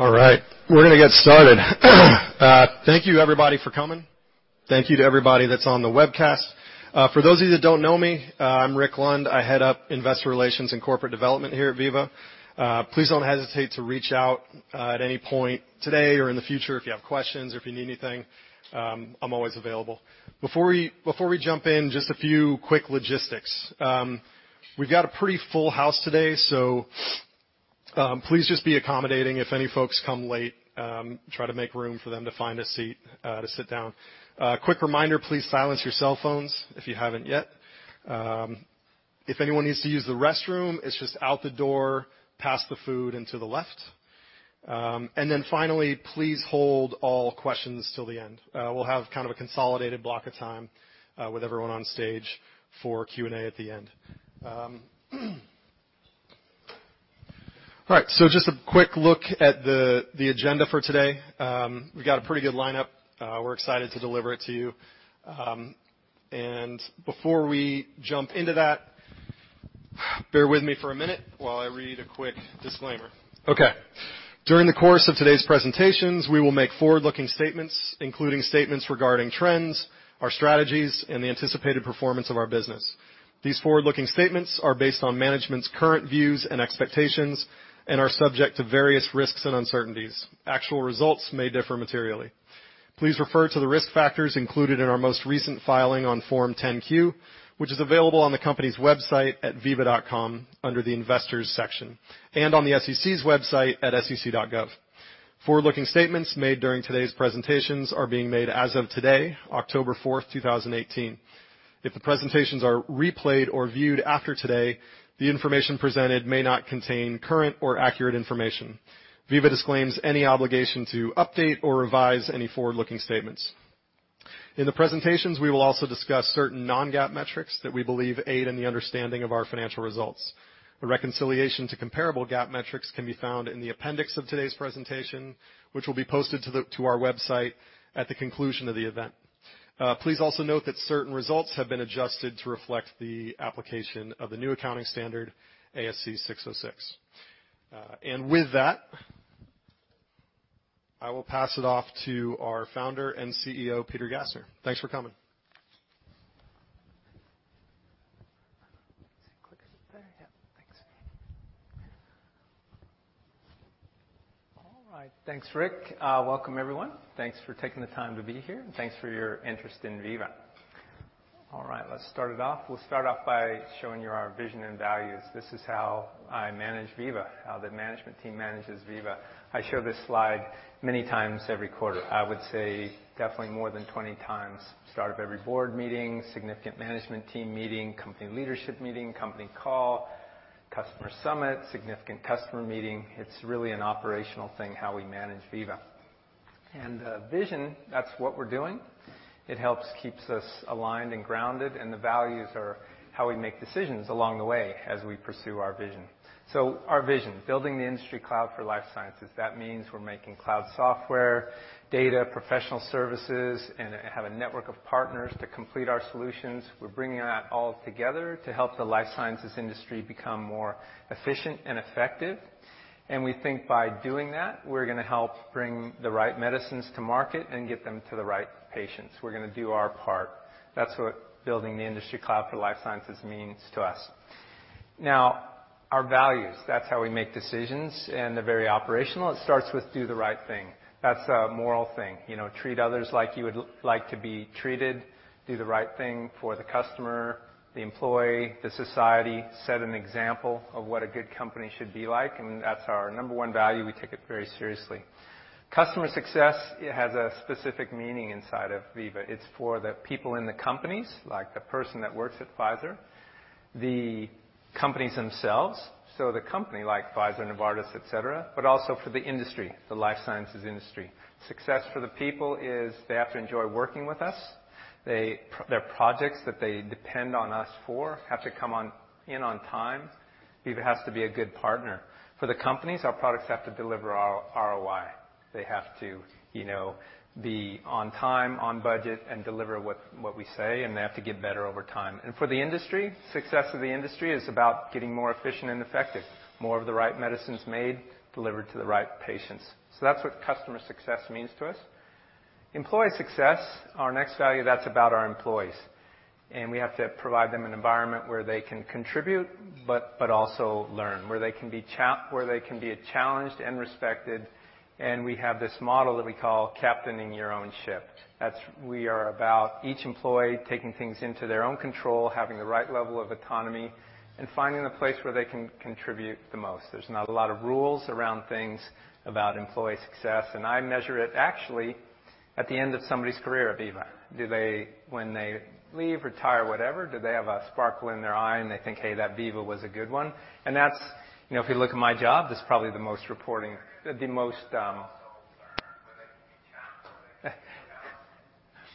All right, we're gonna get started. Thank you everybody for coming. Thank you to everybody that's on the webcast. For those of you that don't know me, I'm Rick Lund. I head up Investor Relations and Corporate Development here at Veeva. Please don't hesitate to reach out at any point today or in the future if you have questions or if you need anything. I'm always available. Before we jump in, just a few quick logistics. We've got a pretty full house today, so please just be accommodating if any folks come late. Try to make room for them to find a seat to sit down. Quick reminder, please silence your cell phones if you haven't yet. If anyone needs to use the restroom, it's just out the door, past the food and to the left. Finally, please hold all questions till the end. We'll have kind of a consolidated block of time with everyone on stage for Q&A at the end. Just a quick look at the agenda for today. We've got a pretty good lineup. We're excited to deliver it to you. Before we jump into that, bear with me for a minute while I read a quick disclaimer. Okay. During the course of today's presentations, we will make forward-looking statements, including statements regarding trends, our strategies, and the anticipated performance of our business. These forward-looking statements are based on management's current views and expectations and are subject to various risks and uncertainties. Actual results may differ materially. Please refer to the risk factors included in our most recent filing on Form 10-Q, which is available on the company's website at veeva.com under the Investors Section, and on the SEC's website at sec.gov. Forward-looking statements made during today's presentations are being made as of today, October 4th, 2018. If the presentations are replayed or viewed after today, the information presented may not contain current or accurate information. Veeva disclaims any obligation to update or revise any forward-looking statements. In the presentations, we will also discuss certain non-GAAP metrics that we believe aid in the understanding of our financial results. A reconciliation to comparable GAAP metrics can be found in the appendix of today's presentation, which will be posted to our website at the conclusion of the event. Please also note that certain results have been adjusted to reflect the application of the new accounting standard, ASC 606. With that, I will pass it off to our Founder and CEO, Peter Gassner. Thanks for coming. Click there. Yeah. Thanks. All right. Thanks, Rick. Welcome everyone. Thanks for taking the time to be here, and thanks for your interest in Veeva. All right, let's start it off. We'll start off by showing you our vision and values. This is how I manage Veeva, how the management team manages Veeva. I show this slide many times every quarter. I would say definitely more than 20 times. Start of every board meeting, significant management team meeting, company leadership meeting, company call, customer summit, significant customer meeting. It's really an operational thing, how we manage Veeva. Vision, that's what we're doing. It helps keeps us aligned and grounded, and the values are how we make decisions along the way as we pursue our vision. Our vision, building the industry cloud for life sciences. That means we're making cloud software, data, professional services, and have a network of partners to complete our solutions. We're bringing that all together to help the life sciences industry become more efficient and effective. We think by doing that, we're gonna help bring the right medicines to market and get them to the right patients. We're gonna do our part. That's what building the industry cloud for life sciences means to us. Our values, that's how we make decisions, and they're very operational. It starts with do the right thing. That's a moral thing. You know, treat others like you would like to be treated. Do the right thing for the customer, the employee, the society. Set an example of what a good company should be like, and that's our number one value. We take it very seriously. Customer success, it has a specific meaning inside of Veeva. It's for the people in the companies, like the person that works at Pfizer, the companies themselves, so the company like Pfizer, Novartis, et cetera, but also for the industry, the life sciences industry. Success for the people is they have to enjoy working with us. Their projects that they depend on us for have to come in on time. Veeva has to be a good partner. For the companies, our products have to deliver ROI. They have to, you know, be on time, on budget, and deliver what we say, and they have to get better over time. For the industry, success of the industry is about getting more efficient and effective. More of the right medicines made, delivered to the right patients. That's what customer success means to us. Employee success, our next value, that's about our employees, and we have to provide them an environment where they can contribute but also learn. Where they can be challenged and respected, and we have this model that we call captaining your own ship. We are about each employee taking things into their own control, having the right level of autonomy, and finding the place where they can contribute the most. There's not a lot of rules around things about employee success, and I measure it actually at the end of somebody's career at Veeva. Do they, when they leave, retire, whatever, do they have a sparkle in their eye and they think, "Hey, that Veeva was a good one"? That's, you know, if you look at my job, that's probably the most. I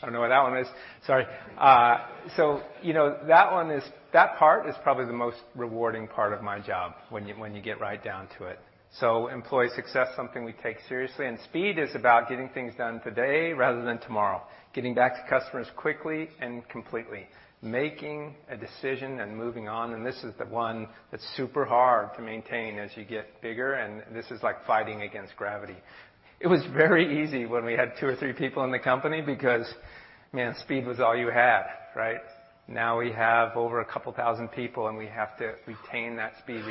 don't know what that one is. Sorry. You know, that part is probably the most rewarding part of my job when you, when you get right down to it. Employee success, something we take seriously. Speed is about getting things done today rather than tomorrow. Getting back to customers quickly and completely. Making a decision and moving on. This is the one that's super hard to maintain as you get bigger. This is like fighting against gravity. It was very easy when we had two or three people in the company because, man, speed was all you had, right? Now we have over a couple thousand of people. We have to retain that speed.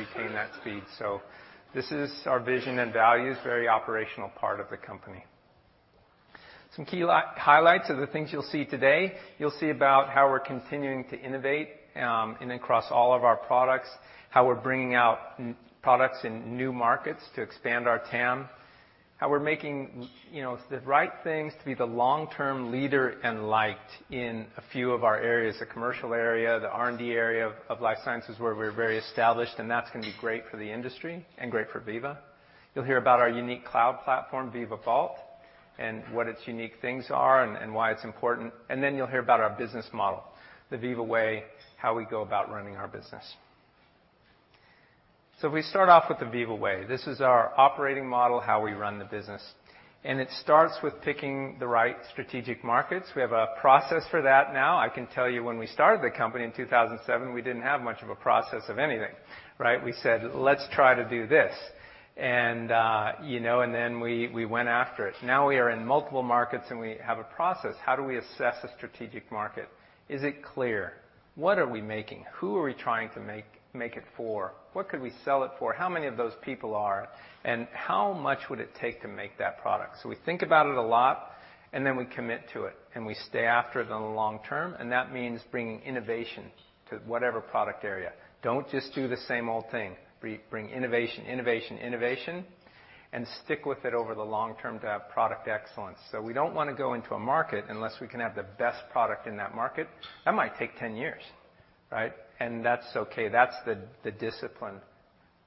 This is our vision and values, very operational part of the company. Some key highlights of the things you'll see today, you'll see about how we're continuing to innovate in across all of our products, how we're bringing out products in new markets to expand our TAM, how we're making, you know, the right things to be the long-term leader and liked in a few of our areas, the commercial area, the R&D area of life sciences, where we're very established, and that's gonna be great for the industry and great for Veeva. You'll hear about our unique cloud platform, Veeva Vault, and what its unique things are and why it's important. Then you'll hear about our business model, the Veeva Way, how we go about running our business. We start off with the Veeva Way. This is our operating model, how we run the business, and it starts with picking the right strategic markets. We have a process for that now. I can tell you when we started the company in 2007, we didn't have much of a process of anything, right? We said, "Let's try to do this." you know, then we went after it. Now we are in multiple markets, and we have a process. How do we assess a strategic market? Is it clear? What are we making? Who are we trying to make it for? What could we sell it for? How many of those people are? How much would it take to make that product? We think about it a lot, then we commit to it, and we stay after it in the long term, and that means bringing innovation to whatever product area. Don't just do the same old thing. Bring innovation, and stick with it over the long term to have product excellence. We don't wanna go into a market unless we can have the best product in that market. That might take 10 years, right? That's okay. That's the discipline.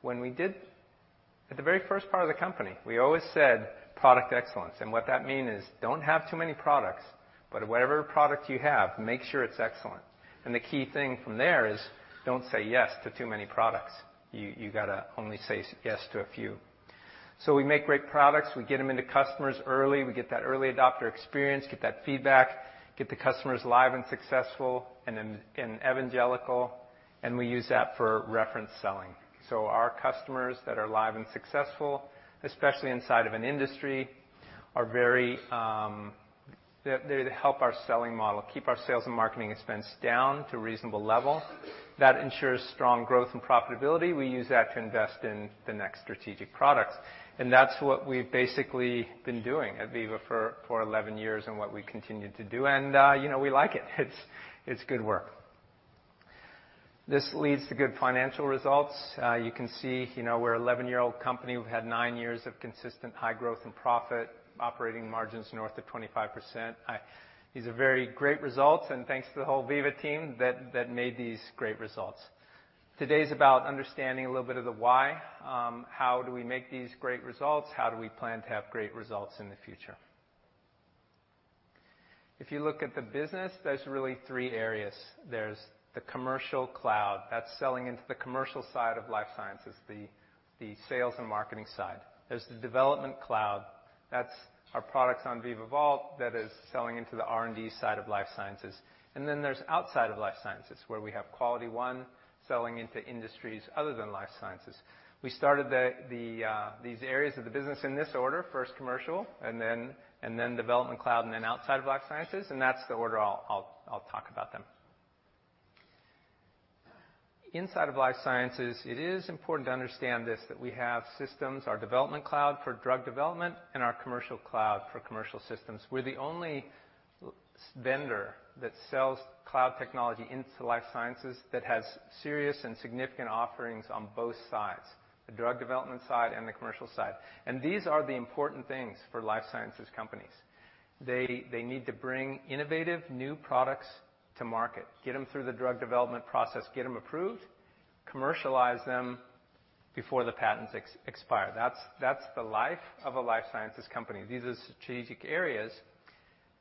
At the very 1st part of the company, we always said product excellence, and what that mean is don't have too many products, but whatever product you have, make sure it's excellent. The key thing from there is don't say yes to too many products. You gotta only say yes to a few. We make great products. We get them into customers early. We get that early adopter experience, get that feedback, get the customers live and successful and then evangelical, and we use that for reference selling. Our customers that are live and successful, especially inside of an industry, are very, they help our selling model, keep our sales and marketing expense down to a reasonable level. That ensures strong growth and profitability. We use that to invest in the next strategic products, and that's what we've basically been doing at Veeva for 11 years and what we continue to do. You know, we like it. It's good work. This leads to good financial results. You can see, you know, we're an 11-year-old company. We've had nine years of consistent high growth and profit, operating margins north of 25%. These are very great results, and thanks to the whole Veeva team that made these great results. Today's about understanding a little bit of the why. How do we make these great results? How do we plan to have great results in the future? If you look at the business, there's really three areas. There's the Commercial Cloud. That's selling into the commercial side of life sciences, the sales and marketing side. There's the Development Cloud. That's our products on Veeva Vault that is selling into the R&D side of life sciences. Then there's outside of life sciences, where we have QualityOne selling into industries other than life sciences. We started these areas of the business in this order: first Commercial, and then Development Cloud, and then outside of life sciences, and that's the order I'll talk about them. Inside of life sciences, it is important to understand this, that we have systems, our Development Cloud for drug development and our Commercial Cloud for commercial systems. We're the only vendor that sells cloud technology into life sciences that has serious and significant offerings on both sides, the drug development side and the commercial side. These are the important things for life sciences companies. They need to bring innovative new products to market, get them through the drug development process, get them approved, commercialize them before the patents expire. That's the life of a life sciences company. These are strategic areas.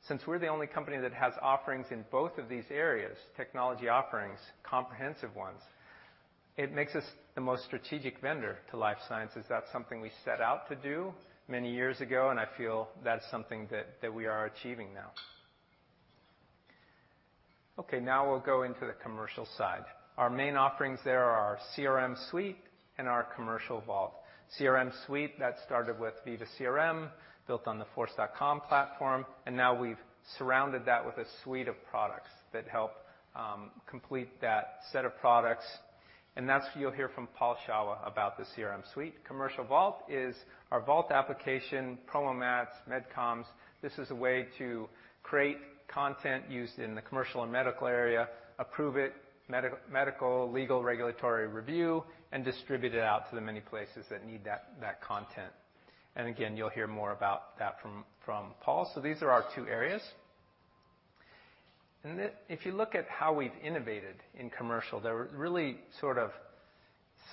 Since we're the only company that has offerings in both of these areas, technology offerings, comprehensive ones, it makes us the most strategic vendor to life sciences. That's something we set out to do many years ago, and I feel that's something that we are achieving now. Okay, now we'll go into the commercial side. Our main offerings there are our CRM Suite and our Commercial Vault. CRM Suite, that started with Veeva CRM, built on the Force.com platform. Now we've surrounded that with a suite of products that help complete that set of products. That's what you'll hear from Paul Shawah about the CRM Suite. Commercial Vault is our Vault application, PromoMats, MedComms. This is a way to create content used in the commercial and medical area, approve it, medical, legal, regulatory review, and distribute it out to the many places that need that content. Again, you'll hear more about that from Paul. These are our two areas. If you look at how we've innovated in commercial, there are really sort of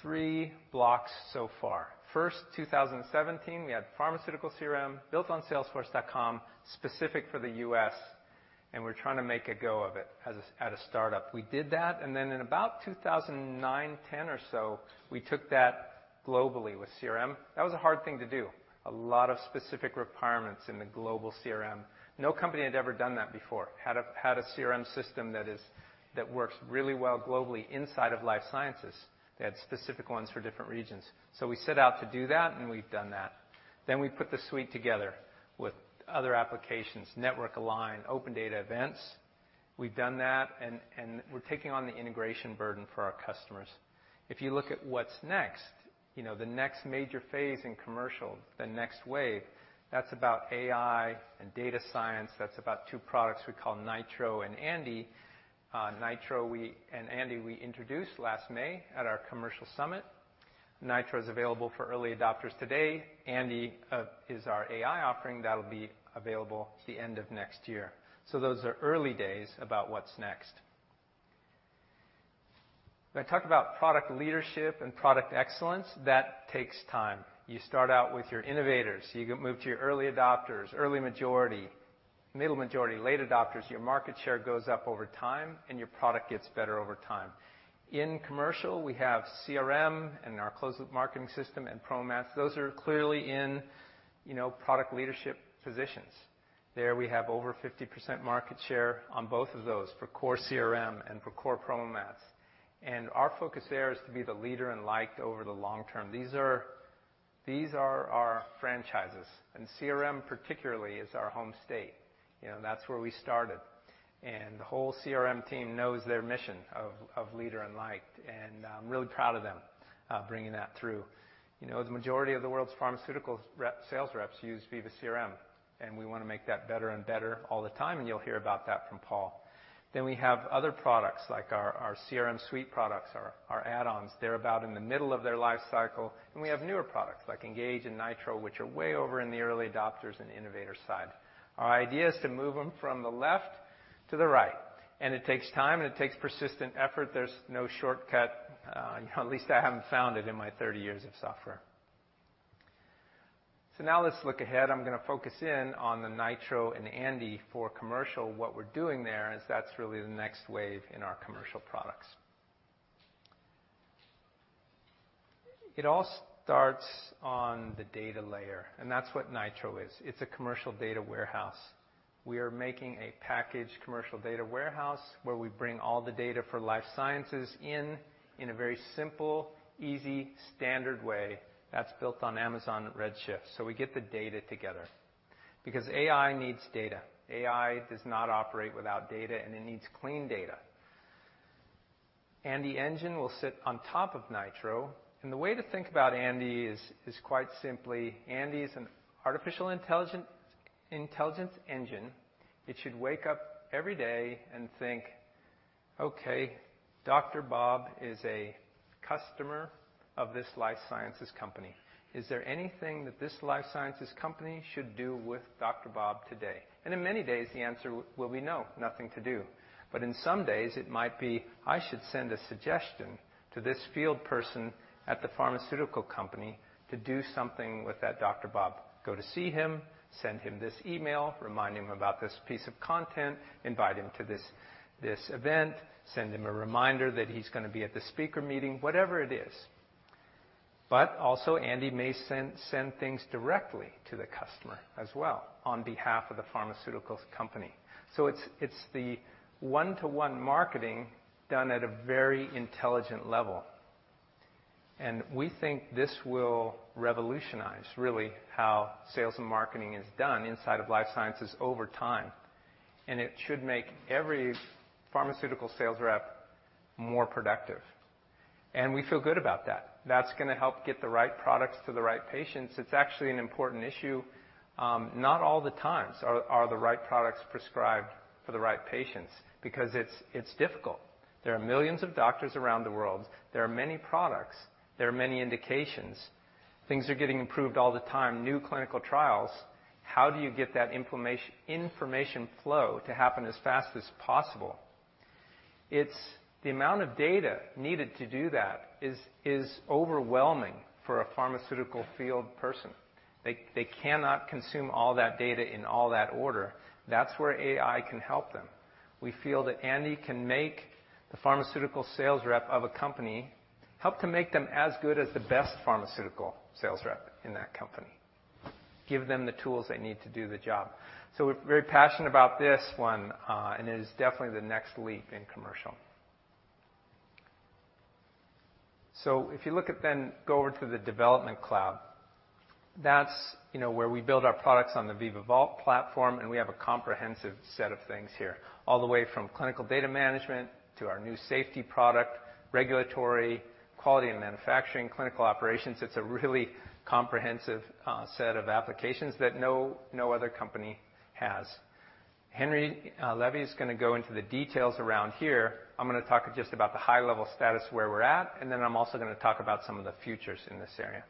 three blocks so far. 2017, we had pharmaceutical CRM built on salesforce.com specific for the U.S., and we're trying to make a go of it at a startup. We did that, in about 2009, 2010 or so, we took that globally with CRM. That was a hard thing to do. A lot of specific requirements in the global CRM. No company had ever done that before, had a CRM system that works really well globally inside of life sciences, that specific ones for different regions. We set out to do that, and we've done that. We put the suite together with other applications, Network, Align, OpenData, Events. We've done that, and we're taking on the integration burden for our customers. If you look at what's next, you know, the next major phase in commercial, the next wave, that's about AI and data science. That's about two products we call Nitro and Veeva Andi. Veeva Nitro and Veeva Andi we introduced last May at our Commercial Summit. Nitro is available for early adopters today. Andi is our AI offering that'll be available at the end of next year. Those are early days about what's next. When I talk about product leadership and product excellence, that takes time. You start out with your innovators. You move to your early adopters, early majority, middle majority, late adopters. Your market share goes up over time and your product gets better over time. In commercial, we have CRM and our Closed Loop Marketing system and PromoMats. Those are clearly in, you know, product leadership positions. There we have over 50% market share on both of those, for core CRM and for core PromoMats. Our focus there is to be the leader and liked over the long term. These are our franchises, and CRM particularly is our home state. You know, that's where we started. The whole CRM team knows their mission of leader and liked, and I'm really proud of them bringing that through. You know, the majority of the world's pharmaceutical sales reps use Veeva CRM, and we wanna make that better and better all the time, and you'll hear about that from Paul. We have other products like our CRM Suite products, our add-ons. They're about in the middle of their life cycle. We have newer products like Engage and Nitro, which are way over in the early adopters and innovators side. Our idea is to move them from the left to the right, and it takes time and it takes persistent effort. There's no shortcut. At least I haven't found it in my 30 years of software. Now let's look ahead. I'm gonna focus in on the Nitro and Andi for commercial. What we're doing there is that's really the next wave in our commercial products. It all starts on the data layer, and that's what Nitro is. It's a commercial data warehouse. We are making a packaged commercial data warehouse where we bring all the data for life sciences in a very simple, easy, standard way that's built on Amazon Redshift. We get the data together. Because AI needs data. AI does not operate without data, and it needs clean data. Andi engine will sit on top of Nitro, and the way to think about Andi is quite simply, Andi is an artificial intelligence engine. It should wake up every day and think, "Okay, Dr. Bob is a customer of this life sciences company. Is there anything that this life sciences company should do with Dr. Bob today?" In many days the answer will be no, nothing to do. In some days it might be, I should send a suggestion to this field person at the pharmaceutical company to do something with that Dr. Bob. Go to see him, send him this email, remind him about this piece of content, invite him to this event, send him a reminder that he's gonna be at the speaker meeting, whatever it is. Also Andi may send things directly to the customer as well on behalf of the pharmaceuticals company. It's the one-to-one marketing done at a very intelligent level. We think this will revolutionize really how sales and marketing is done inside of life sciences over time. It should make every pharmaceutical sales rep more productive. We feel good about that. That's gonna help get the right products to the right patients. It's actually an important issue. Not all the times are the right products prescribed for the right patients because it's difficult. There are millions of doctors around the world. There are many products. There are many indications. Things are getting improved all the time, new clinical trials. How do you get that information flow to happen as fast as possible? The amount of data needed to do that is overwhelming for a pharmaceutical field person. They cannot consume all that data in all that order. That's where AI can help them. We feel that Andi can make the pharmaceutical sales rep of a company, help to make them as good as the best pharmaceutical sales rep in that company, give them the tools they need to do the job. We're very passionate about this one, and it is definitely the next leap in commercial. If you look at then go over to the Development Cloud, that's, you know, where we build our products on the Veeva Vault platform, and we have a comprehensive set of things here, all the way from Clinical Data Management to our new safety product, regulatory, quality and manufacturing, clinical operations. It's a really comprehensive set of applications that no other company has. Henry Levy is gonna go into the details around here. I'm gonna talk just about the high-level status where we're at, and then I'm also gonna talk about some of the futures in this area.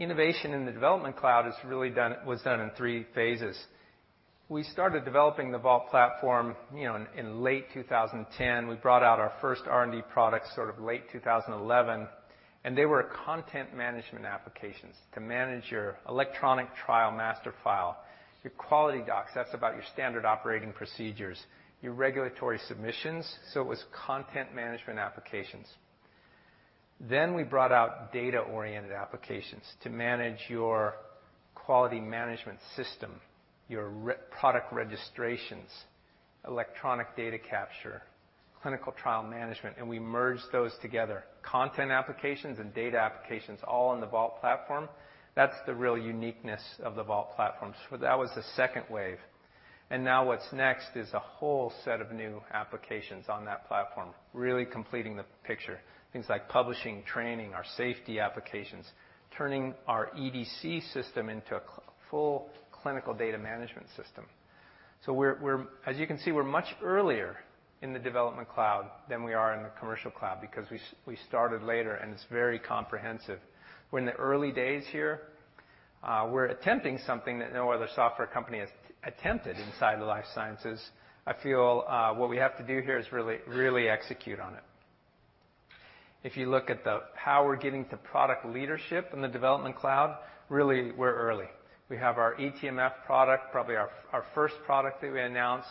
Innovation in the Development Cloud was done in three phases. We started developing the Vault platform, you know, in late 2010. We brought out our first R&D products sort of late 2011. They were content management applications to manage your electronic trial master file, your quality docs, that's about your standard operating procedures, your regulatory submissions. We brought out data-oriented applications to manage your quality management system, your product registrations, electronic data capture, clinical trial management, and we merge those together. Content applications and data applications all on the Vault platform. That's the real uniqueness of the Vault platform. That was the second wave. Now what's next is a whole set of new applications on that platform, really completing the picture. Things like Publishing, Training, our Safety applications, turning our EDC system into a full Clinical Data Management System. We're as you can see, we're much earlier in the Development Cloud than we are in the Commercial Cloud because we started later and it's very comprehensive. We're in the early days here. We're attempting something that no other software company has attempted inside the life sciences. I feel, what we have to do here is really execute on it. If you look at how we're getting to product leadership in the Development Cloud, really we're early. We have our eTMF product, probably our first product that we announced.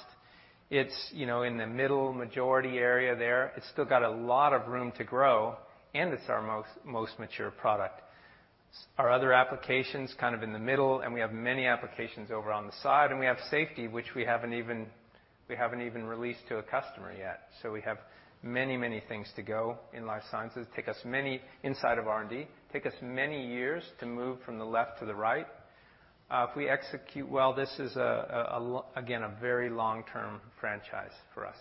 It's, you know, in the middle majority area there. It's still got a lot of room to grow, and it's our most mature product. Our other applications kind of in the middle, and we have many applications over on the side, and we have Safety, which we haven't even released to a customer yet. We have many things to go in life sciences. Inside of R&D, take us many years to move from the left to the right. If we execute well, this is again, a very long-term franchise for us.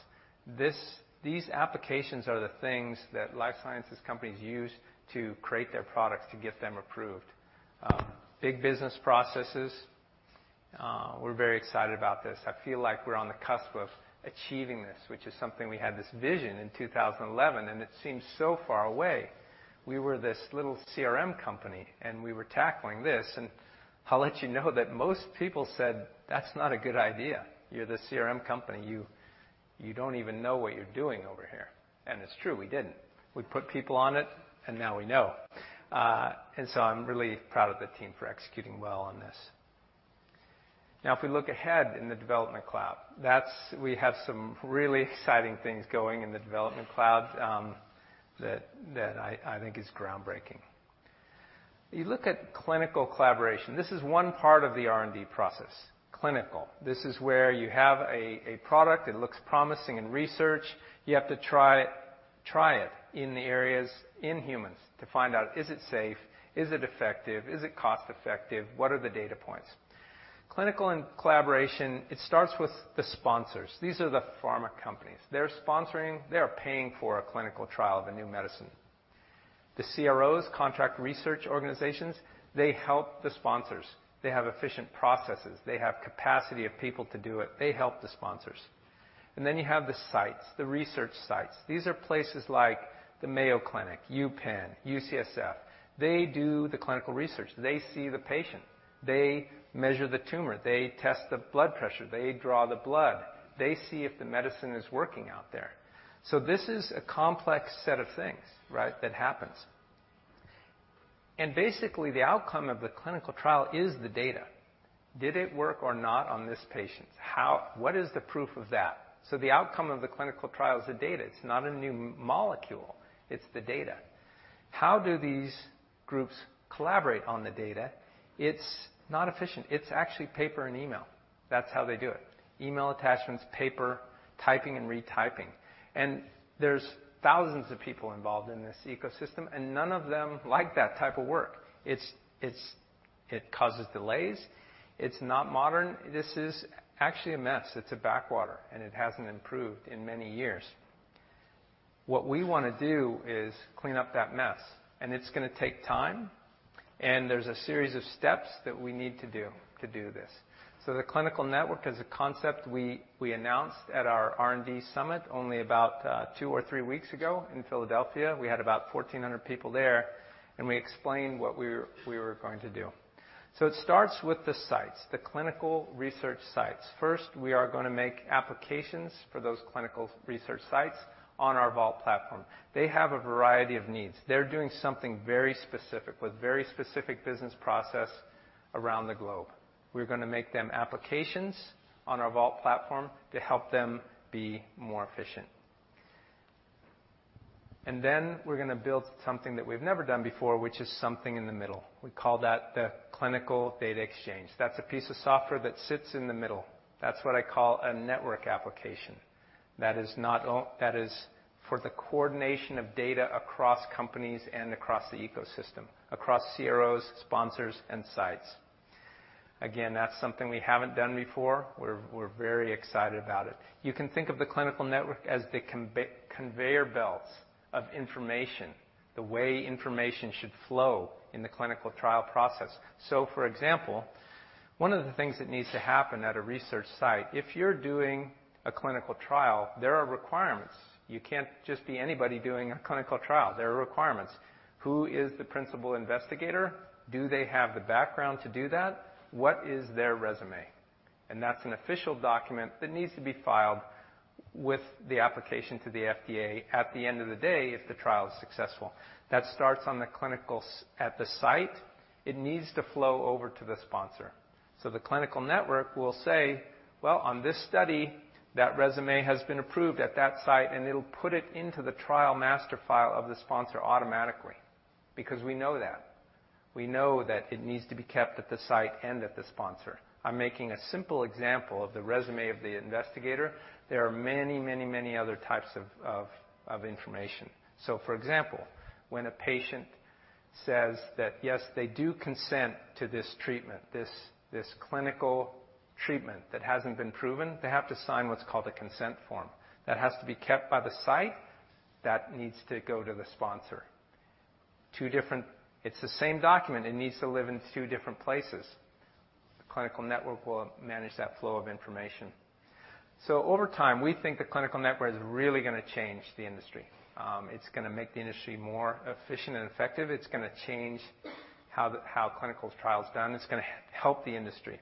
These applications are the things that life sciences companies use to create their products to get them approved. Big business processes. We're very excited about this. I feel like we're on the cusp of achieving this, which is something we had this vision in 2011, and it seems so far away. We were this little CRM company, and we were tackling this. I'll let you know that most people said, "That's not a good idea. You're the CRM company. You don't even know what you're doing over here." It's true, we didn't. We put people on it, and now we know. I'm really proud of the team for executing well on this. Now, if we look ahead in the Development Cloud, we have some really exciting things going in the Development Cloud, that I think is groundbreaking. You look at clinical collaboration. This is one part of the R&D process, clinical. This is where you have a product that looks promising in research. You have to try it in the areas in humans to find out is it safe? Is it effective? Is it cost-effective? What are the data points? Clinical and collaboration, it starts with the sponsors. These are the pharma companies. They're sponsoring, they are paying for a clinical trial of a new medicine. The CROs, Contract Research Organizations, they help the sponsors. They have efficient processes. They have capacity of people to do it. They help the sponsors. Then you have the sites, the research sites. These are places like the Mayo Clinic, UPenn, UCSF. They do the clinical research. They see the patient. They measure the tumor. They test the blood pressure. They draw the blood. They see if the medicine is working out there. This is a complex set of things, right, that happens. Basically, the outcome of the clinical trial is the data. Did it work or not on this patient? What is the proof of that? The outcome of the clinical trial is the data. It's not a new molecule, it's the data. How do these groups collaborate on the data? It's not efficient. It's actually paper and email. That's how they do it. Email attachments, paper, typing and retyping. There's thousands of people involved in this ecosystem, and none of them like that type of work. It causes delays. It's not modern. This is actually a mess. It's a backwater, and it hasn't improved in many years. What we wanna do is clean up that mess, and it's gonna take time, and there's a series of steps that we need to do to do this. The clinical network is a concept we announced at our R&D Summit only about two or three weeks ago in Philadelphia. We had about 1,400 people there, and we explained what we were going to do. It starts with the sites, the clinical research sites. First, we are gonna make applications for those clinical research sites on our Vault platform. They have a variety of needs. They're doing something very specific with very specific business process around the globe. We're gonna make them applications on our Vault platform to help them be more efficient. Then we're gonna build something that we've never done before, which is something in the middle. We call that the Clinical Data Exchange. That's a piece of software that sits in the middle. That's what I call a network application. That is not that is for the coordination of data across companies and across the ecosystem, across CROs, sponsors, and sites. Again that is something we haven't done before we're very excited about it. You can think of the clinical network as the conveyor belts of information, the way information should flow in the clinical trial process. For example, one of the things that needs to happen at a research site, if you're doing a clinical trial, there are requirements. You can't just be anybody doing a clinical trial. There are requirements. Who is the principal investigator? Do they have the background to do that? What is their resume? That's an official document that needs to be filed with the application to the FDA at the end of the day if the trial is successful. That starts on the clinical at the site. It needs to flow over to the sponsor. The Clinical Network will say, "Well, on this study, that resume has been approved at that site," and it'll put it into the trial master file of the sponsor automatically because we know that. We know that it needs to be kept at the site and at the sponsor. I'm making a simple example of the resume of the investigator. There are many other types of information. For example, when a patient says that, yes, they do consent to this treatment, this clinical treatment that hasn't been proven, they have to sign what's called a consent form. That has to be kept by the site. That needs to go to the sponsor. It's the same document, it needs to live in two different places. The Clinical Network will manage that flow of information. Over time, we think the Clinical Network is really going to change the industry. It's going to make the industry more efficient and effective. It's going to change how clinical trial is done. It's going to help the industry.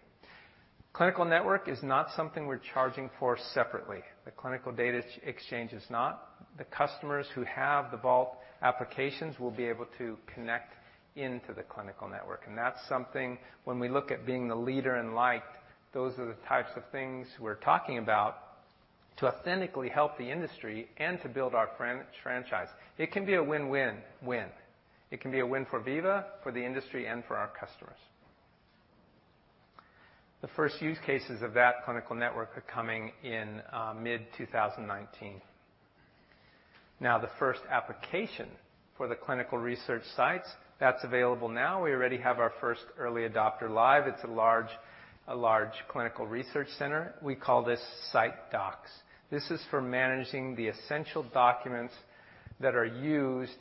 Clinical Network is not something we're charging for separately. The Clinical Data Exchange is not. The customers who have the Vault applications will be able to connect into the Clinical Network. That's something when we look at being the leader and liked, those are the types of things we're talking about to authentically help the industry and to build our franchise. It can be a win-win-win. It can be a win for Veeva, for the industry, and for our customers. The first use cases of that Clinical Network are coming in mid-2019. Now, the first application for the clinical research sites, that's available now. We already have our first early adopter live. It's a large clinical research center. We call this SiteDocs. This is for managing the essential documents that are used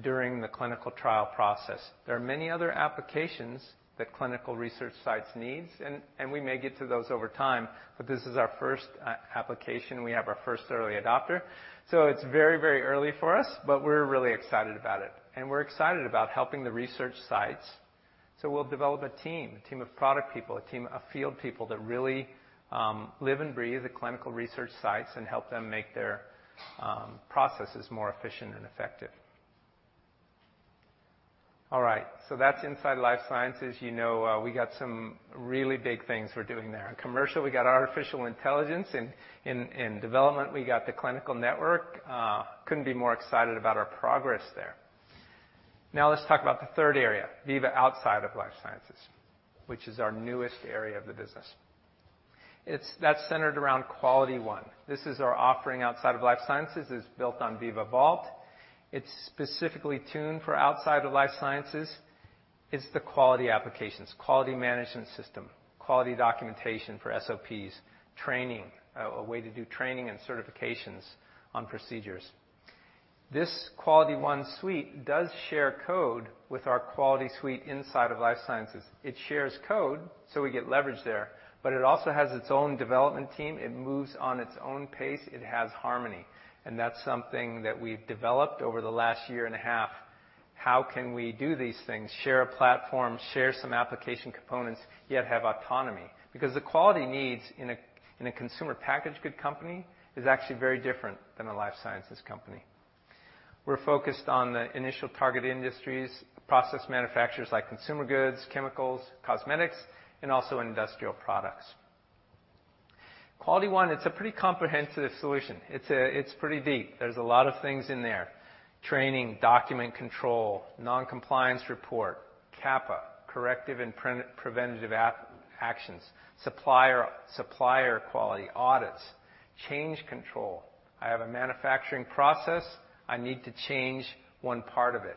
during the clinical trial process. There are many other applications that clinical research sites needs, and we may get to those over time, but this is our first application. We have our first early adopter. It's very early for us, but we're really excited about it. We're excited about helping the research sites. We'll develop a team of product people, a team of field people that really live and breathe the clinical research sites and help them make their processes more efficient and effective. All right, that's inside life sciences. You know, we got some really big things we're doing there. In commercial, we got artificial intelligence. In development, we got the Clinical Network. Couldn't be more excited about our progress there. Let's talk about the third area, Veeva outside of life sciences, which is our newest area of the business. That's centered around QualityOne. This is our offering outside of life sciences. It's built on Veeva Vault. It's specifically tuned for outside of life sciences. It's the quality applications, quality management system, quality documentation for SOPs, training, a way to do training and certifications on procedures. This QualityOne suite does share code with our quality suite inside of life sciences. It shares code, so we get leverage there, but it also has its own development team. It moves on its own pace. It has harmony. That's something that we've developed over the last year and a half. How can we do these things, share a platform, share some application components, yet have autonomy? The quality needs in a consumer packaged good company is actually very different than a life sciences company. We're focused on the initial target industries, process manufacturers like consumer goods, chemicals, cosmetics, and also industrial products. QualityOne, it's a pretty comprehensive solution. It's pretty deep. There's a lot of things in there training, document control, non-compliance report, CAPA, corrective and preventative actions, supplier quality audits, change control. I have a manufacturing process, I need to change one part of it.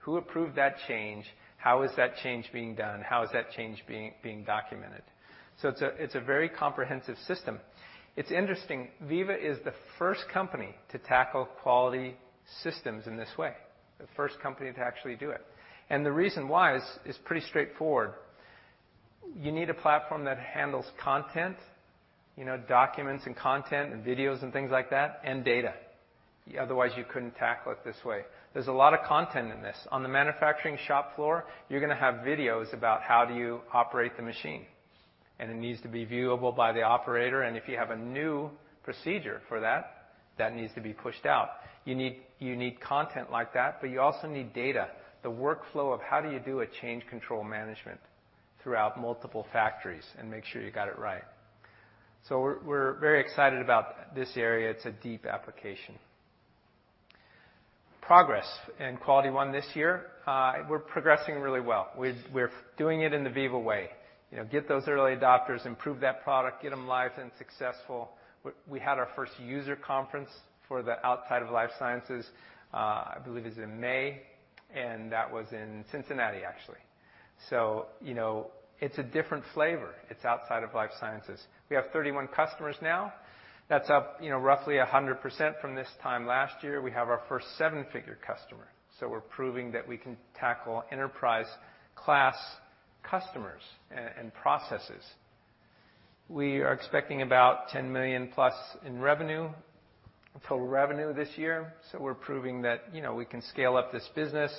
Who approved that change? How is that change being done? How is that change being documented? It's a very comprehensive system. It's interesting. Veeva is the first company to tackle quality systems in this way, the first company to actually do it. The reason why is pretty straightforward. You need a platform that handles content, you know, documents and content and videos and things like that, and data. Otherwise, you couldn't tackle it this way. There's a lot of content in this. On the manufacturing shop floor, you're gonna have videos about how do you operate the machine. It needs to be viewable by the operator, and if you have a new procedure for that needs to be pushed out. You need content like that, but you also need data. The workflow of how do you do a change control management throughout multiple factories and make sure you got it right. We're very excited about this area. It's a deep application. Progress in QualityOne this year. We're progressing really well. We're doing it in the Veeva Way. You know, get those early adopters, improve that product, get them live and successful. We had our first user conference for the outside of life sciences, I believe it was in May, and that was in Cincinnati, actually. You know, it's a different flavor. It's outside of life sciences. We have 31 customers now. That's up, you know, roughly 100% from this time last year. We have our first seven-figure customer, we're proving that we can tackle enterprise-class customers and processes. We are expecting about $10 million+ in revenue, total revenue this year, we're proving that, you know, we can scale up this business.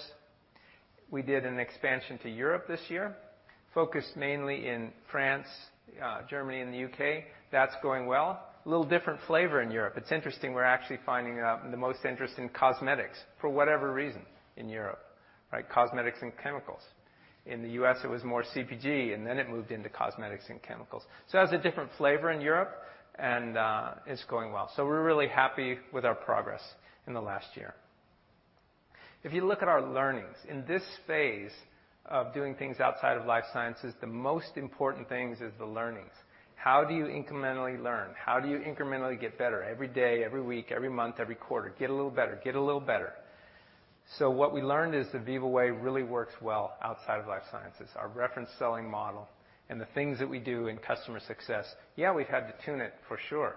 We did an expansion to Europe this year, focused mainly in France, Germany, and the U.K. That's going well. A little different flavor in Europe. It's interesting, we're actually finding out the most interest in cosmetics for whatever reason in Europe, right? Cosmetics and chemicals. In the U.S., it was more CPG, and then it moved into cosmetics and chemicals. It has a different flavor in Europe, and it's going well. We're really happy with our progress in the last year. If you look at our learnings, in this phase of doing things outside of life sciences, the most important things is the learnings. How do you incrementally learn? How do you incrementally get better every day, every week, every month, every quarter? Get a little better, get a little better. What we learned is the Veeva Way really works well outside of life sciences. Our reference selling model and the things that we do in customer success, yeah, we've had to tune it, for sure,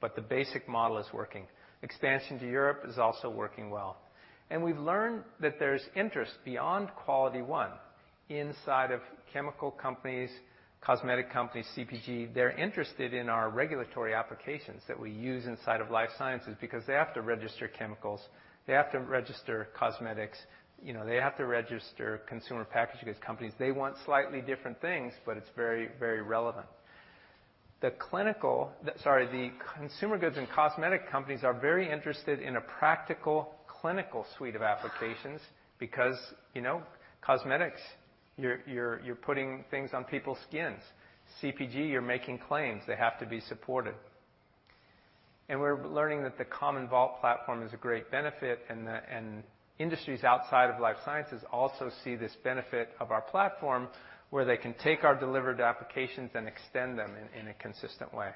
but the basic model is working. Expansion to Europe is also working well. We've learned that there's interest beyond QualityOne inside of chemical companies, cosmetic companies, CPG. They're interested in our regulatory applications that we use inside of life sciences because they have to register chemicals, they have to register cosmetics, you know, they have to register consumer packaged goods companies. They want slightly different things, it's very relevant. The consumer goods and cosmetic companies are very interested in a practical Clinical Suite of applications because, you know, cosmetics, you're putting things on people's skins. CPG, you're making claims. They have to be supported. We're learning that the common Vault platform is a great benefit, and industries outside of life sciences also see this benefit of our platform, where they can take our delivered applications and extend them in a consistent way.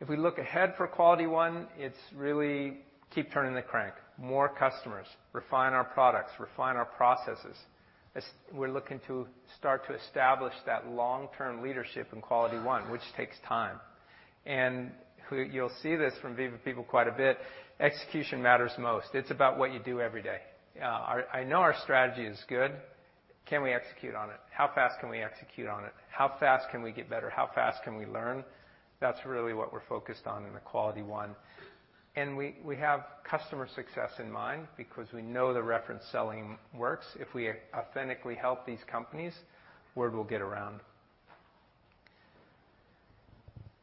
If we look ahead for QualityOne, it's really keep turning the crank. More customers, refine our products, refine our processes. As we're looking to start to establish that long-term leadership in QualityOne, which takes time. You'll see this from Veeva people quite a bit, execution matters most. It's about what you do every day. I know our strategy is good. Can we execute on it? How fast can we execute on it? How fast can we get better? How fast can we learn? That's really what we're focused on in the QualityOne. We have customer success in mind because we know the reference selling works. If we authentically help these companies, word will get around.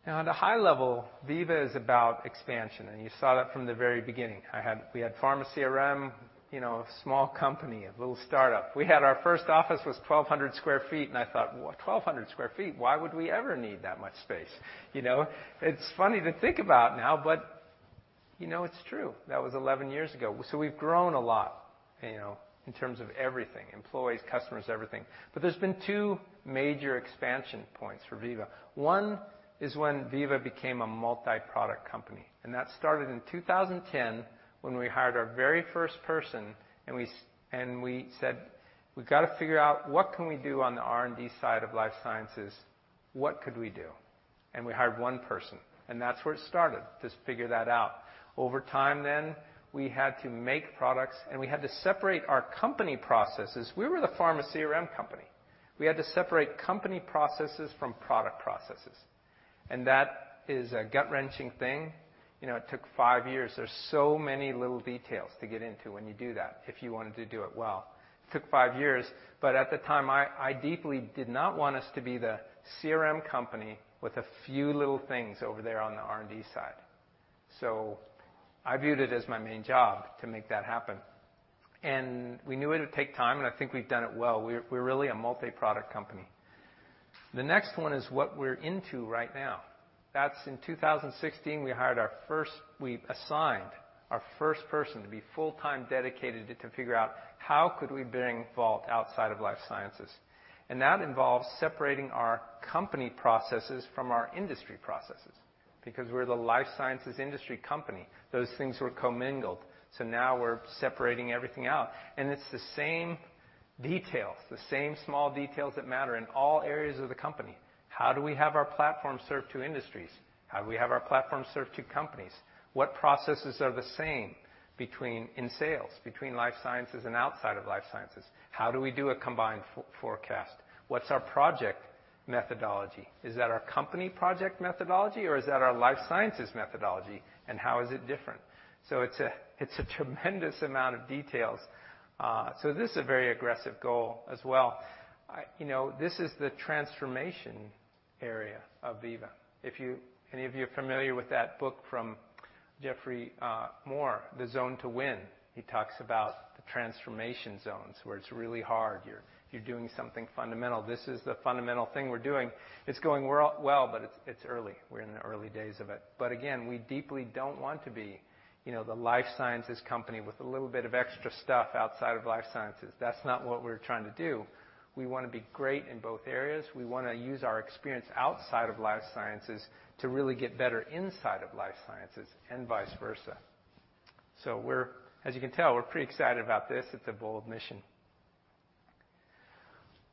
Now, at a high level, Veeva is about expansion, and you saw that from the very beginning. We had pharma CRM, you know, a small company, a little startup. We had our first office was 1,200 sq ft. I thought, "What. 1,200 sq ft? Why would we ever need that much space?" You know, it's funny to think about now, you know, it's true. That was 11 years ago. We've grown a lot, you know, in terms of everything, employees, customers, everything. There's been two major expansion points for Veeva. One is when Veeva became a multi-product company. That started in 2010 when we hired our very first person. We said, "We've got to figure out what can we do on the R&D side of life sciences. What could we do?" We hired one person. That's where it started, just figure that out. Over time, we had to make products, and we had to separate our company processes. We were the pharma CRM company. We had to separate company processes from product processes, and that is a gut-wrenching thing. You know, it took five years. There's so many little details to get into when you do that, if you wanted to do it well. It took five years, at the time, I deeply did not want us to be the CRM company with a few little things over there on the R&D side. I viewed it as my main job to make that happen. We knew it would take time, and I think we've done it well. We're really a multi-product company. The next one is what we're into right now. That's in 2016, we assigned our first person to be full-time dedicated to figure out how could we bring Vault outside of life sciences. That involves separating our company processes from our industry processes because we're the life sciences industry company. Those things were commingled. Now we're separating everything out, and it's the same details, the same small details that matter in all areas of the company. How do we have our platform serve two industries? How do we have our platform serve two companies? What processes are the same in sales, between life sciences and outside of life sciences? How do we do a combined forecast? What's our project methodology? Is that our company project methodology, or is that our life sciences methodology, and how is it different? It's a tremendous amount of details. This is a very aggressive goal as well. You know, this is the transformation area of Veeva. If any of you are familiar with that book from Geoffrey Moore, Zone to Win, he talks about the transformation zones, where it's really hard. You're doing something fundamental. This is the fundamental thing we're doing. It's going well, but it's early. We're in the early days of it. Again, we deeply don't want to be, you know, the life sciences company with a little bit of extra stuff outside of life sciences. That's not what we're trying to do. We want to be great in both areas. We want to use our experience outside of life sciences to really get better inside of life sciences and vice versa. As you can tell, we're pretty excited about this. It's a bold mission.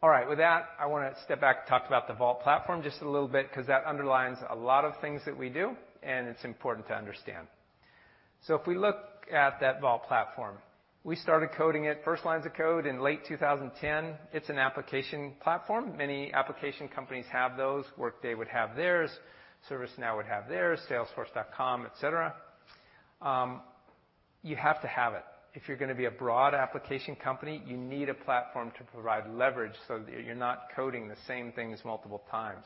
All right. With that, I want to step back and talk about the Vault platform just a little bit because that underlines a lot of things that we do, and it's important to understand. If we look at that Vault platform, we started coding it, first lines of code in late 2010. It's an application platform. Many application companies have those. Workday would have theirs. ServiceNow would have theirs. Salesforce.com, et cetera. You have to have it. If you're gonna be a broad application company, you need a platform to provide leverage so that you're not coding the same things multiple times.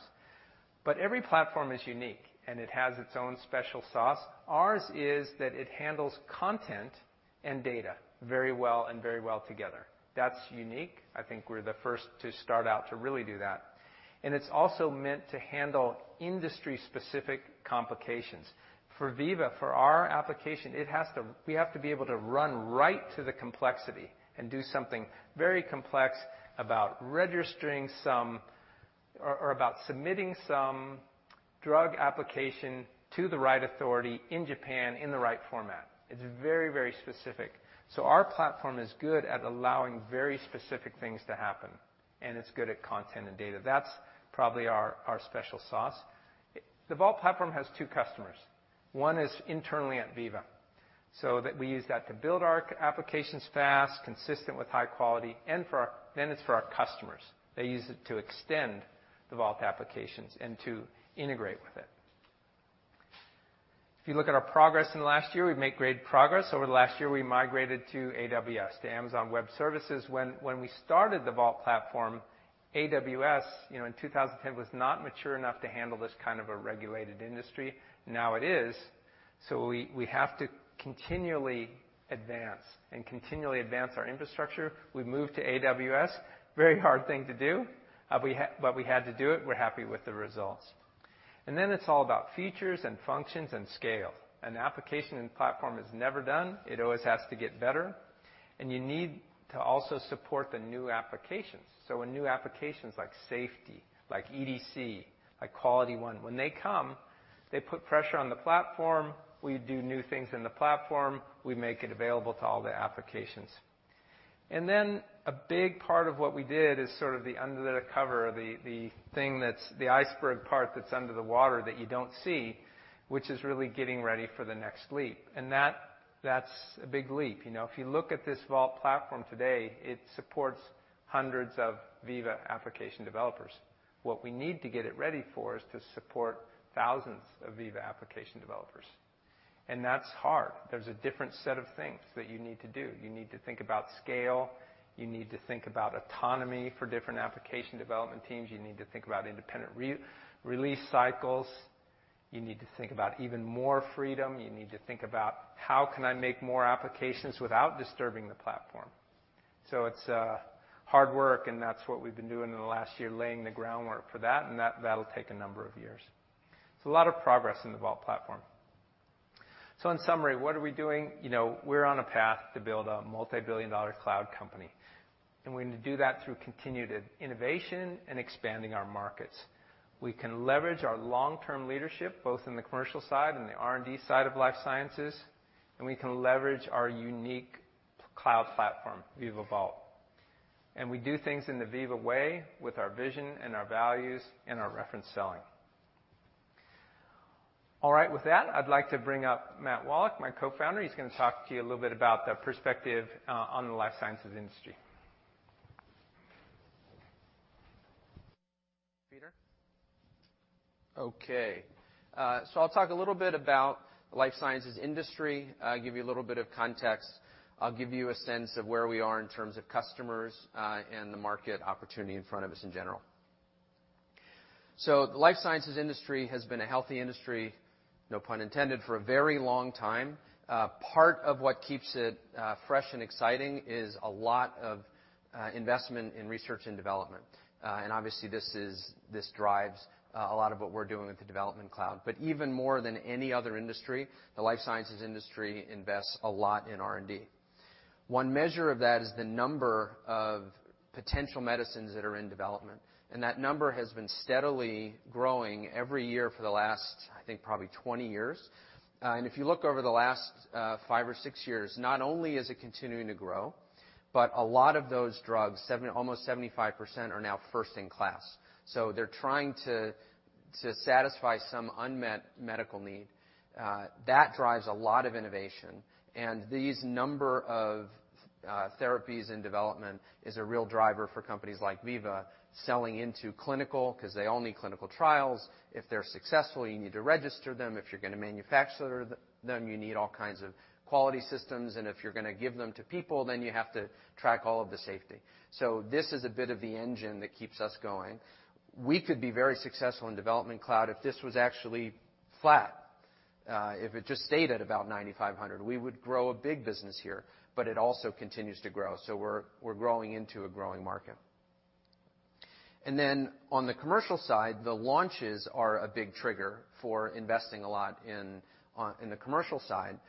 Every platform is unique, and it has its own special sauce. Ours is that it handles content and data very well and very well together. That's unique. I think we're the first to start out to really do that. It's also meant to handle industry-specific complications. For Veeva, for our application, we have to be able to run right to the complexity and do something very complex about registering some or about submitting some drug application to the right authority in Japan in the right format. It's very specific. Our platform is good at allowing very specific things to happen, and it's good at content and data. That's probably our special sauce. The Vault Platform has two customers. One is internally at Veeva, we use that to build our applications fast, consistent with high quality, and then it's for our customers. They use it to extend the Vault applications and to integrate with it. If you look at our progress in the last year, we've made great progress. Over the last year, we migrated to AWS, to Amazon Web Services. When we started the Vault Platform, AWS, you know, in 2010 was not mature enough to handle this kind of a regulated industry. Now it is. We have to continually advance our infrastructure. We've moved to AWS. Very hard thing to do. We had to do it. We're happy with the results. It's all about features and functions and scale. An application and platform is never done. It always has to get better. You need to also support the new applications. When new applications like Veeva Vault Safety, like Veeva EDC, like QualityOne, when they come, they put pressure on the platform. We do new things in the platform. We make it available to all the applications. A big part of what we did is sort of the under the cover, the thing that's the iceberg part that's under the water that you don't see, which is really getting ready for the next leap. That's a big leap. You know, if you look at this Vault platform today, it supports hundreds of Veeva application developers. What we need to get it ready for is to support thousands of Veeva application developers, and that's hard. There's a different set of things that you need to do. You need to think about scale. You need to think about autonomy for different application development teams. You need to think about independent re-release cycles. You need to think about even more freedom. You need to think about how can I make more applications without disturbing the platform. It's hard work, and that's what we've been doing in the last year, laying the groundwork for that, and that'll take a number of years. It's a lot of progress in the Vault platform. In summary, what are we doing? You know, we're on a path to build a multi-billion dollar cloud company, and we're going to do that through continued innovation and expanding our markets. We can leverage our long-term leadership, both in the commercial side and the R&D side of life sciences, and we can leverage our unique cloud platform, Veeva Vault. We do things in the Veeva Way with our vision and our values and our reference selling. All right. With that, I'd like to bring up Matt Wallach, my Co-Founder. He's gonna talk to you a little bit about the perspective on the life sciences industry. Okay. I'll talk a little bit about life sciences industry, give you a little bit of context. I'll give you a sense of where we are in terms of customers, and the market opportunity in front of us in general. The life sciences industry has been a healthy industry, no pun intended, for a very long time. Part of what keeps it fresh and exciting is a lot of investment in research and development. Obviously, this drives a lot of what we're doing with the Development Cloud. Even more than any other industry, the life sciences industry invests a lot in R&D. One measure of that is the number of potential medicines that are in development, and that number has been steadily growing every year for the last, I think, probably 20 years. If you look over the last five or six years, not only is it continuing to grow, but a lot of those drugs, almost 75%, are now first in class. They're trying to satisfy some unmet medical need. That drives a lot of innovation. These number of therapies in development is a real driver for companies like Veeva selling into clinical, because they all need clinical trials. If they're successful, you need to register them. If you're going to manufacture them, you need all kinds of quality systems. If you're going to give them to people, you have to track all of the safety. This is a bit of the engine that keeps us going. We could be very successful in Development Cloud if this was actually flat. If it just stayed at about 9,500, we would grow a big business here. It also continues to grow, so we're growing into a growing market. On the commercial side, the launches are a big trigger for investing a lot in the commercial side.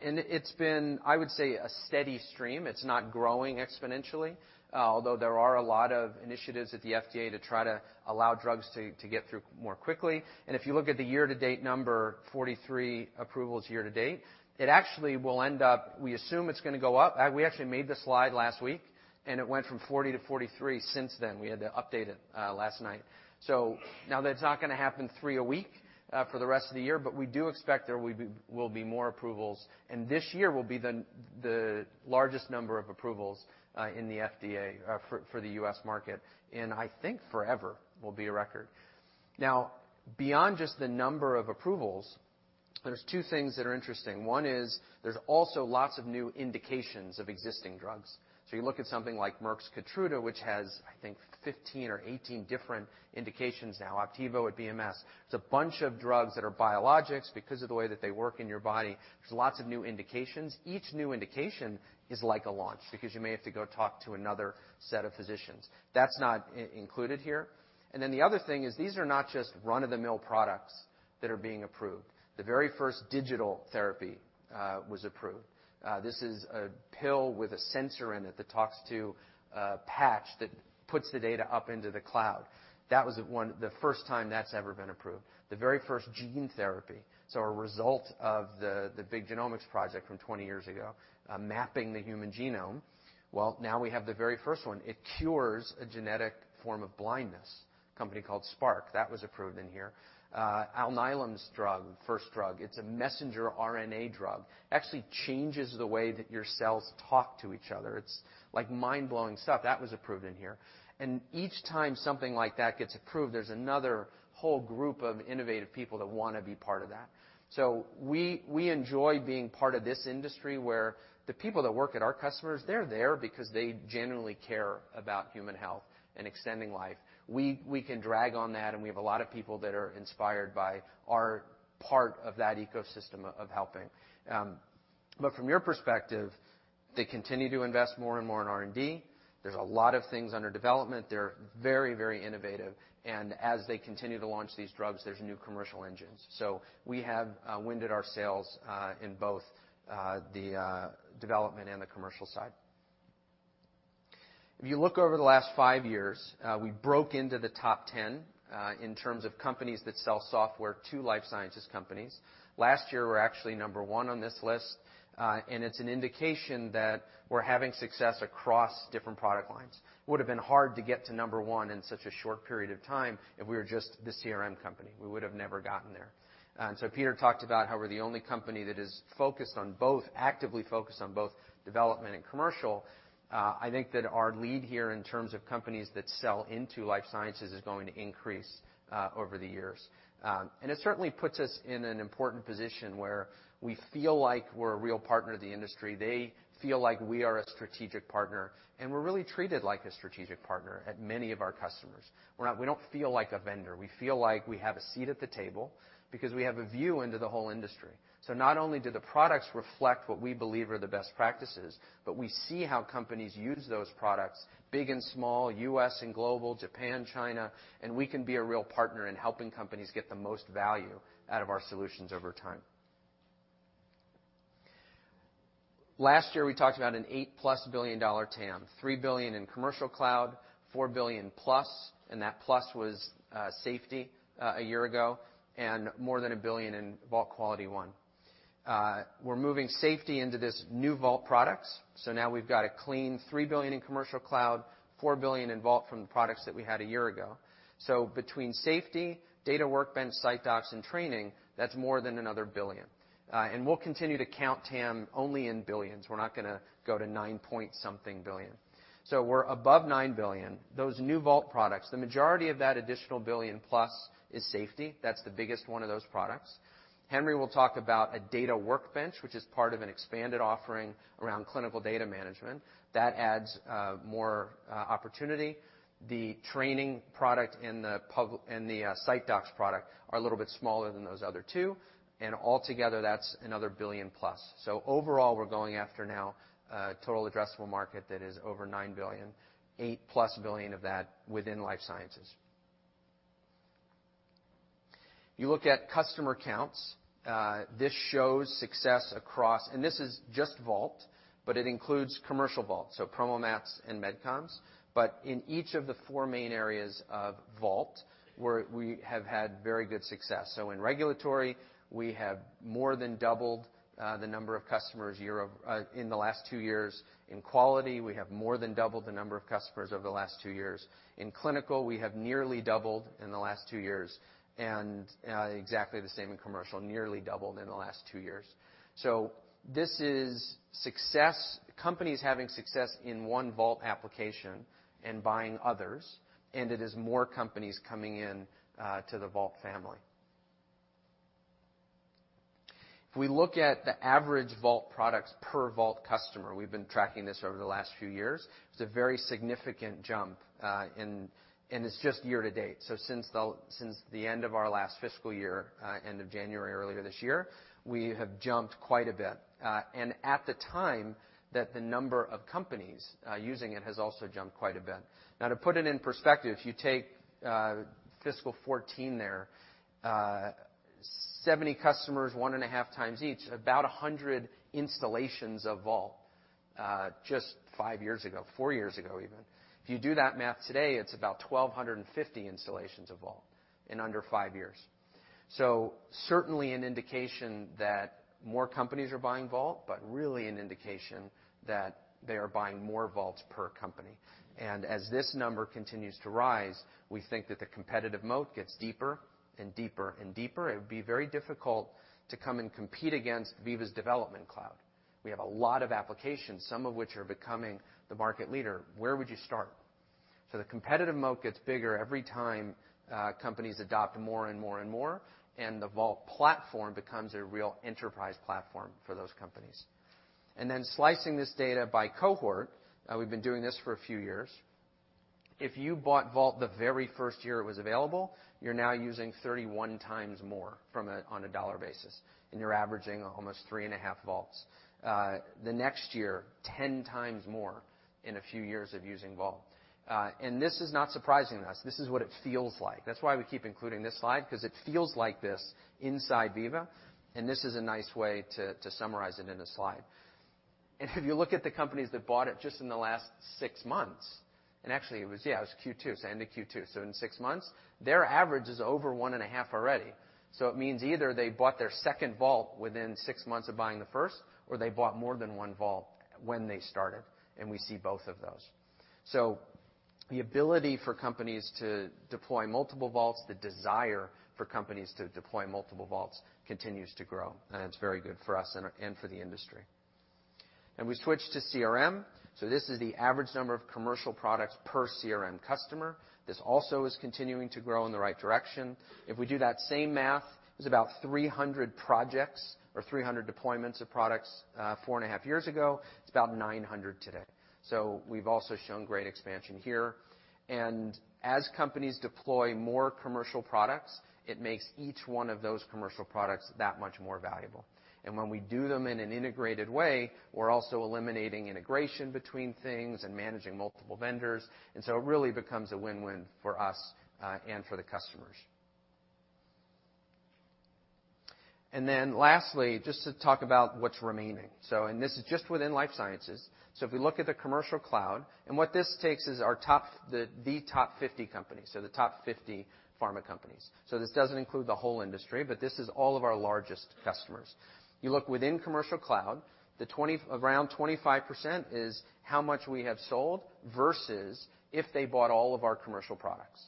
It's been, I would say, a steady stream. It's not growing exponentially, although there are a lot of initiatives at the FDA to try to allow drugs to get through more quickly. If you look at the year-to-date number, 43 approvals year to date, it actually will end up. We assume it's gonna go up. We actually made this slide last week, and it went from 40 to 43 since then. We had to update it last night. Now that's not going to happen three a week for the rest of the year, but we do expect there will be more approvals, and this year will be the largest number of approvals in the FDA for the U.S. market, and I think forever will be a record. Now, beyond just the number of approvals. There's two things that are interesting. One is there's also lots of new indications of existing drugs. You look at something like Merck's KEYTRUDA, which has, I think, 15 or 18 different indications now, OPDIVO at BMS. There's a bunch of drugs that are biologics because of the way that they work in your body. There's lots of new indications. Each new indication is like a launch because you may have to go talk to another set of physicians. That's not included here. The other thing is these are not just run-of-the-mill products that are being approved. The very first digital therapy was approved. This is a pill with a sensor in it that talks to a patch that puts the data up into the cloud. That was the first time that's ever been approved. The very first gene therapy, so a result of the big genomics project from 20 years ago, mapping the human genome. Well, now we have the very first one. It cures a genetic form of blindness, a company called Spark. That was approved in here. Alnylam's drug, first drug, it's a messenger RNA drug, actually changes the way that your cells talk to each other. It's like mind-blowing stuff. That was approved in here. Each time something like that gets approved, there's another whole group of innovative people that wanna be part of that. We enjoy being part of this industry where the people that work at our customers, they're there because they genuinely care about human health and extending life. We can drag on that, and we have a lot of people that are inspired by our part of that ecosystem of helping. From your perspective, they continue to invest more and more in R&D. There's a lot of things under development. They're very innovative. As they continue to launch these drugs, there's new commercial engines. We have wind at our sails in both the development and the commercial side. If you look over the last five years, we broke into the top 10 in terms of companies that sell software to life sciences companies. Last year, we're actually number one on this list. It's an indication that we're having success across different product lines. Would have been hard to get to number one in such a short period of time if we were just the CRM company. We would have never gotten there. Peter talked about how we're the only company that is actively focused on both development and commercial. I think that our lead here in terms of companies that sell into life sciences is going to increase over the years. It certainly puts us in an important position where we feel like we're a real partner to the industry. They feel like we are a strategic partner, and we're really treated like a strategic partner at many of our customers. We don't feel like a vendor. We feel like we have a seat at the table because we have a view into the whole industry. Not only do the products reflect what we believe are the best practices, but we see how companies use those products, big and small, U.S. and global, Japan, China, and we can be a real partner in helping companies get the most value out of our solutions over time. Last year, we talked about an $8+ billion TAM, $3 billion in Commercial Cloud, $4 billion+, and that plus was safety a year ago, and more than $1 billion in Vault QualityOne. We're moving Safety into this new Vault products, now we've got a clean $3 billion in Commercial Cloud, $4 billion in Vault from the products that we had a year ago. Between Safety, Data Workbench, SiteDocs, and Training, that's more than another $1 billion. We'll continue to count TAM only in billions. We're not gonna go to $9-point-something billion. We're above $9 billion. Those new Vault products, the majority of that additional $1 billion plus is Safety. That's the biggest one of those products. Henry will talk about a Data Workbench, which is part of an expanded offering around Clinical Data Management. That adds more opportunity. The training product and the SiteDocs product are a little bit smaller than those other two, altogether, that's another $1 billion+. Overall, we're going after now a total addressable market that is over $9 billion, $8+ billion of that within life sciences. You look at customer counts, this is just Vault, but it includes Commercial Vault, so PromoMats and MedComms. In each of the four main areas of Vault, we have had very good success. In regulatory, we have more than doubled the number of customers in the last two years. In quality, we have more than doubled the number of customers over the last two years. In clinical, we have nearly doubled in the last two years, exactly the same in commercial, nearly doubled in the last two years. This is success, companies having success in one Vault application and buying others, and it is more companies coming in to the Vault family. If we look at the average Vault products per Vault customer, we've been tracking this over the last few years. It's a very significant jump, and it's just year to date. Since the end of our last fiscal year, end of January earlier this year, we have jumped quite a bit. At the time that the number of companies using it has also jumped quite a bit. To put it in perspective, if you take fiscal 2014 there, 70 customers 1.5x each, about 100 installations of Vault, just five years ago, four years ago even. If you do that math today, it's about 1,250 installations of Vault in under five years. Certainly an indication that more companies are buying Vault, but really an indication that they are buying more Vaults per company. As this number continues to rise, we think that the competitive moat gets deeper and deeper and deeper. It would be very difficult to come and compete against Veeva's Development Cloud. We have a lot of applications, some of which are becoming the market leader. Where would you start? The competitive moat gets bigger every time companies adopt more and more and more, and the Vault platform becomes a real enterprise platform for those companies. Slicing this data by cohort, we've been doing this for a few years. If you bought Vault the very first year it was available, you're now using 31x more on a dollar basis. You're averaging almost three and a half Vaults. The next year, 10x more in a few years of using Vault. This is not surprising to us. This is what it feels like. That's why we keep including this slide, 'cause it feels like this inside Veeva. This is a nice way to summarize it in a slide. If you look at the companies that bought it just in the last six months, actually it was Q2, so end of Q2. In six months, their average is over one and a half already. It means either they bought their second Vault within six months of buying the first, or they bought more than one Vault when they started, and we see both of those. The ability for companies to deploy multiple Vaults, the desire for companies to deploy multiple Vaults continues to grow, and it's very good for us and for the industry. We switch to CRM. This is the average number of commercial products per CRM customer. This also is continuing to grow in the right direction. If we do that same math, it's about 300 projects or 300 deployments of products, 4.5 years ago. It's about 900 today. We've also shown great expansion here. As companies deploy more commercial products, it makes each one of those commercial products that much more valuable. When we do them in an integrated way, we're also eliminating integration between things and managing multiple vendors. It really becomes a win-win for us and for the customers. Lastly, just to talk about what's remaining. This is just within life sciences. If we look at the Commercial Cloud, what this takes is the top 50 companies, the top 50 pharma companies. This doesn't include the whole industry, but this is all of our largest customers. You look within Commercial Cloud, around 25% is how much we have sold versus if they bought all of our commercial products.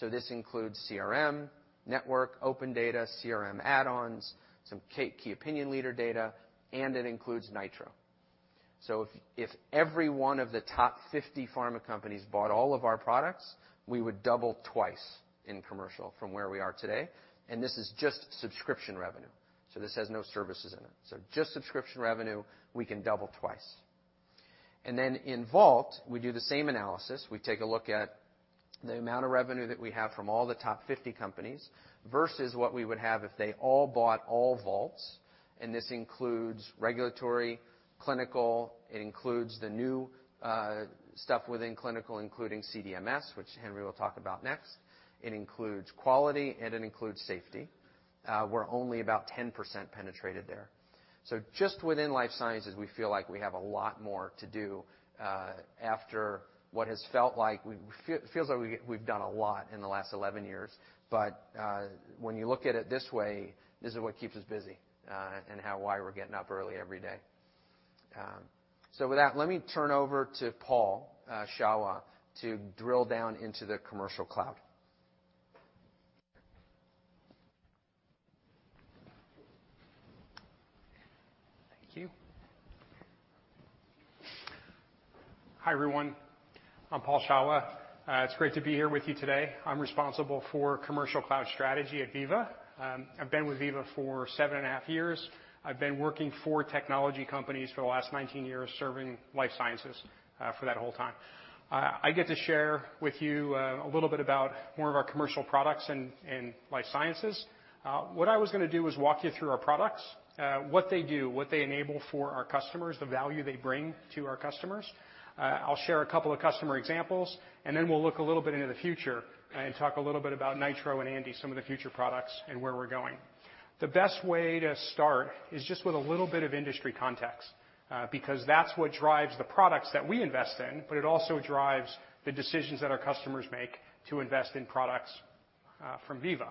This includes CRM, Network, OpenData, CRM add-ons, some key opinion leader data, and it includes Nitro. If every one of the top 50 pharma companies bought all of our products, we would double twice in Commercial from where we are today. This is just subscription revenue, this has no services in it. Just subscription revenue, we can double twice. In Vault, we do the same analysis. We take a look at the amount of revenue that we have from all the top 50 companies versus what we would have if they all bought all Vaults. This includes regulatory, clinical. It includes the new stuff within clinical, including CDMS, which Henry will talk about next. It includes quality, and it includes safety. We're only about 10% penetrated there. Just within life sciences, we feel like we have a lot more to do, after what has felt like it feels like we've done a lot in the last 11 years. When you look at it this way, this is what keeps us busy, and why we're getting up early every day. With that, let me turn over to Paul Shawah to drill down into the Commercial Cloud. Thank you. Hi, everyone. I'm Paul Shawah. It's great to be here with you today. I'm responsible for Commercial Cloud Strategy at Veeva. I've been with Veeva for 7.5 years. I've been working for technology companies for the last 19 years, serving life sciences for that whole time. I get to share with you a little bit about more of our commercial products in life sciences. What I was gonna do is walk you through our products, what they do, what they enable for our customers, the value they bring to our customers. I'll share a couple of customer examples, and then we'll look a little bit into the future and talk a little bit about Nitro and Andi, some of the future products and where we're going. The best way to start is just with a little bit of industry context, because that's what drives the products that we invest in, but it also drives the decisions that our customers make to invest in products from Veeva.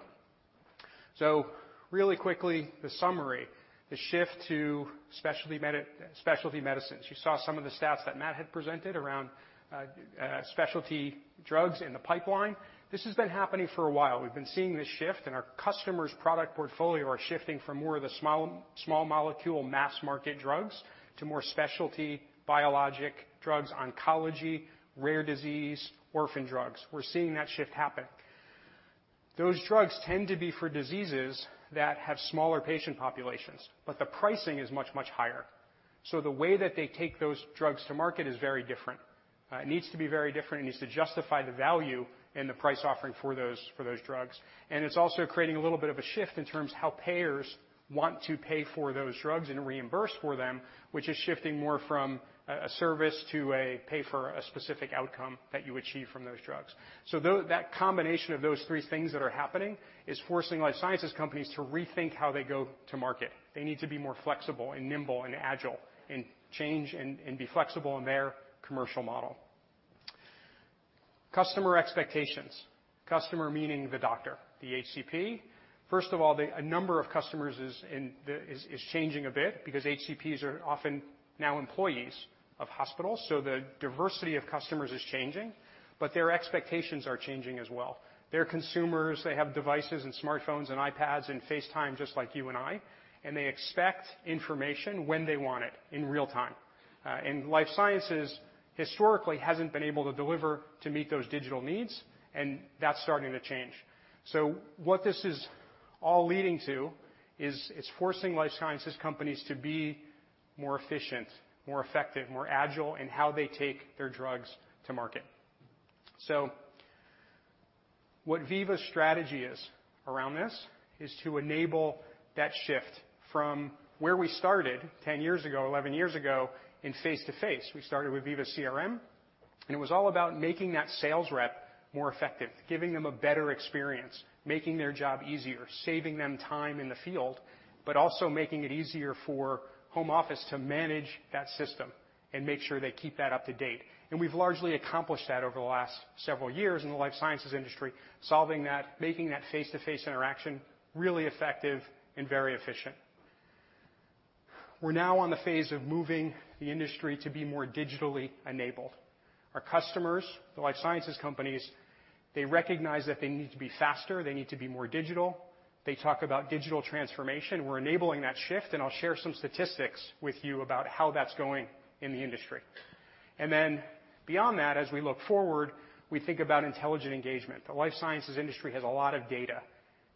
Really quickly, the summary, the shift to specialty medicines. You saw some of the stats that Matt had presented around specialty drugs in the pipeline. This has been happening for a while. We've been seeing this shift, and our customers' product portfolio are shifting from more of the small molecule mass-market drugs to more specialty biologic drugs, oncology, rare disease, orphan drugs. We're seeing that shift happen. Those drugs tend to be for diseases that have smaller patient populations, but the pricing is much, much higher. The way that they take those drugs to market is very different. It needs to be very different. It needs to justify the value and the price offering for those, for those drugs. It's also creating a little bit of a shift in terms of how payers want to pay for those drugs and reimburse for them, which is shifting more from a service to a pay for a specific outcome that you achieve from those drugs. That combination of those three things that are happening is forcing life sciences companies to rethink how they go to market. They need to be more flexible and nimble and agile and change and be flexible in their commercial model. Customer expectations, customer meaning the doctor, the HCP. First of all, the number of customers is changing a bit because HCPs are often now employees of hospitals, so the diversity of customers is changing, but their expectations are changing as well. They're consumers. They have devices and smartphones and iPads and FaceTime just like you and I, and they expect information when they want it in real time. Life sciences historically hasn't been able to deliver to meet those digital needs, and that's starting to change. What this is all leading to is it's forcing life sciences companies to be more efficient, more effective, more agile in how they take their drugs to market. What Veeva's strategy is around this is to enable that shift from where we started 10 years ago, 11 years ago, in face-to-face. We started with Veeva CRM, it was all about making that sales rep more effective, giving them a better experience, making their job easier, saving them time in the field, but also making it easier for home office to manage that system and make sure they keep that up to date. We've largely accomplished that over the last several years in the life sciences industry, solving that, making that face-to-face interaction really effective and very efficient. We're now on the phase of moving the industry to be more digitally enabled. Our customers, the life sciences companies, they recognize that they need to be faster, they need to be more digital. They talk about digital transformation. We're enabling that shift, and I'll share some statistics with you about how that's going in the industry. Beyond that, as we look forward, we think about intelligent engagement. The life sciences industry has a lot of data.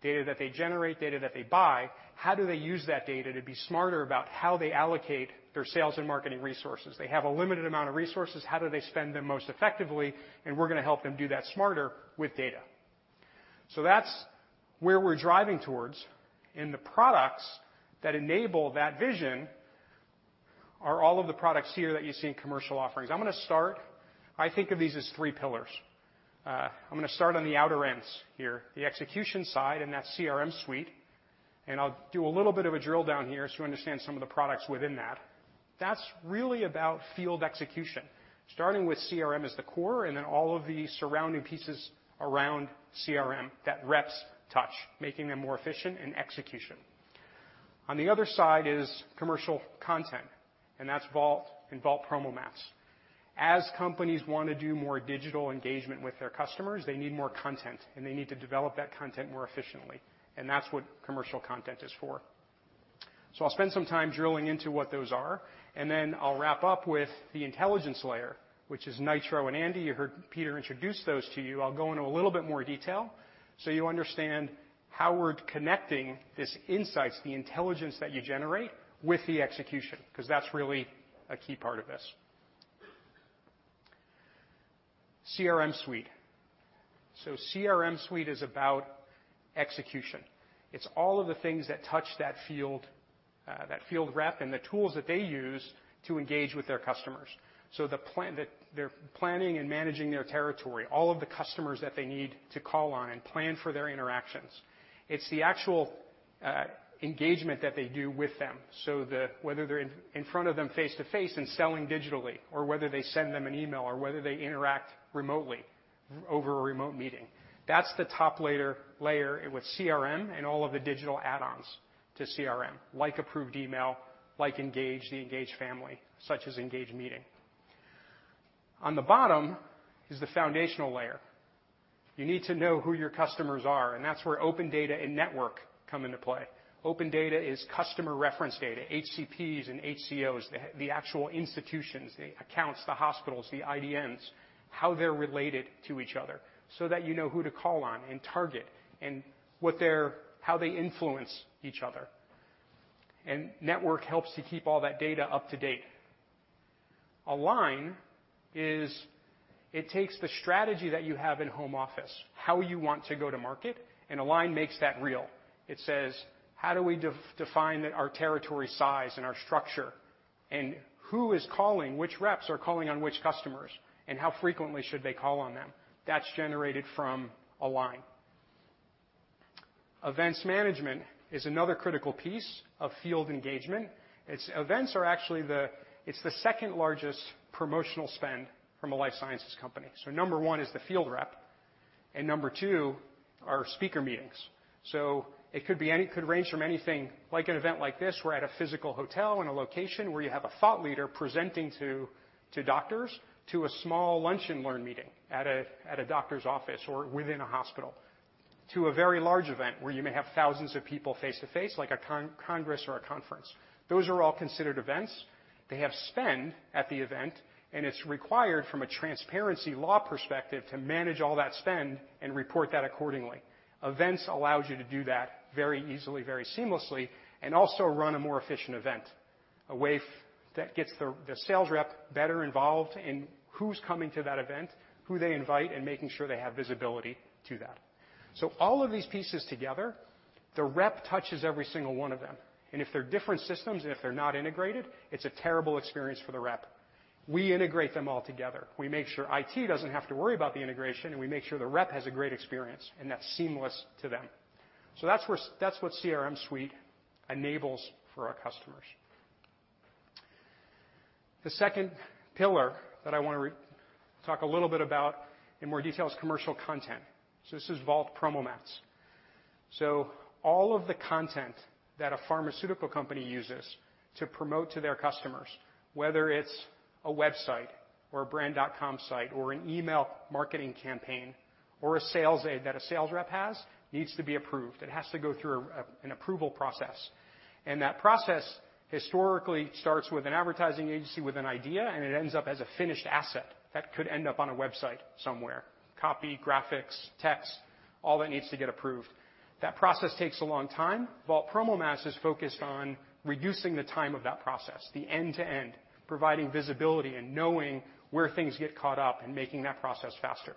Data that they generate, data that they buy. How do they use that data to be smarter about how they allocate their sales and marketing resources? They have a limited amount of resources, how do they spend them most effectively? We're going to help them do that smarter with data. That's where we're driving towards. The products that enable that vision are all of the products here that you see in commercial offerings. I'm going to start I think of these as three pillars. I'm going to start on the outer ends here, the execution side and that CRM Suite, and I'll do a little bit of a drill down here so you understand some of the products within that. That's really about field execution, starting with CRM as the core and then all of the surrounding pieces around CRM that reps touch, making them more efficient in execution. On the other side is commercial content, that's Vault and Vault PromoMats. As companies wanna do more digital engagement with their customers, they need more content, and they need to develop that content more efficiently, and that's what commercial content is for. I'll spend some time drilling into what those are, and then I'll wrap up with the intelligence layer, which is Nitro and Andi. You heard Peter introduce those to you. I'll go into a little bit more detail so you understand how we're connecting these insights, the intelligence that you generate, with the execution, 'cause that's really a key part of this. CRM Suite. CRM Suite is about execution. It's all of the things that touch that field, that field rep and the tools that they use to engage with their customers. They're planning and managing their territory, all of the customers that they need to call on and plan for their interactions. It's the actual engagement that they do with them. Whether they're in front of them face-to-face and selling digitally or whether they send them an email or whether they interact remotely over a remote meeting. That's the top layer it was CRM and all of the digital add-ons to CRM, like Approved Email, like Engage, the Engage family, such as Engage Meeting. On the bottom is the foundational layer. You need to know who your customers are, and that's where OpenData and Network come into play. OpenData is customer reference data, HCPs and HCOs, the actual institutions, the accounts, the hospitals, the IDNs, how they're related to each other, so that you know who to call on and target and how they influence each other. Network helps to keep all that data up to date. Align takes the strategy that you have in home office, how you want to go to market, Align makes that real. It says, "How do we define that our territory size and our structure, who is calling, which reps are calling on which customers, and how frequently should they call on them?" That's generated from Align. Events Management is another critical piece of field engagement. Events are actually the second-largest promotional spend from a life sciences company. Number one is the field rep, number two are speaker meetings. It could range from anything like an event like this. We're at a physical hotel in a location where you have a thought leader presenting to doctors, to a small lunch-and-learn meeting at a doctor's office or within a hospital, to a very large event where you may have thousands of people face to face, like a congress or a conference. Those are all considered events. They have spend at the event, and it's required from a transparency law perspective to manage all that spend and report that accordingly. Events allows you to do that very easily, very seamlessly, and also run a more efficient event, a way that gets the sales rep better involved in who's coming to that event, who they invite, and making sure they have visibility to that. All of these pieces together, the rep touches every single one of them, and if they're different systems and if they're not integrated, it's a terrible experience for the rep. We integrate them all together. We make sure IT doesn't have to worry about the integration, and we make sure the rep has a great experience and that's seamless to them. That's what CRM Suite enables for our customers. The second pillar that I wanna talk a little bit about in more detail is commercial content. This is Vault PromoMats. All of the content that a pharmaceutical company uses to promote to their customers, whether it's a website or a brand.com site or an email marketing campaign, or a sales aid that a sales rep has needs to be approved. It has to go through an approval process. That process historically starts with an advertising agency with an idea, and it ends up as a finished asset that could end up on a website somewhere. Copy, graphics, text, all that needs to get approved. That process takes a long time, while PromoMats is focused on reducing the time of that process, the end to end, providing visibility and knowing where things get caught up and making that process faster.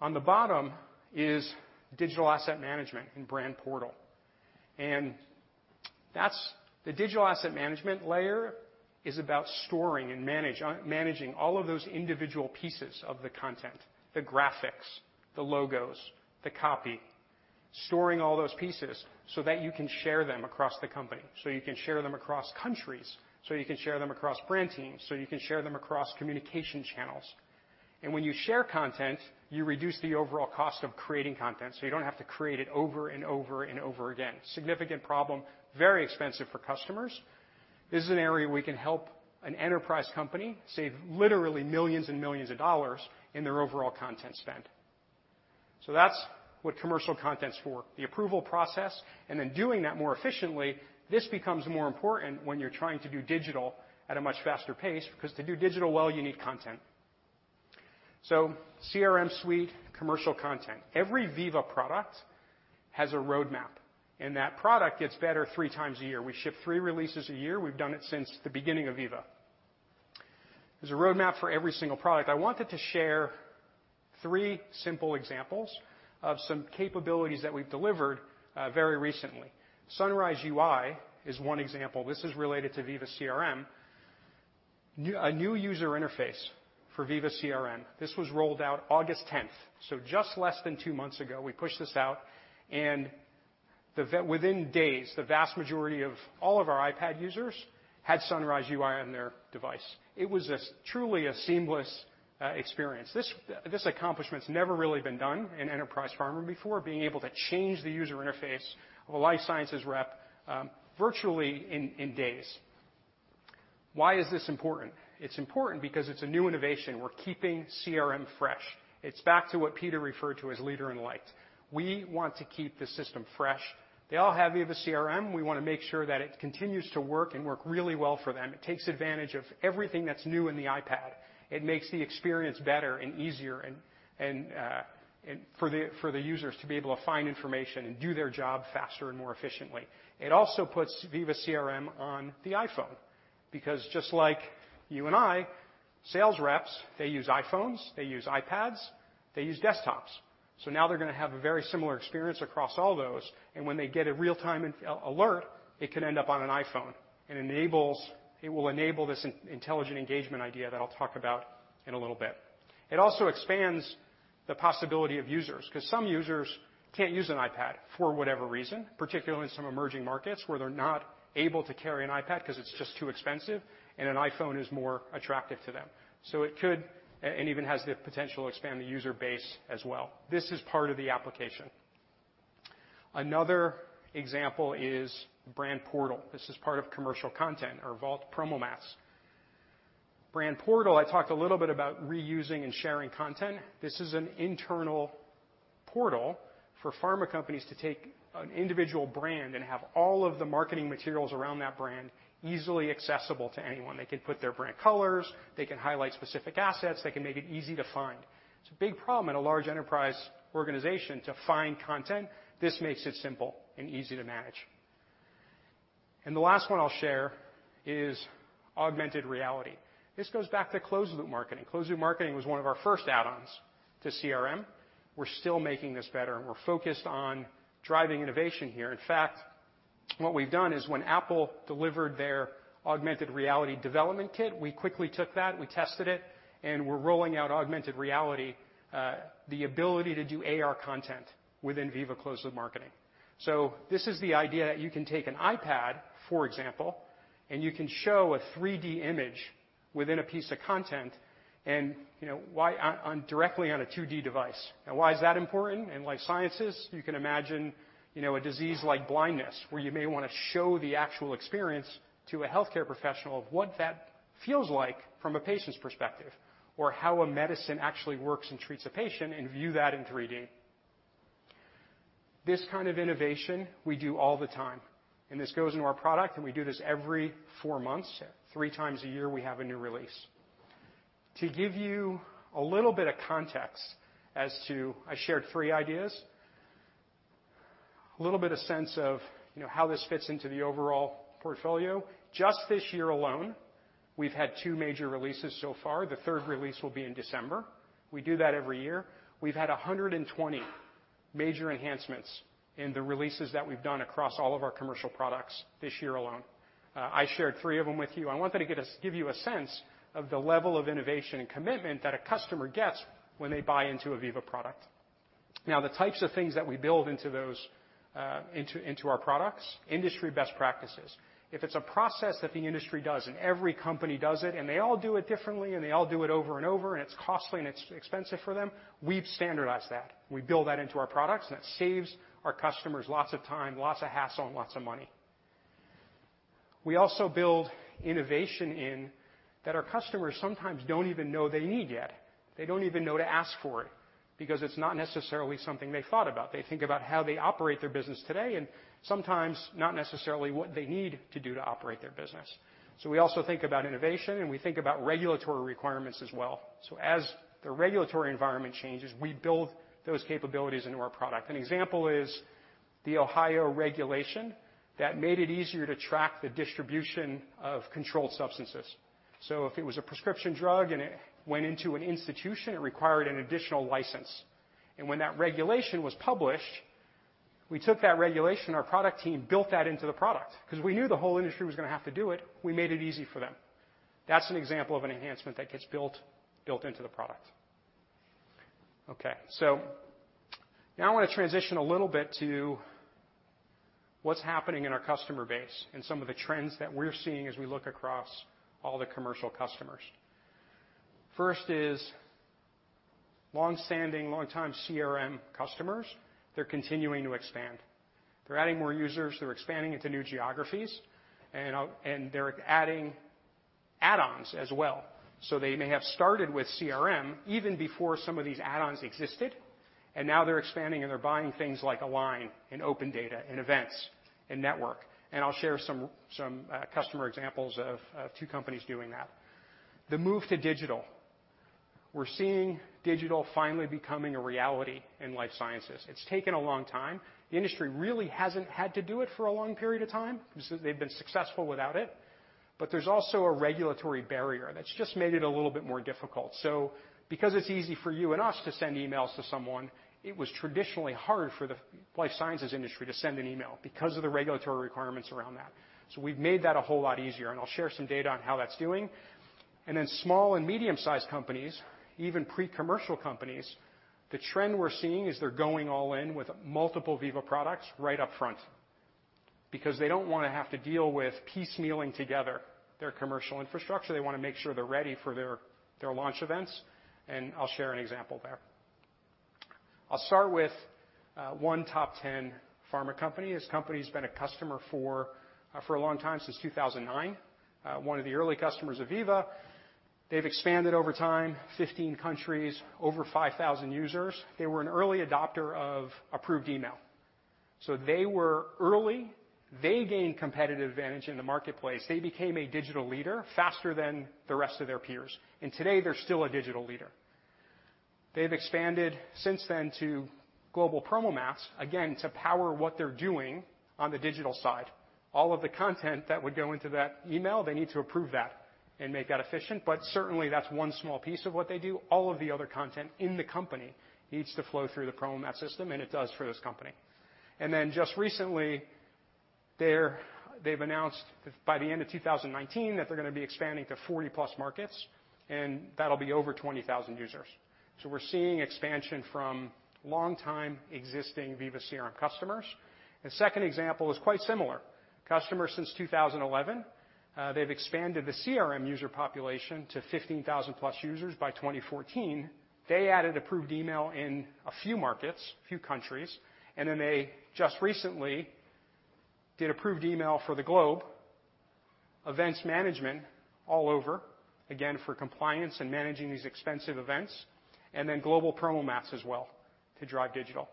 On the bottom is Digital Asset Management and Brand Portal. That's the Digital Asset Management layer is about storing and managing all of those individual pieces of the content, the graphics, the logos, the copy, storing all those pieces so that you can share them across the company, so you can share them across countries, so you can share them across brand teams, so you can share them across communication channels. When you share content, you reduce the overall cost of creating content, so you don't have to create it over and over and over again. Significant problem. Very expensive for customers. This is an area we can help an enterprise company save literally millions and millions of dollars in their overall content spend. That's what commercial content's for, the approval process, and then doing that more efficiently. This becomes more important when you're trying to do digital at a much faster pace because to do digital well, you need content. CRM Suite commercial content. Every Veeva product has a roadmap, and that product gets better three times a year. We ship three releases a year. We've done it since the beginning of Veeva. There's a roadmap for every single product. I wanted to share three simple examples of some capabilities that we've delivered very recently. Sunrise UI is one example. This is related to Veeva CRM. A new user interface for Veeva CRM. This was rolled out August 10th, so just less than two months ago, we pushed this out, and within days, the vast majority of all of our iPad users had Sunrise UI on their device. It was a truly seamless experience. This accomplishment's never really been done in enterprise pharma before, being able to change the user interface of a life sciences rep, virtually in days. Why is this important? It's important because it's a new innovation. We're keeping CRM fresh. It's back to what Peter referred to as leader in light. We want to keep the system fresh. They all have Veeva CRM. We wanna make sure that it continues to work and work really well for them. It takes advantage of everything that's new in the iPad. It makes the experience better and easier and for the users to be able to find information and do their job faster and more efficiently. It also puts Veeva CRM on the iPhone because just like you and I, sales reps, they use iPhones, they use iPads, they use desktops. Now they're gonna have a very similar experience across all those, and when they get a real-time alert, it can end up on an iPhone and it will enable this intelligent engagement idea that I'll talk about in a little bit. It also expands the possibility of users, 'cause some users can't use an iPad for whatever reason, particularly in some emerging markets where they're not able to carry an iPad 'cause it's just too expensive, and an iPhone is more attractive to them. It could, and even has the potential to expand the user base as well. This is part of the application. Another example is Brand Portal. This is part of commercial content or Vault PromoMats. Brand Portal, I talked a little bit about reusing and sharing content. This is an internal portal for pharma companies to take an individual brand and have all of the marketing materials around that brand easily accessible to anyone. They can put their brand colors. They can highlight specific assets. They can make it easy to find. It's a big problem in a large enterprise organization to find content. This makes it simple and easy to manage. The last one I'll share is Augmented Reality. This goes back to Closed Loop Marketing. Closed Loop Marketing was one of our first add-ons to CRM. We're still making this better, and we're focused on driving innovation here. In fact, what we've done is when Apple delivered their augmented reality development kit, we quickly took that, we tested it, and we're rolling out augmented reality, the ability to do AR content within Veeva Closed Loop Marketing. This is the idea that you can take an iPad, for example, and you can show a 3-D image within a piece of content, and you know, directly on a 2-D device. Why is that important? In life sciences, you can imagine, you know, a disease like blindness, where you may wanna show the actual experience to a healthcare professional of what that feels like from a patient's perspective or how a medicine actually works and treats a patient and view that in 3D. This kind of innovation we do all the time, and this goes into our product, and we do this every four months. Three times a year, we have a new release. To give you a little bit of context as to I shared three ideas. A little bit of sense of, you know, how this fits into the overall portfolio. Just this year alone, we've had two major releases so far. The 3rd release will be in December. We do that every year. We've had 120 major enhancements in the releases that we've done across all of our commercial products this year alone. I shared three of them with you. I wanted to give you a sense of the level of innovation and commitment that a customer gets when they buy into a Veeva product. The types of things that we build into those, into our products, industry best practices. If it's a process that the industry does and every company does it, and they all do it differently, and they all do it over and over, and it's costly, and it's expensive for them, we've standardized that. We build that into our products, and it saves our customers lots of time, lots of hassle, and lots of money. We also build innovation in that our customers sometimes don't even know they need yet. They don't even know to ask for it because it's not necessarily something they thought about. They think about how they operate their business today and sometimes not necessarily what they need to do to operate their business. We also think about innovation, and we think about regulatory requirements as well. As the regulatory environment changes, we build those capabilities into our product. An example is the Ohio regulation that made it easier to track the distribution of controlled substances. If it was a prescription drug and it went into an institution, it required an additional license. When that regulation was published, we took that regulation, our product team built that into the product because we knew the whole industry was gonna have to do it. We made it easy for them. That's an example of an enhancement that gets built into the product. Okay. Now I want to transition a little bit to what's happening in our customer base and some of the trends that we're seeing as we look across all the commercial customers. First is long-standing, longtime CRM customers, they're continuing to expand. They're adding more users, they're expanding into new geographies and they're adding add-ons as well. They may have started with CRM even before some of these add-ons existed, and now they're expanding, and they're buying things like Align and OpenData and Events and Network. I'll share some customer examples of two companies doing that. The move to digital. We're seeing digital finally becoming a reality in life sciences. It's taken a long time. The industry really hasn't had to do it for a long period of time since they've been successful without it. There's also a regulatory barrier that's just made it a little bit more difficult. Because it's easy for you and us to send emails to someone, it was traditionally hard for the life sciences industry to send an email because of the regulatory requirements around that. We've made that a whole lot easier, and I'll share some data on how that's doing. Small and medium-sized companies, even pre-commercial companies, the trend we're seeing is they're going all in with multiple Veeva products right up front because they don't wanna have to deal with piecemealing together their commercial infrastructure. They wanna make sure they're ready for their launch events, and I'll share an example there. I'll start with one top 10 pharma company. This company's been a customer for a long time, since 2009. One of the early customers of Veeva. They've expanded over time, 15 countries, over 5,000 users. They were an early adopter of Approved Email. They were early. They gained competitive advantage in the marketplace. They became a digital leader faster than the rest of their peers, and today they're still a digital leader. They've expanded since then to Global PromoMats, again, to power what they're doing on the digital side. All of the content that would go into that email, they need to approve that and make that efficient. Certainly that's one small piece of what they do. All of the other content in the company needs to flow through the PromoMats system, and it does for this company. Just recently, they've announced that by the end of 2019 that they're gonna be expanding to 40+ markets, and that'll be over 20,000 users. We're seeing expansion from long-time existing Veeva CRM customers. The second example is quite similar. Customer since 2011, they've expanded the CRM user population to 15,000+ users by 2014. They added Approved Email in a few markets, a few countries, they just recently did Approved Email for the globe, Events Management all over, again, for compliance and managing these expensive events, Global PromoMats as well to drive digital.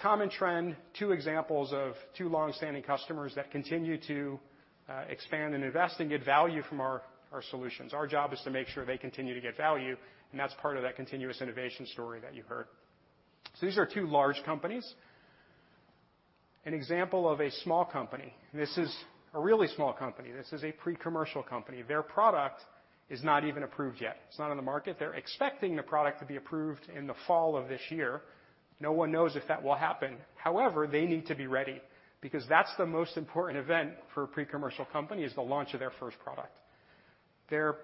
Common trend, two examples of two long-standing customers that continue to expand and invest and get value from our solutions. Our job is to make sure they continue to get value, and that's part of that continuous innovation story that you heard. These are two large companies. An example of a small company. This is a really small company. This is a pre-commercial company. Their product is not even approved yet. It's not on the market. They're expecting the product to be approved in the fall of this year. No one knows if that will happen. However, they need to be ready because that's the most important event for a pre-commercial company, is the launch of their first product. Their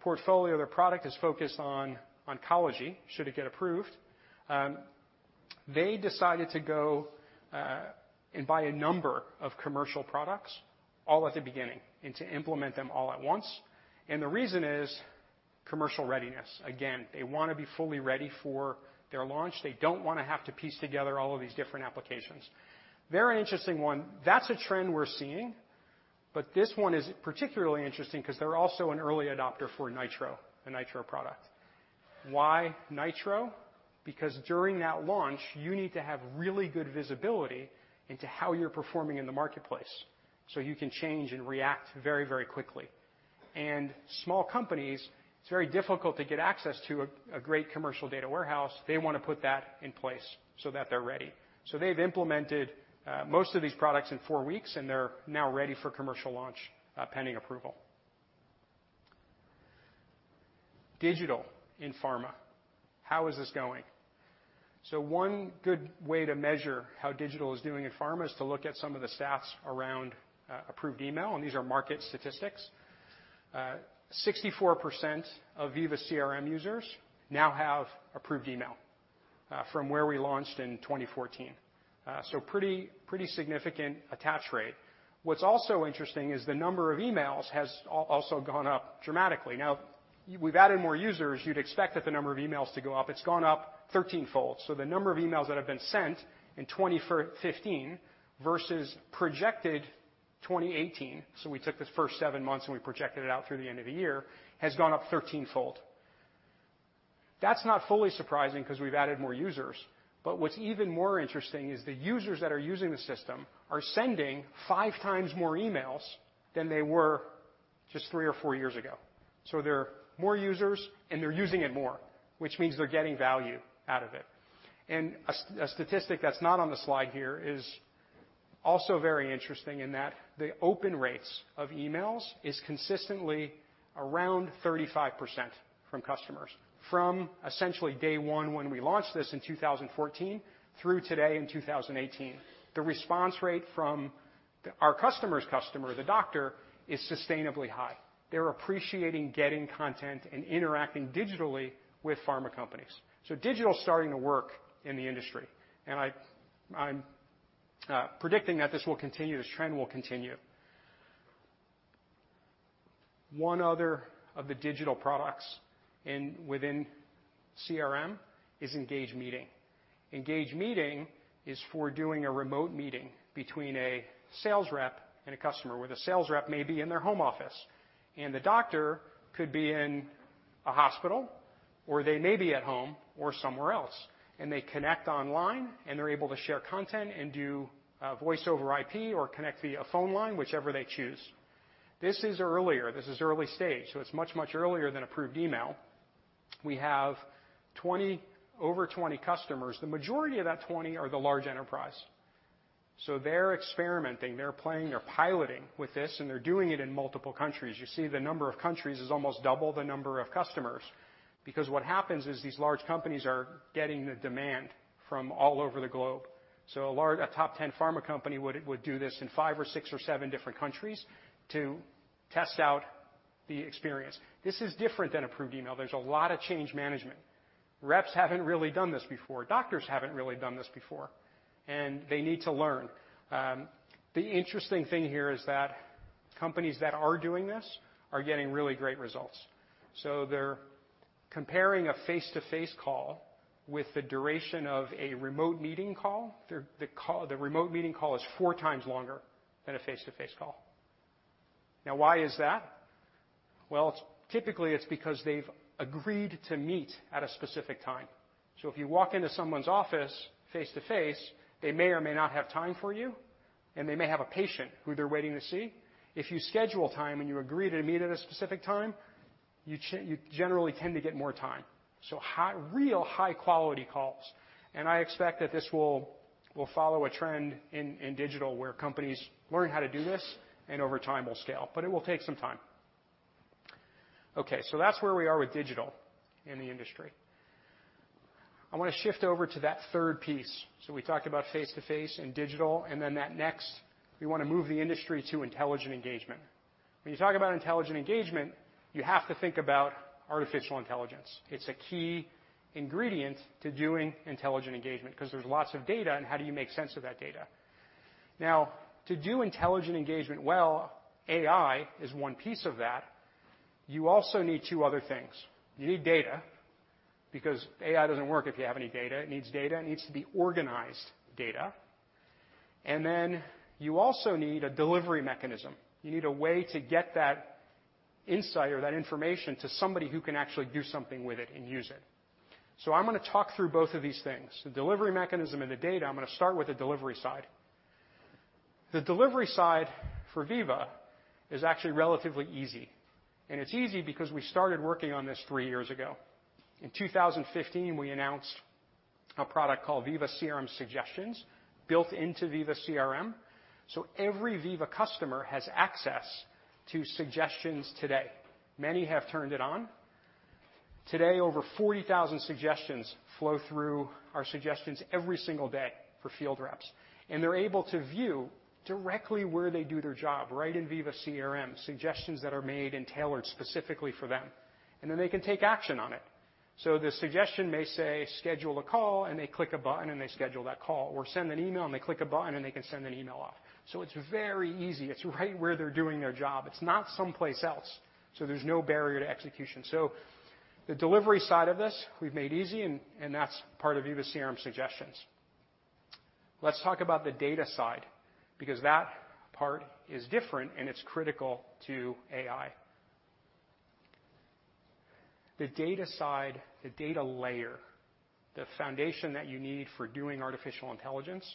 portfolio, their product is focused on oncology should it get approved. They decided to go and buy a number of commercial products all at the beginning and to implement them all at once, and the reason is commercial readiness. Again, they wanna be fully ready for their launch. They don't wanna have to piece together all of these different applications. Very interesting one. That's a trend we're seeing, but this one is particularly interesting because they're also an early adopter for Nitro, the Nitro product. Why Nitro? Because during that launch, you need to have really good visibility into how you're performing in the marketplace, so you can change and react very, very quickly. Small companies, it's very difficult to get access to a great commercial data warehouse. They wanna put that in place so that they're ready. They've implemented most of these products in four weeks, and they're now ready for commercial launch, pending approval. Digital in pharma. How is this going? One good way to measure how digital is doing in pharma is to look at some of the stats around Approved Email, and these are market statistics. 64% of Veeva CRM users now have Approved Email from where we launched in 2014. Pretty significant attach rate. What's also interesting is the number of emails has also gone up dramatically. We've added more users, you'd expect that the number of emails to go up. It's gone up 13-fold. The number of emails that have been sent in 2015 versus projected 2018, we took the first seven months, and we projected it out through the end of the year, has gone up 13-fold. That's not fully surprising because we've added more users. What's even more interesting is the users that are using the system are sending 5x more emails than they were just three or four years ago. There are more users and they're using it more, which means they're getting value out of it. A statistic that's not on the slide here is also very interesting in that the open rates of emails is consistently around 35% from customers from essentially day one when we launched this in 2014 through today in 2018. The response rate from our customer's customer, the doctor, is sustainably high. They're appreciating getting content and interacting digitally with pharma companies. Digital is starting to work in the industry, and I'm predicting that this will continue, this trend will continue. One other of the digital products within CRM is Engage Meeting. Engage Meeting is for doing a remote meeting between a sales rep and a customer, where the sales rep may be in their home office and the doctor could be in a hospital, or they may be at home or somewhere else, and they connect online and they're able to share content and do voice over IP or connect via phone line, whichever they choose. This is earlier. This is early stage. It's much earlier than Approved Email. We have over 20 customers. The majority of that 20 are the large enterprise. They're experimenting, they're playing, they're piloting with this, and they're doing it in multiple countries. You see the number of countries is almost double the number of customers, because what happens is these large companies are getting the demand from all over the globe. A top 10 pharma company would do this in five or six or seven different countries to test out the experience. This is different than Approved Email. There's a lot of change management. Reps haven't really done this before. Doctors haven't really done this before, and they need to learn. The interesting thing here is that companies that are doing this are getting really great results. They're comparing a face-to-face call with the duration of a remote meeting call. The remote meeting call is four times longer than a face-to-face call. Why is that? Typically, it's because they've agreed to meet at a specific time. If you walk into someone's office face-to-face, they may or may not have time for you, and they may have a patient who they're waiting to see. If you schedule time and you agree to meet at a specific time, you generally tend to get more time. Real high-quality calls. I expect that this will follow a trend in digital where companies learn how to do this and over time will scale, but it will take some time. That's where we are with digital in the industry. I want to shift over to that third piece. We talked about face-to-face and digital, then that next, we want to move the industry to intelligent engagement. When you talk about intelligent engagement, you have to think about artificial intelligence. It's a key ingredient to doing intelligent engagement because there's lots of data, and how do you make sense of that data? To do intelligent engagement well, AI is one piece of that. You also need two other things. You need data because AI doesn't work if you have any data. It needs data. It needs to be organized data. Then you also need a delivery mechanism. You need a way to get that insight or that information to somebody who can actually do something with it and use it. I'm going to talk through both of these things, the delivery mechanism and the data. I'm going to start with the delivery side. The delivery side for Veeva is actually relatively easy, and it's easy because we started working on this three years ago. In 2015, we announced a product called Veeva CRM Suggestions built into Veeva CRM. Every Veeva customer has access to suggestions today. Many have turned it on. Today, over 40,000 suggestions flow through our suggestions every single day for field reps, and they're able to view directly where they do their job right in Veeva CRM, suggestions that are made and tailored specifically for them. They can take action on it. The suggestion may say, "Schedule a call," and they click a button and they schedule that call, or send an email, and they click a button and they can send an email off. It's very easy. It's right where they're doing their job. It's not someplace else, so there's no barrier to execution. The delivery side of this we've made easy, and that's part of Veeva CRM Suggestions. Let's talk about the data side, because that part is different and it's critical to AI. The data side, the data layer, the foundation that you need for doing artificial intelligence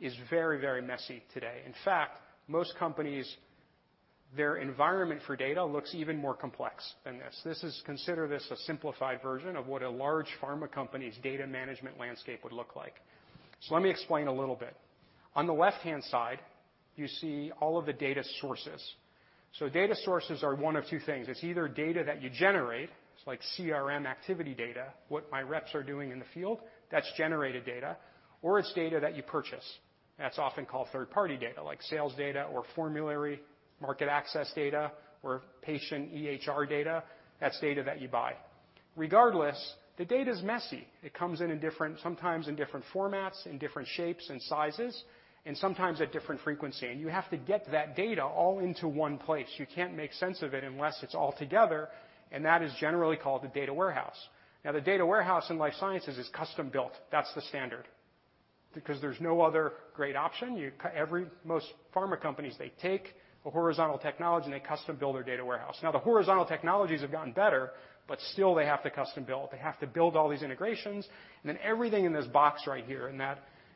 is very, very messy today. In fact, most companies, their environment for data looks even more complex than this. Consider this a simplified version of what a large pharma company's data management landscape would look like. Let me explain a little bit. On the left-hand side, you see all of the data sources. Data sources are one of two things. It's either data that you generate, it's like CRM activity data, what my reps are doing in the field, that's generated data, or it's data that you purchase. That's often called third-party data, like sales data or formulary market access data or patient EHR data. That's data that you buy. Regardless, the data's messy. It comes in, sometimes in different formats, in different shapes and sizes, and sometimes at different frequency. You have to get that data all into one place. You can't make sense of it unless it's all together, and that is generally called the data warehouse. Now, the data warehouse in life sciences is custom-built. That's the standard. Because there's no other great option. Most pharma companies, they take a horizontal technology, and they custom-build their data warehouse. Now, the horizontal technologies have gotten better, but still they have to custom-build. They have to build all these integrations, and then everything in this box right here,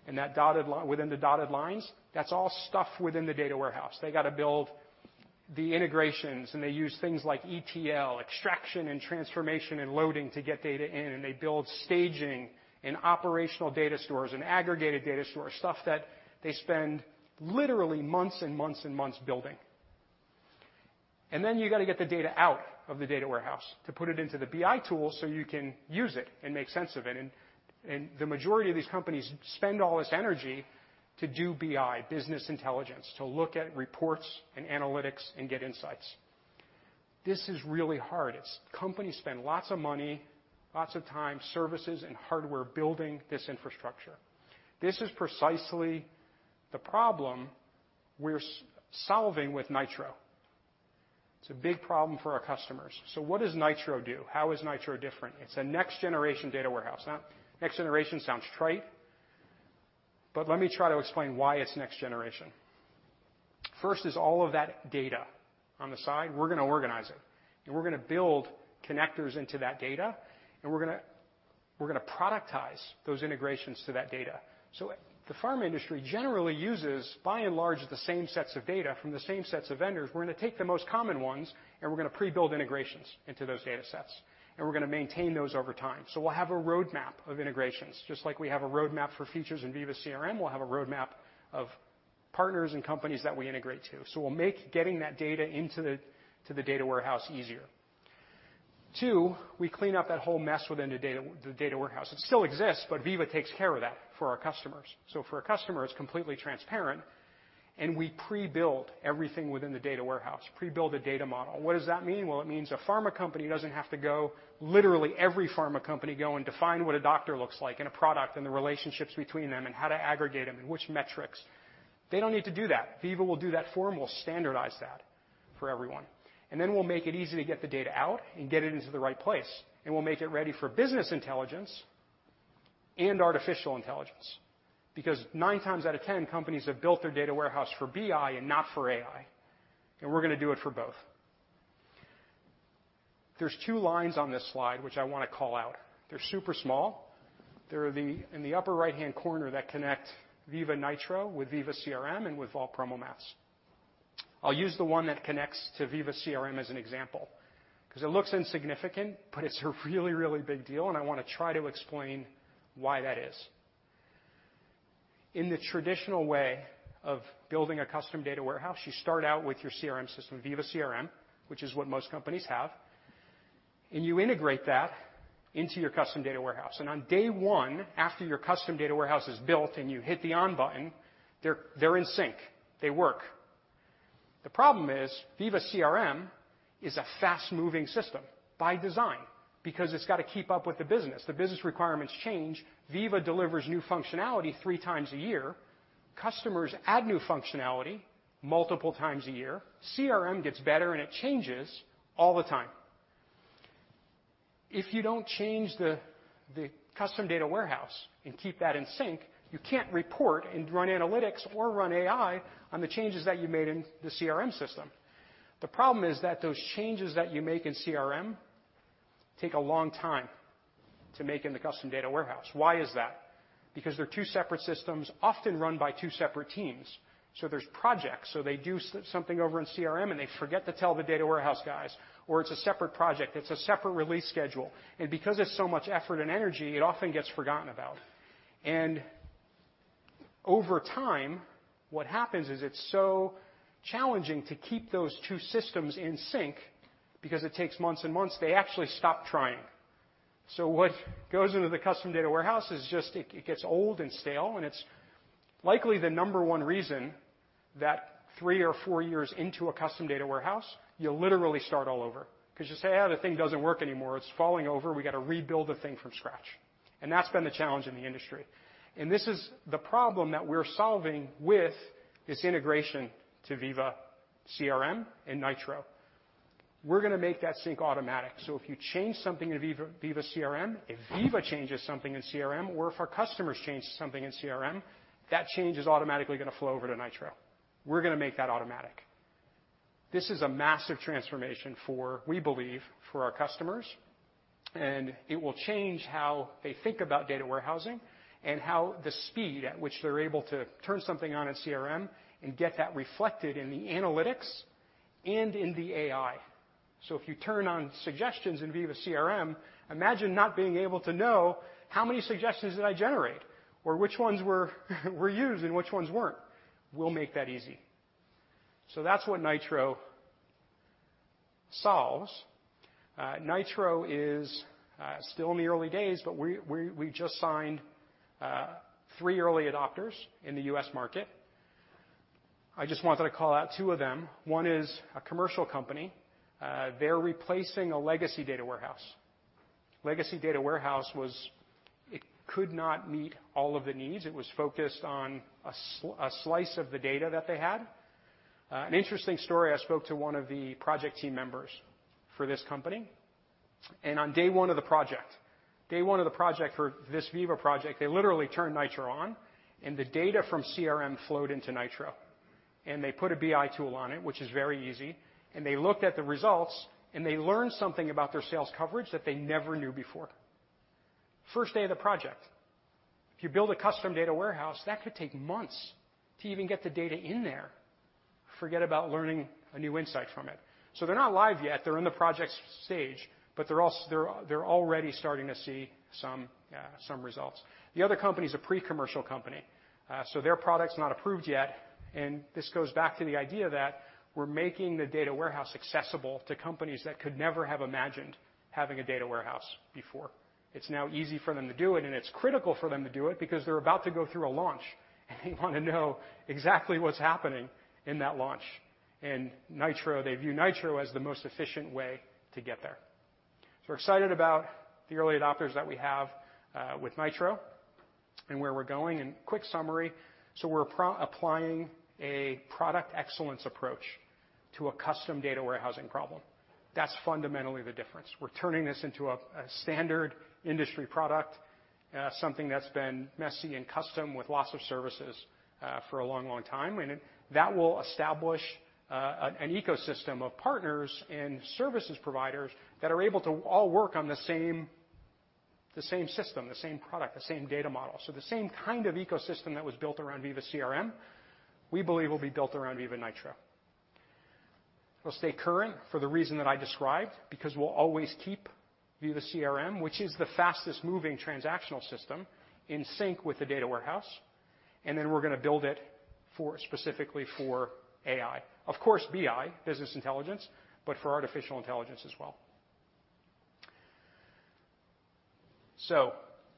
within the dotted lines, that's all stuff within the data warehouse. They gotta build the integrations, and they use things like ETL, extraction and transformation and loading, to get data in, and they build staging and operational data stores and aggregated data stores, stuff that they spend literally months and months building. Then you gotta get the data out of the data warehouse to put it into the BI tool so you can use it and make sense of it. The majority of these companies spend all this energy to do BI, business intelligence, to look at reports and analytics and get insights. This is really hard. Companies spend lots of money, lots of time, services, and hardware building this infrastructure. This is precisely the problem we're solving with Nitro. It's a big problem for our customers. What does Nitro do? How is Nitro different? It's a next-generation data warehouse. Next generation sounds trite, but let me try to explain why it's next generation. First is all of that data on the side. We're gonna organize it, we're gonna build connectors into that data, we're gonna productize those integrations to that data. The pharma industry generally uses, by and large, the same sets of data from the same sets of vendors. We're gonna take the most common ones, we're gonna pre-build integrations into those data sets, we're gonna maintain those over time. We'll have a roadmap of integrations. Just like we have a roadmap for features in Veeva CRM, we'll have a roadmap of partners and companies that we integrate to. We'll make getting that data into the data warehouse easier. Two, we clean up that whole mess within the data warehouse. It still exists, Veeva takes care of that for our customers. For our customer, it's completely transparent, and we pre-build everything within the data warehouse. Pre-build the data model. What does that mean? Well, it means a pharma company doesn't have to go, literally every pharma company, go and define what a doctor looks like and a product and the relationships between them and how to aggregate them and which metrics. They don't need to do that. Veeva will do that for them. We'll standardize that for everyone. We'll make it easy to get the data out and get it into the right place. We'll make it ready for business intelligence and artificial intelligence. Nine times out of 10, companies have built their data warehouse for BI and not for AI, and we're gonna do it for both. There's two lines on this slide which I wanna call out. They're super small. They're in the upper right-hand corner that connect Veeva Nitro with Veeva CRM and with Vault PromoMats. I'll use the one that connects to Veeva CRM as an example, 'cause it looks insignificant, but it's a really big deal, and I wanna try to explain why that is. In the traditional way of building a custom data warehouse, you start out with your CRM system, Veeva CRM, which is what most companies have, and you integrate that into your custom data warehouse. On day one, after your custom data warehouse is built and you hit the on button, they're in sync. They work. The problem is, Veeva CRM is a fast-moving system by design because it's gotta keep up with the business. The business requirements change. Veeva delivers new functionality three times a year. Customers add new functionality multiple times a year. CRM gets better, it changes all the time. If you don't change the custom data warehouse and keep that in sync, you can't report and run analytics or run AI on the changes that you made in the CRM system. The problem is that those changes that you make in CRM take a long time to make in the custom data warehouse. Why is that? Because they're two separate systems often run by two separate teams. There's projects. They do something over in CRM, they forget to tell the data warehouse guys, it's a separate project. It's a separate release schedule. Because it's so much effort and energy, it often gets forgotten about. Over time, what happens is, it's so challenging to keep those two systems in sync because it takes months and months, they actually stop trying. What goes into the custom data warehouse is just it gets old and stale, and it's likely the number one reason that three or four years into a custom data warehouse, you literally start all over. 'Cause you say, "The thing doesn't work anymore. It's falling over. We gotta rebuild the thing from scratch." That's been the challenge in the industry. This is the problem that we're solving with this integration to Veeva CRM and Nitro. We're gonna make that sync automatic. If you change something in Veeva CRM, if Veeva changes something in CRM, or if our customers change something in CRM, that change is automatically gonna flow over to Nitro. We're gonna make that automatic. This is a massive transformation for, we believe, for our customers, and it will change how they think about data warehousing and how the speed at which they're able to turn something on in CRM and get that reflected in the analytics and in the AI. If you turn on suggestions in Veeva CRM, imagine not being able to know how many suggestions did I generate or which ones were used and which ones weren't. We'll make that easy. That's what Nitro solves. Nitro is still in the early days, but we just signed three early adopters in the U.S. market. I just wanted to call out two of them. One is a commercial company. They're replacing a legacy data warehouse. Legacy data warehouse was it could not meet all of the needs. It was focused on a slice of the data that they had. An interesting story. I spoke to one of the project team members for this company. On day one of the project, day one of the project for this Veeva project, they literally turned Nitro on, and the data from CRM flowed into Nitro. They put a BI tool on it, which is very easy, they looked at the results, they learned something about their sales coverage that they never knew before. First day of the project. If you build a custom data warehouse, that could take months to even get the data in there. Forget about learning a new insight from it. They're not live yet, they're in the project stage, but they're already starting to see some results. The other company's a pre-commercial company, so their product's not approved yet, this goes back to the idea that we're making the data warehouse accessible to companies that could never have imagined having a data warehouse before. It's now easy for them to do it, and it's critical for them to do it because they're about to go through a launch, and they wanna know exactly what's happening in that launch. Nitro, they view Nitro as the most efficient way to get there. We're excited about the early adopters that we have with Nitro and where we're going. Quick summary, we're pro-applying a product excellence approach to a custom data warehousing problem. That's fundamentally the difference. We're turning this into a standard industry product, something that's been messy and custom with lots of services, for a long, long time. That will establish an ecosystem of partners and services providers that are able to all work on the same, the same system, the same product, the same data model. The same kind of ecosystem that was built around Veeva CRM, we believe will be built around Veeva Nitro. It'll stay current for the reason that I described, because we'll always keep Veeva CRM, which is the fastest moving transactional system, in sync with the data warehouse, and then we're gonna build it for, specifically for AI. Of course, BI, business intelligence, but for artificial intelligence as well.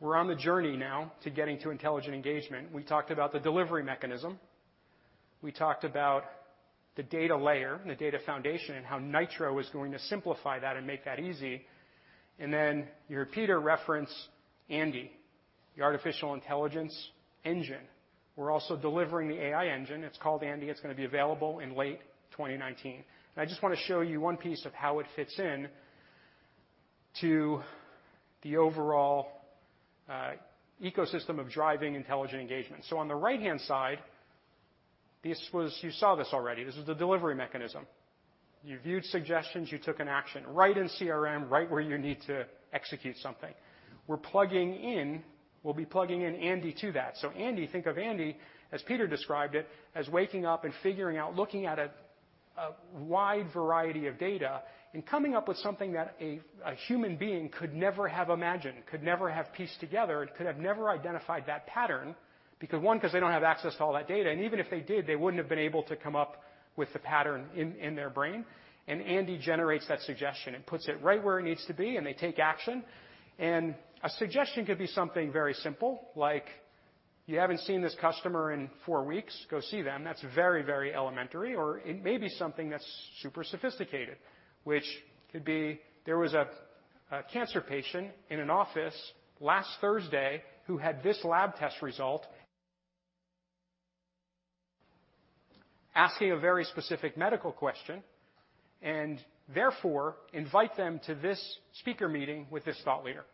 We're on the journey now to getting to intelligent engagement. We talked about the delivery mechanism. We talked about the data layer and the data foundation and how Nitro is going to simplify that and make that easy. You heard Peter reference Andi, the artificial intelligence engine. We're also delivering the AI engine. It's called Andi. It's going to be available in late 2019. I just want to show you one piece of how it fits in to the overall ecosystem of driving intelligent engagement. On the right-hand side, you saw this already. This was the delivery mechanism. You viewed suggestions, you took an action, right in CRM, right where you need to execute something. We'll be plugging in Andi to that. Andi, think of Andi, as Peter described it, as waking up and figuring out, looking at a wide variety of data and coming up with something that a human being could never have imagined, could never have pieced together, could have never identified that pattern. Because one, they don't have access to all that data, and even if they did, they wouldn't have been able to come up with the pattern in their brain. Andi generates that suggestion and puts it right where it needs to be, and they take action. A suggestion could be something very simple, like, "You haven't seen this customer in four weeks. Go see them." That's very elementary. It may be something that's super sophisticated, which could be, "There was a cancer patient in an office last Thursday who had this lab test result. Asking a very specific medical question, and therefore invite them to this speaker meeting with this thought leader."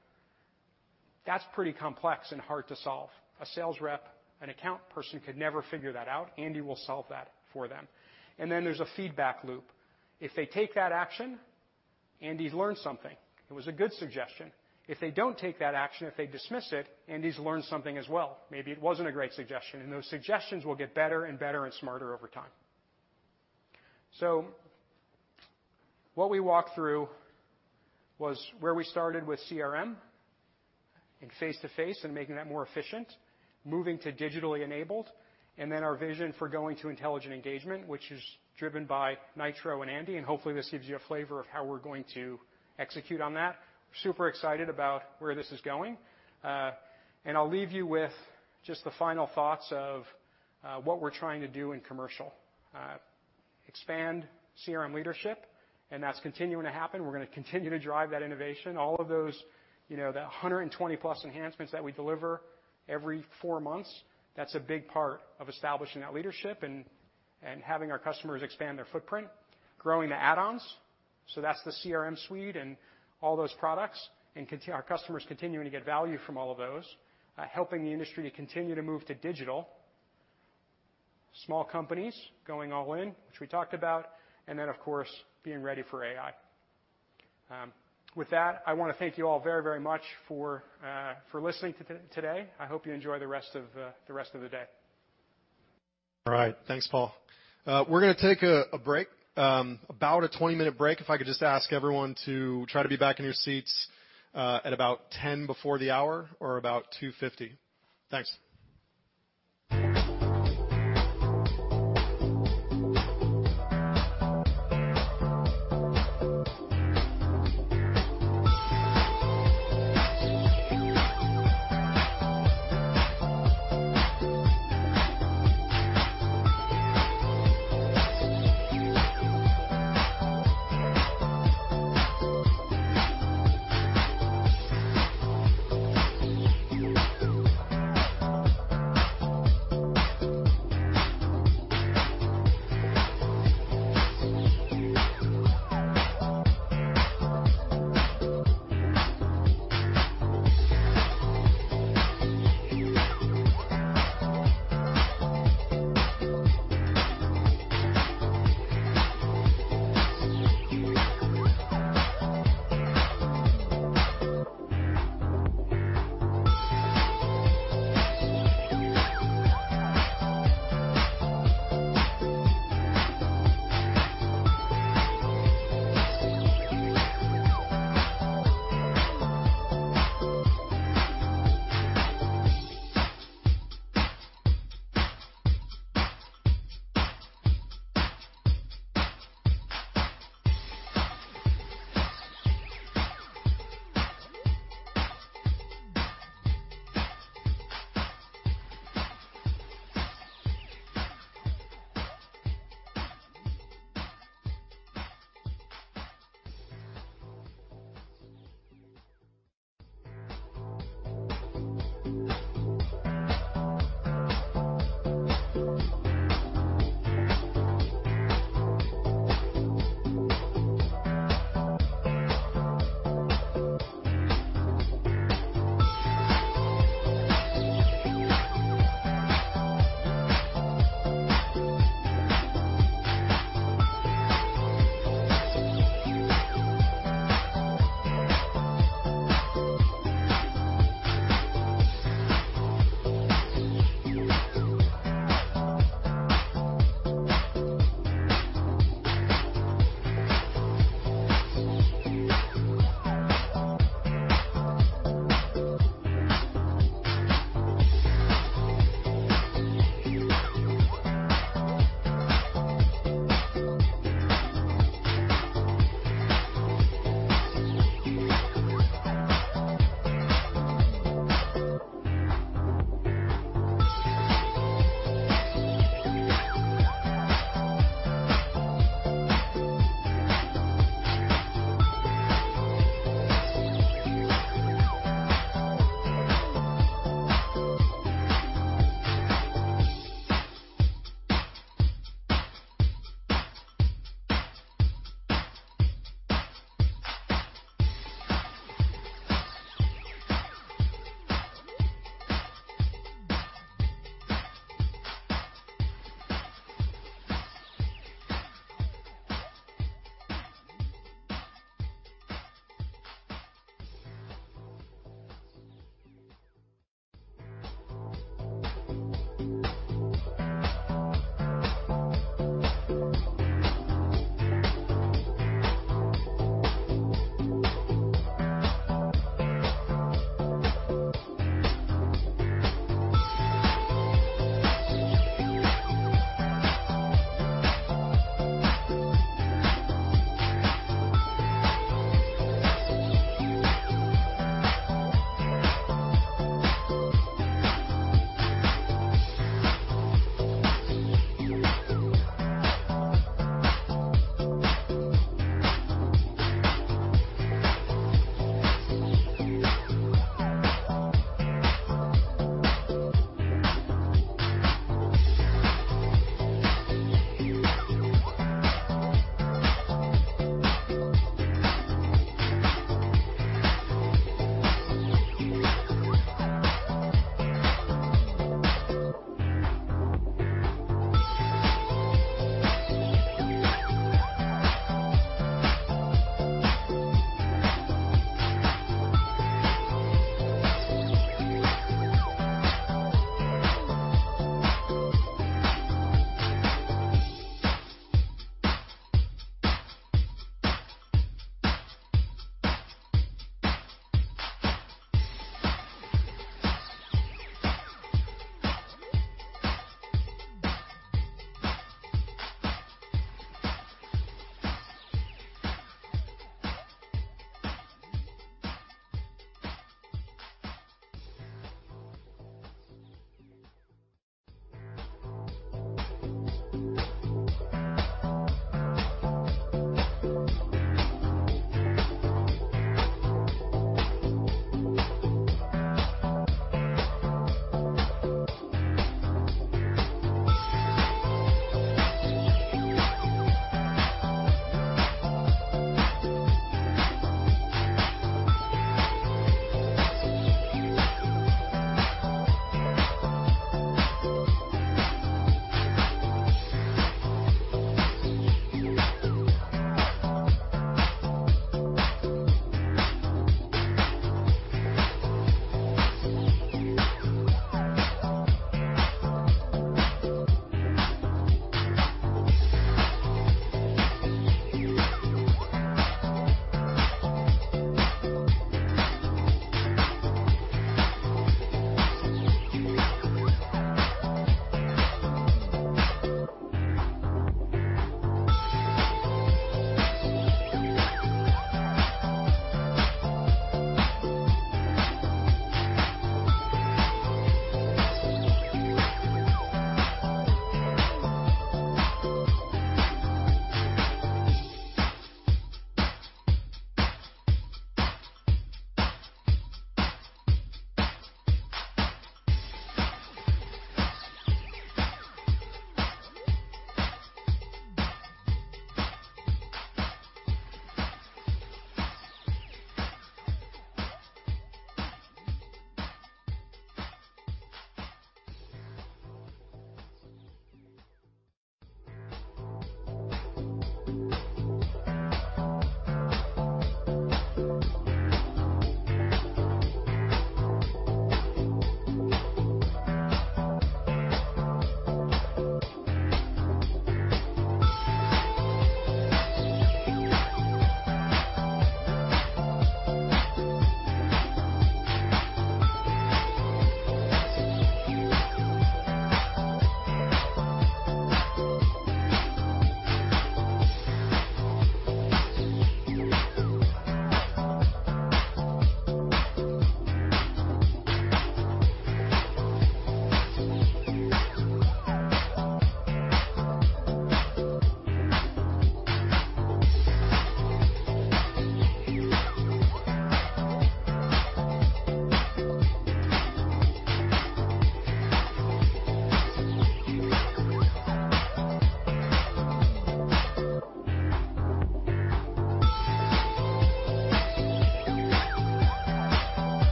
That's pretty complex and hard to solve. A sales rep, an account person could never figure that out. Andi will solve that for them. Then there's a feedback loop. If they take that action, Andi's learned something. It was a good suggestion. If they don't take that action, if they dismiss it, Andi's learned something as well. Maybe it wasn't a great suggestion. Those suggestions will get better and better and smarter over time. What we walked through was where we started with CRM and face-to-face and making that more efficient, moving to digitally enabled, and then our vision for going to intelligent engagement, which is driven by Nitro and Andi, and hopefully, this gives you a flavor of how we're going to execute on that. Super excited about where this is going. I'll leave you with just the final thoughts of what we're trying to do in commercial. Expand CRM leadership, and that's continuing to happen. We're gonna continue to drive that innovation. All of those, you know, the 120+ enhancements that we deliver every four months, that's a big part of establishing that leadership and having our customers expand their footprint, growing the add-ons. That's the CRM suite and all those products, our customers continuing to get value from all of those. Helping the industry to continue to move to digital. Small companies going all in, which we talked about. Of course, being ready for AI. With that, I wanna thank you all very much for listening today. I hope you enjoy the rest of the day. All right. Thanks, Paul. We're gonna take a break, about a 20-minute break. If I could just ask everyone to try to be back in your seats, at about 10 before the hour or about 2:50. Thanks.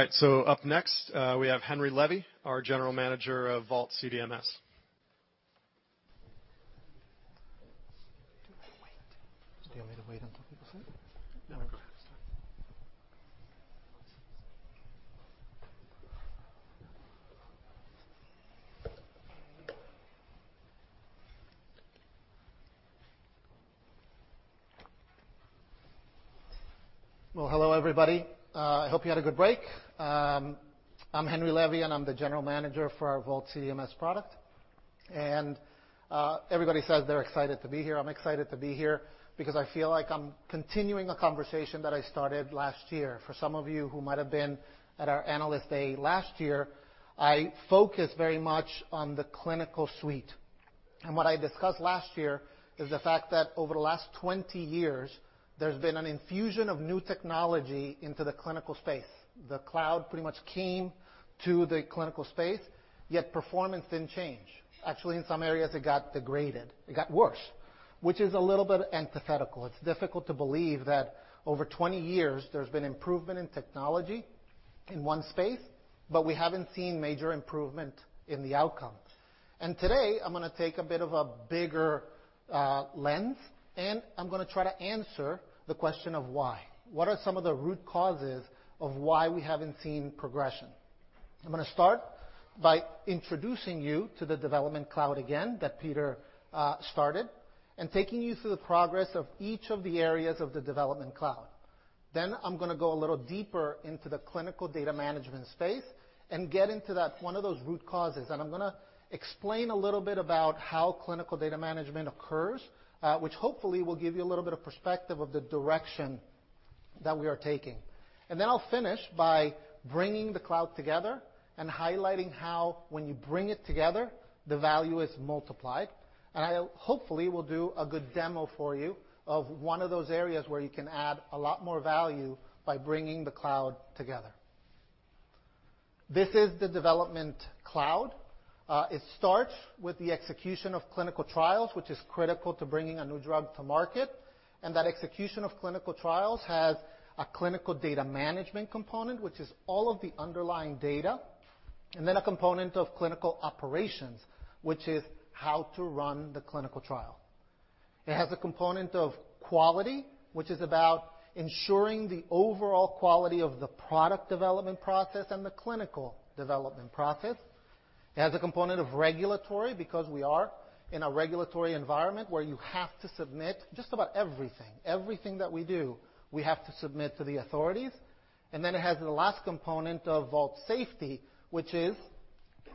All right. Up next, we have Henry Levy, our General Manager of Vault CDMS. Do you want me to wait until people sit?. Well, hello, everybody. I hope you had a good break. I'm Henry Levy, and I'm the General Manager for our Vault CDMS product. Everybody says they're excited to be here. I'm excited to be here because I feel like I'm continuing a conversation that I started last year. For some of you who might have been at our Analyst Day last year, I focused very much on the Clinical Suite. What I discussed last year is the fact that over the last 20 years, there's been an infusion of new technology into the clinical space. The cloud pretty much came to the clinical space, yet performance didn't change. Actually, in some areas, it got degraded. It got worse, which is a little bit antithetical. It's difficult to believe that over 20 years, there's been improvement in technology in one space, but we haven't seen major improvement in the outcomes. Today, I'm gonna take a bit of a bigger lens, I'm gonna try to answer the question of why. What are some of the root causes of why we haven't seen progression? I'm gonna start by introducing you to the Development Cloud again that Peter started and taking you through the progress of each of the areas of the Development Cloud. I'm gonna go a little deeper into the Clinical Data Management space and get into that one of those root causes. I'm gonna explain a little bit about how Clinical Data Management occurs, which hopefully will give you a little bit of perspective of the direction that we are taking. I'll finish by bringing the cloud together and highlighting how when you bring it together, the value is multiplied. I hopefully will do a good demo for you of one of those areas where you can add a lot more value by bringing the cloud together. This is the Development Cloud. It starts with the execution of clinical trials, which is critical to bringing a new drug to market. That execution of clinical trials has a Clinical Data Management component, which is all of the underlying data, and then a component of clinical operations, which is how to run the clinical trial. It has a component of quality, which is about ensuring the overall quality of the product development process and the clinical development process. It has a component of regulatory because we are in a regulatory environment where you have to submit just about everything. Everything that we do, we have to submit to the authorities. It has the last component of Vault Safety, which is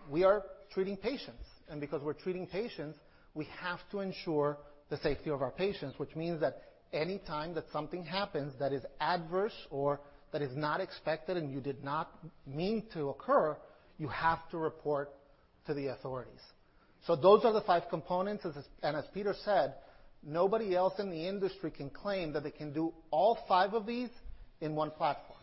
we are treating patients. Because we're treating patients, we have to ensure the safety of our patients, which means that anytime that something happens that is adverse or that is not expected and you did not mean to occur, you have to report to the authorities. Those are the five components. As Peter said, nobody else in the industry can claim that they can do all five of these in one platform.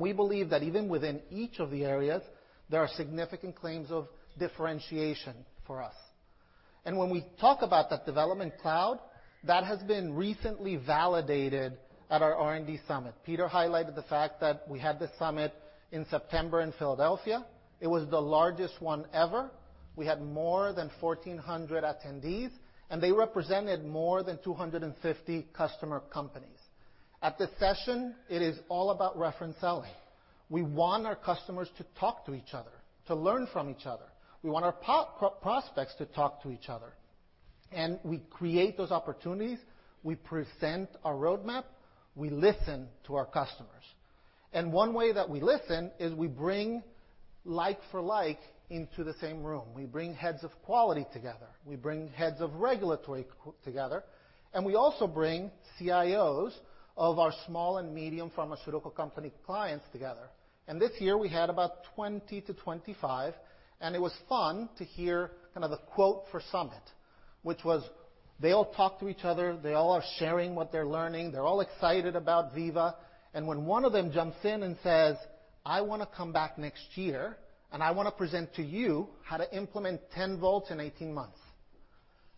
We believe that even within each of the areas, there are significant claims of differentiation for us. When we talk about that Development Cloud, that has been recently validated at our R&D Summit. Peter highlighted the fact that we had this summit in September in Philadelphia. It was the largest one ever. We had more than 1,400 attendees, and they represented more than 250 customer companies. At this session, it is all about reference selling. We want our customers to talk to each other, to learn from each other. We want our prospects to talk to each other. We create those opportunities, we present our roadmap, we listen to our customers. One way that we listen is we bring like for like into the same room. We bring heads of quality together, we bring heads of regulatory together, and we also bring CIOs of our small and medium pharmaceutical company clients together. This year, we had about 20 CIOs-25 CIOs, and it was fun to hear kind of the quote for summit, which was they all talk to each other, they all are sharing what they're learning, they're all excited about Veeva. When one of them jumps in and says, "I wanna come back next year, and I wanna present to you how to implement 10 Vaults in 18 months."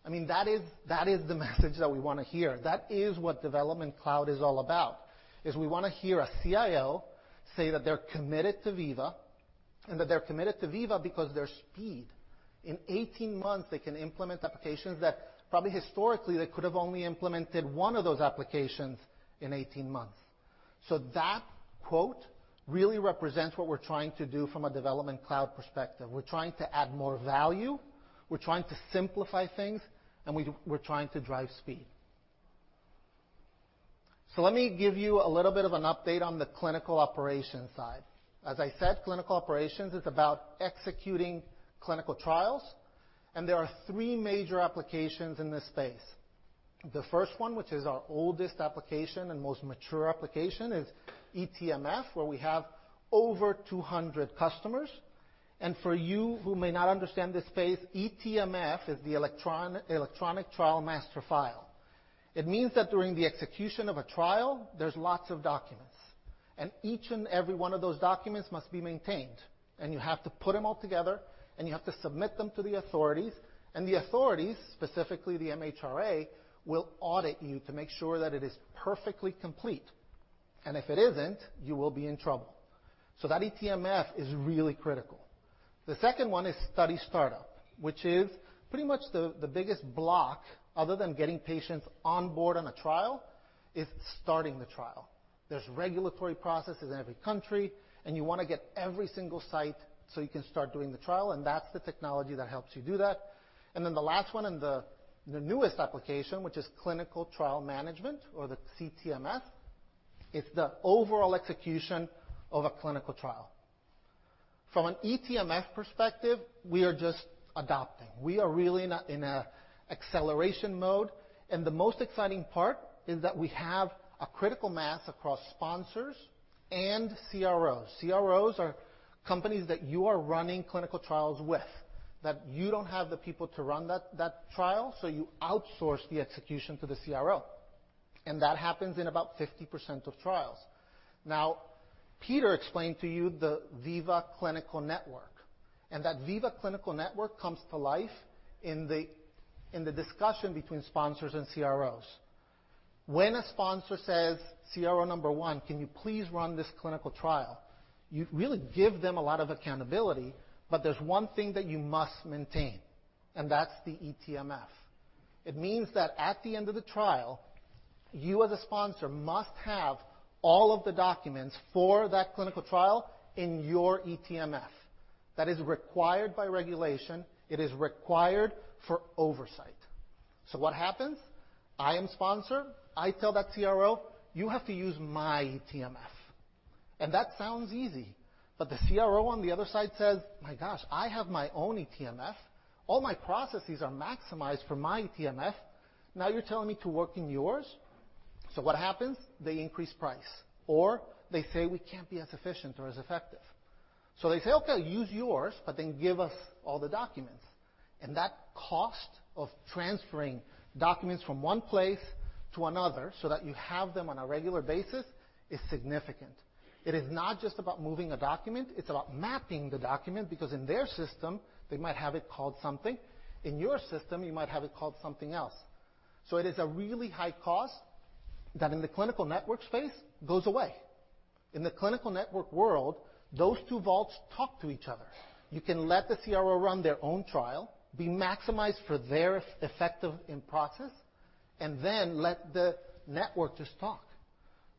I mean, that is the message that we wanna hear. That is what Development Cloud is all about, is we wanna hear a CIO say that they're committed to Veeva, and that they're committed to Veeva because their speed. In 18 months, they can implement applications that probably historically they could have only implemented one of those applications in 18 months. That quote really represents what we're trying to do from a Development Cloud perspective. We're trying to add more value, we're trying to simplify things, we're trying to drive speed. Let me give you a little bit of an update on the clinical operations side. As I said, clinical operations is about executing clinical trials, and there are three major applications in this space. The first one, which is our oldest application and most mature application, is eTMF, where we have over 200 customers. For you who may not understand this space, eTMF is the electronic trial master file. It means that during the execution of a trial, there's lots of documents, and each and every one of those documents must be maintained, and you have to put them all together, and you have to submit them to the authorities. The authorities, specifically the MHRA, will audit you to make sure that it is perfectly complete. If it isn't, you will be in trouble. That eTMF is really critical. The second one is Study Startup, which is pretty much the biggest block other than getting patients on board on a trial is starting the trial. There's regulatory processes in every country, you wanna get every single site so you can start doing the trial, and that's the technology that helps you do that. Then the last one and the newest application, which is Clinical Trial Management or the CTMS, is the overall execution of a clinical trial. From an eTMF perspective, we are just adopting. We are really in an acceleration mode, the most exciting part is that we have a critical mass across sponsors and CROs. CROs are companies that you are running clinical trials with, that you don't have the people to run that trial, so you outsource the execution to the CRO. That happens in about 50% of trials. Now, Peter explained to you the Veeva Clinical Network, and that Veeva Clinical Network comes to life in the discussion between sponsors and CROs. When a sponsor says, "CRO number one, can you please run this clinical trial?" You really give them a lot of accountability, but there's one thing that you must maintain, and that's the eTMF. It means that at the end of the trial, you as a sponsor must have all of the documents for that clinical trial in your eTMF. That is required by regulation. It is required for oversight. What happens? I am sponsor, I tell that CRO, "You have to use my eTMF." That sounds easy. The CRO on the other side says, "My gosh, I have my own eTMF. All my processes are maximized for my eTMF. Now you're telling me to work in yours?" What happens? They increase price, or they say, "We can't be as efficient or as effective." They say, "Okay, use yours, but then give us all the documents." That cost of transferring documents from one place to another so that you have them on a regular basis is significant. It is not just about moving a document, it's about mapping the document because in their system, they might have it called something. In your system, you might have it called something else. It is a really high cost that in the clinical network space goes away. In the clinical network world, those two Vaults talk to each other. You can let the CRO run their own trial, be maximized for their effective end process, and then let the network just talk.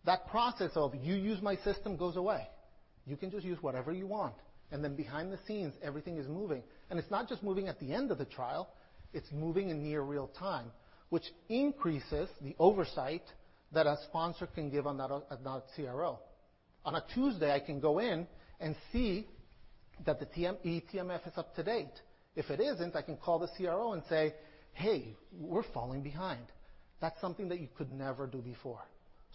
That process of you use my system goes away. You can just use whatever you want, and then behind the scenes, everything is moving. It's not just moving at the end of the trial, it's moving in near real time, which increases the oversight that a sponsor can give on that CRO. On a Tuesday, I can go in and see that the eTMF is up to date. If it isn't, I can call the CRO and say, "Hey, we're falling behind." That's something that you could never do before.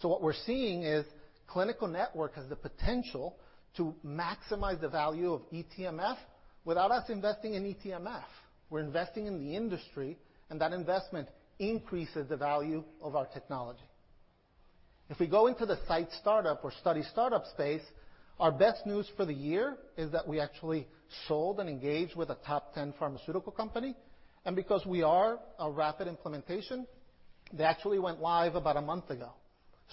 What we're seeing is clinical network has the potential to maximize the value of eTMF without us investing in eTMF. We're investing in the industry, and that investment increases the value of our technology. If we go into the site startup or Study Startup space, our best news for the year is that we actually sold and engaged with a top 10 pharmaceutical company. Because we are a rapid implementation, they actually went live about a month ago.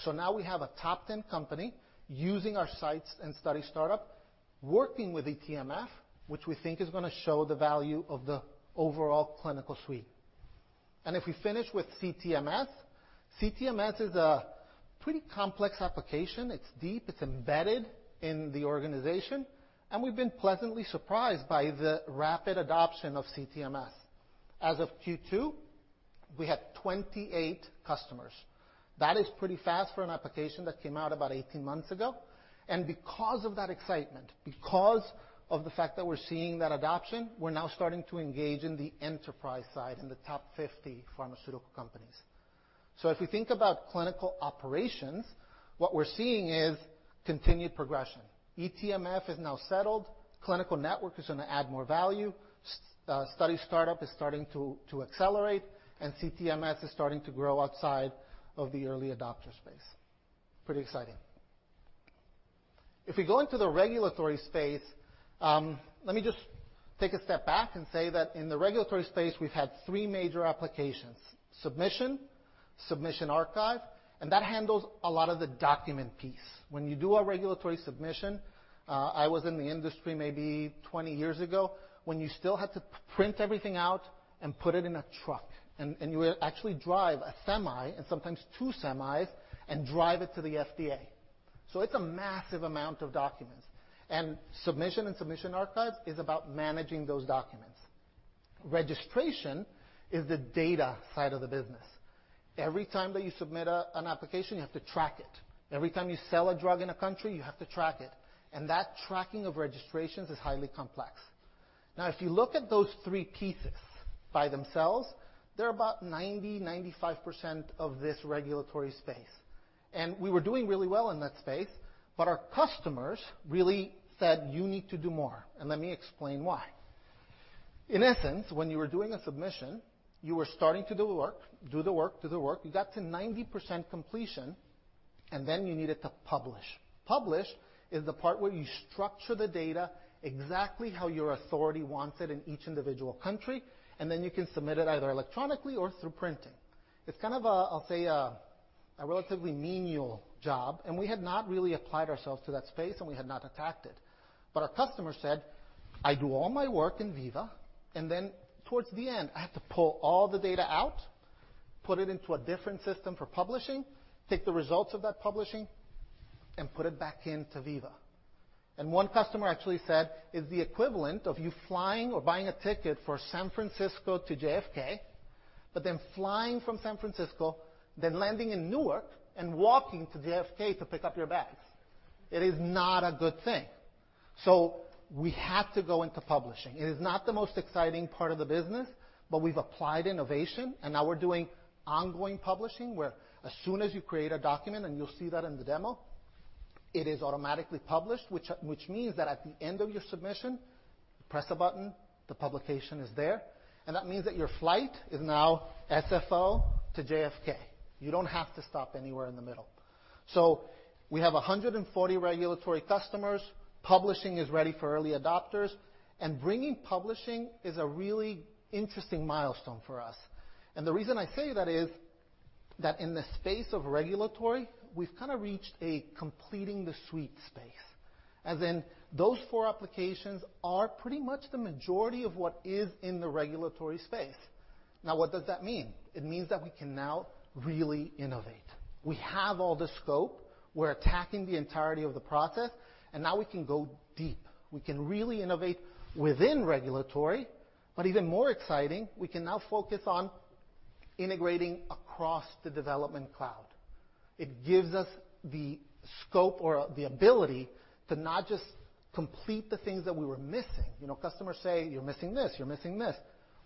Now we have a top 10 company using our Sites and Study Startup, working with eTMF, which we think is going to show the value of the overall Clinical Suite. If we finish with CTMS is a pretty complex application. It's deep, it's embedded in the organization, and we've been pleasantly surprised by the rapid adoption of CTMS. As of Q2, we had 28 customers. That is pretty fast for an application that came out about 18 months ago. Because of that excitement, because of the fact that we're seeing that adoption, we're now starting to engage in the enterprise side in the top 50 pharmaceutical companies. If we think about clinical operations, what we're seeing is continued progression, eTMF is now settled. Clinical Network is gonna add more value. Study Startup is starting to accelerate, and CTMS is starting to grow outside of the early adopter space. Pretty exciting. If we go into the regulatory space, let me just take a step back and say that in the regulatory space, we've had three major applications: Submission Archive, and that handles a lot of the document piece. When you do a regulatory submission, I was in the industry maybe 20 years ago, when you still had to print everything out and put it in a truck, and you would actually drive a semi and sometimes two semis and drive it to the FDA. It's a massive amount of documents, and Submission and Submission Archives is about managing those documents. Registration is the data side of the business. Every time that you submit an application, you have to track it. Every time you sell a drug in a country, you have to track it, and that tracking of registrations is highly complex. If you look at those three pieces by themselves, they're about 90%-95% of this regulatory space. We were doing really well in that space, but our customers really said, "You need to do more." Let me explain why. In essence, when you were doing a submission, you were starting to do work, do the work, you got to 90% completion, and then you needed to publish. Publish is the part where you structure the data exactly how your authority wants it in each individual country, and then you can submit it either electronically or through printing. It's kind of a, I'll say a relatively menial job, and we had not really applied ourselves to that space, and we had not attacked it. A customer said, "I do all my work in Veeva, and then towards the end I have to pull all the data out, put it into a different system for publishing, take the results of that publishing and put it back into Veeva." One customer actually said, "It's the equivalent of you flying or buying a ticket for San Francisco to JFK, but then flying from San Francisco, then landing in Newark and walking to JFK to pick up your bags." It is not a good thing. We have to go into publishing. It is not the most exciting part of the business, but we've applied innovation, now we're doing ongoing publishing, where as soon as you create a document, and you'll see that in the demo, it is automatically published. Which means that at the end of your submission, you press a button, the publication is there. That means that your flight is now SFO to JFK. You don't have to stop anywhere in the middle. We have 140 regulatory customers. Publishing is ready for early adopters, bringing Publishing is a really interesting milestone for us. The reason I say that is that in the space of regulatory, we've kinda reached a completing the suite space. As in those four applications are pretty much the majority of what is in the regulatory space. What does that mean? It means that we can now really innovate. We have all the scope. We're attacking the entirety of the process. We can go deep. We can really innovate within regulatory. Even more exciting, we can now focus on integrating across the Development Cloud. It gives us the scope or the ability to not just complete the things that we were missing. You know, customers say, "You're missing this, you're missing this."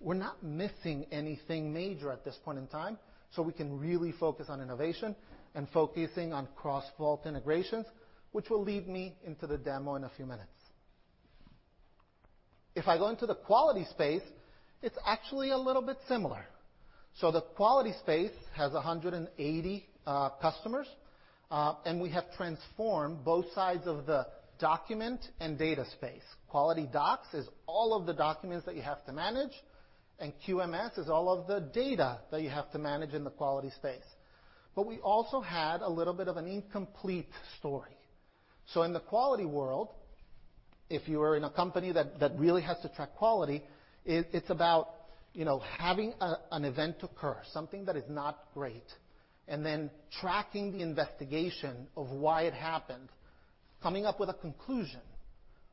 We're not missing anything major at this point in time, so we can really focus on innovation and focusing on cross-Vault integrations, which will lead me into the demo in a few minutes. If I go into the quality space, it's actually a little bit similar. The quality space has 180 customers. We have transformed both sides of the document and data space. QualityDocs is all of the documents that you have to manage, and QMS is all of the data that you have to manage in the quality space. We also had a little bit of an incomplete story. In the quality world, if you are in a company that really has to track quality, it's about, you know, having an event occur, something that is not great, and then tracking the investigation of why it happened, coming up with a conclusion,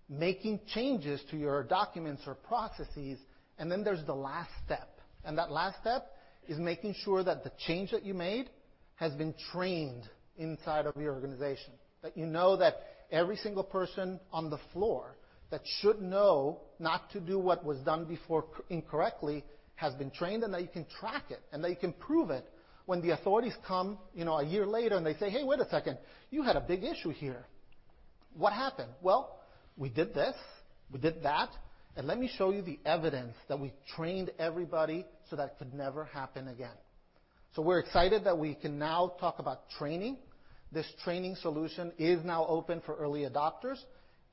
making changes to your documents or processes, and then there's the last step. That last step is making sure that the change that you made has been trained inside of the organization. That you know that every single person on the floor that should know not to do what was done before incorrectly, has been trained, and that you can track it, and that you can prove it when the authorities come, you know, a year later and they say, "Hey, wait a second. You had a big issue here. What happened?" "Well, we did this, we did that, and let me show you the evidence that we trained everybody so that could never happen again." We're excited that we can now talk about Training. This Training solution is now open for early adopters,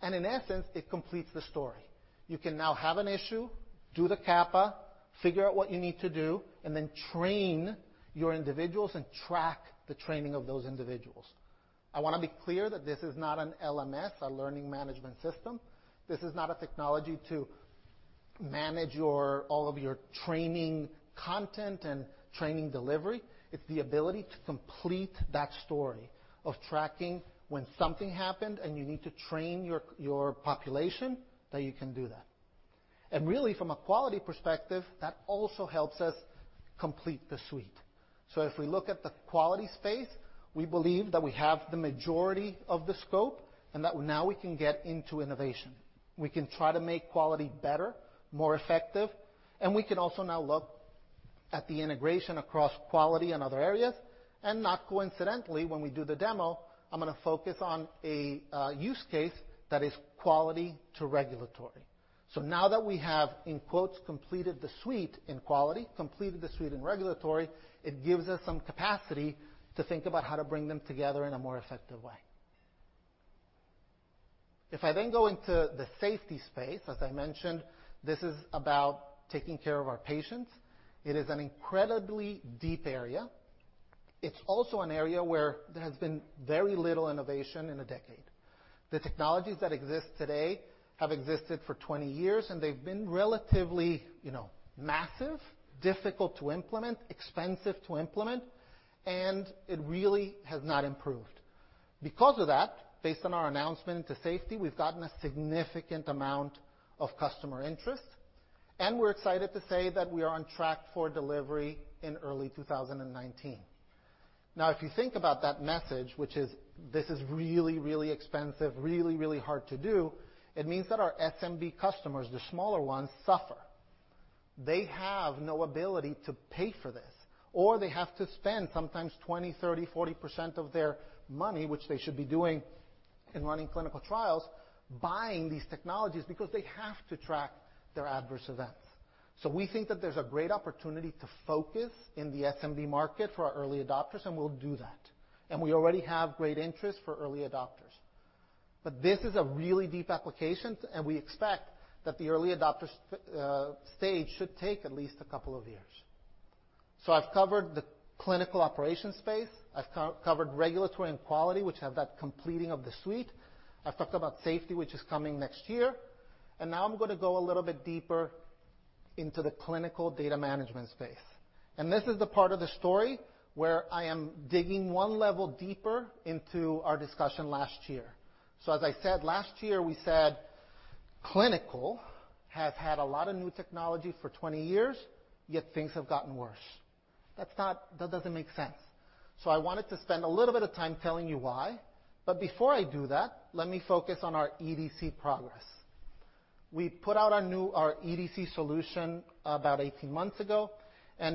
and in essence, it completes the story. You can now have an issue, do the CAPA, figure out what you need to do, and then train your individuals and track the training of those individuals. I want to be clear that this is not an LMS, a learning management system. This is not a technology to manage all of your training content and training delivery. It's the ability to complete that story of tracking when something happened and you need to train your population, that you can do that. Really, from a quality perspective, that also helps us complete the suite. If we look at the quality space, we believe that we have the majority of the scope and that now we can get into innovation. We can try to make quality better, more effective, and we can also now look at the integration across quality and other areas. Not coincidentally, when we do the demo, I'm gonna focus on a use case that is quality to regulatory. Now that we have, in quotes, "completed the suite" in quality, completed the suite in regulatory, it gives us some capacity to think about how to bring them together in a more effective way. If I then go into the safety space, as I mentioned, this is about taking care of our patients. It is an incredibly deep area. It's also an area where there has been very little innovation in a decade. The technologies that exist today have existed for 20 years, and they've been relatively, you know, massive, difficult to implement, expensive to implement, and it really has not improved. Because of that, based on our announcement to Safety, we've gotten a significant amount of customer interest, and we're excited to say that we are on track for delivery in early 2019. If you think about that message, which is this is really, really expensive, really, really hard to do, it means that our SMB customers, the smaller ones, suffer. They have no ability to pay for this, or they have to spend sometimes 20%, 30%, 40% of their money, which they should be doing in running clinical trials, buying these technologies because they have to track their adverse events. We think that there's a great opportunity to focus in the SMB market for our early adopters, and we'll do that. We already have great interest for early adopters. But this is a really deep application, and we expect that the early adopter stage should take at least a couple of years. I've covered the clinical operations space, I've covered regulatory and quality, which have that completing of the suite. I've talked about Safety, which is coming next year. Now I'm gonna go a little bit deeper into the Clinical Data Management space. This is the part of the story where I am digging one level deeper into our discussion last year. As I said last year, we said clinical has had a lot of new technology for 20 years, yet things have gotten worse. That doesn't make sense. I wanted to spend a little bit of time telling you why, but before I do that, let me focus on our EDC progress. We put out our EDC solution about 18 months ago.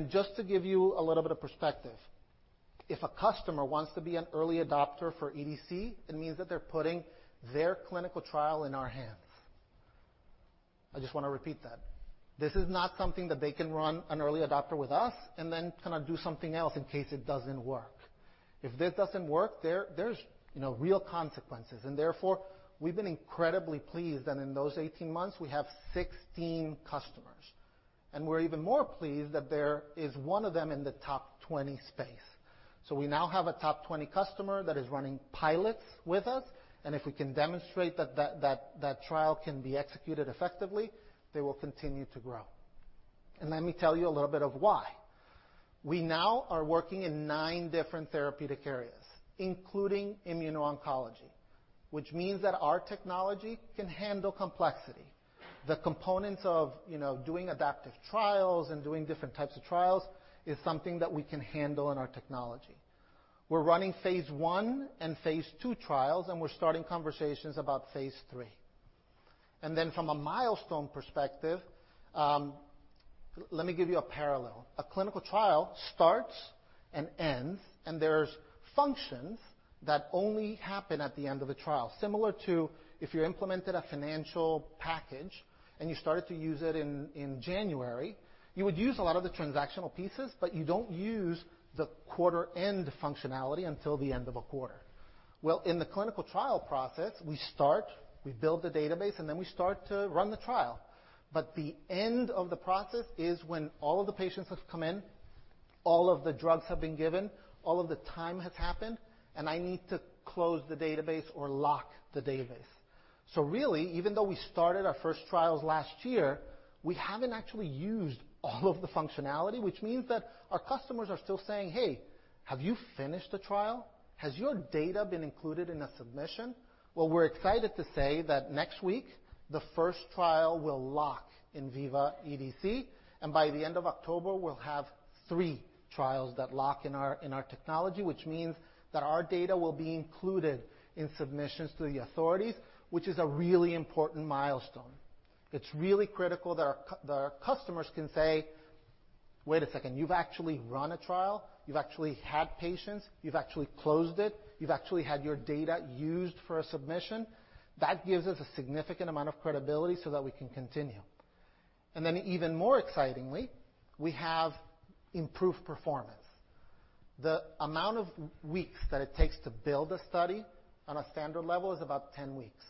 Just to give you a little bit of perspective, if a customer wants to be an early adopter for EDC, it means that they're putting their clinical trial in our hands. I just wanna repeat that. This is not something that they can run an early adopter with us and then kinda do something else in case it doesn't work. If this doesn't work, there's, you know, real consequences. Therefore, we've been incredibly pleased that in those 18 months, we have 16 customers. We're even more pleased that there is one of them in the top 20 space. We now have a top 20 customer that is running pilots with us, and if we can demonstrate that trial can be executed effectively, they will continue to grow. Let me tell you a little bit of why. We now are working in nine different therapeutic areas, including immuno-oncology, which means that our technology can handle complexity. The components of, you know, doing adaptive trials and doing different types of trials is something that we can handle in our technology. We're running phase I and phase II trials, and we're starting conversations about phase III. From a milestone perspective, let me give you a parallel. A clinical trial starts and ends, and there's functions that only happen at the end of a trial. Similar to if you implemented a financial package and you started to use it in January, you would use a lot of the transactional pieces, but you don't use the quarter-end functionality until the end of a quarter. Well, in the clinical trial process, we start, we build the database, and then we start to run the trial. The end of the process is when all of the patients have come in, all of the drugs have been given, all of the time has happened, and I need to close the database or lock the database. Really, even though we started our first trials last year, we haven't actually used all of the functionality, which means that our customers are still saying, "Hey, have you finished a trial? Has your data been included in a submission? Well, we're excited to say that next week the 1st trial will lock in Veeva EDC, and by the end of October, we'll have three trials that lock in our technology, which means that our data will be included in submissions to the authorities, which is a really important milestone. It's really critical that our customers can say, "Wait a second, you've actually run a trial, you've actually had patients, you've actually closed it, you've actually had your data used for a submission?" That gives us a significant amount of credibility so that we can continue. Then even more excitingly, we have improved performance. The amount of weeks that it takes to build a study on a standard level is about 10 weeks.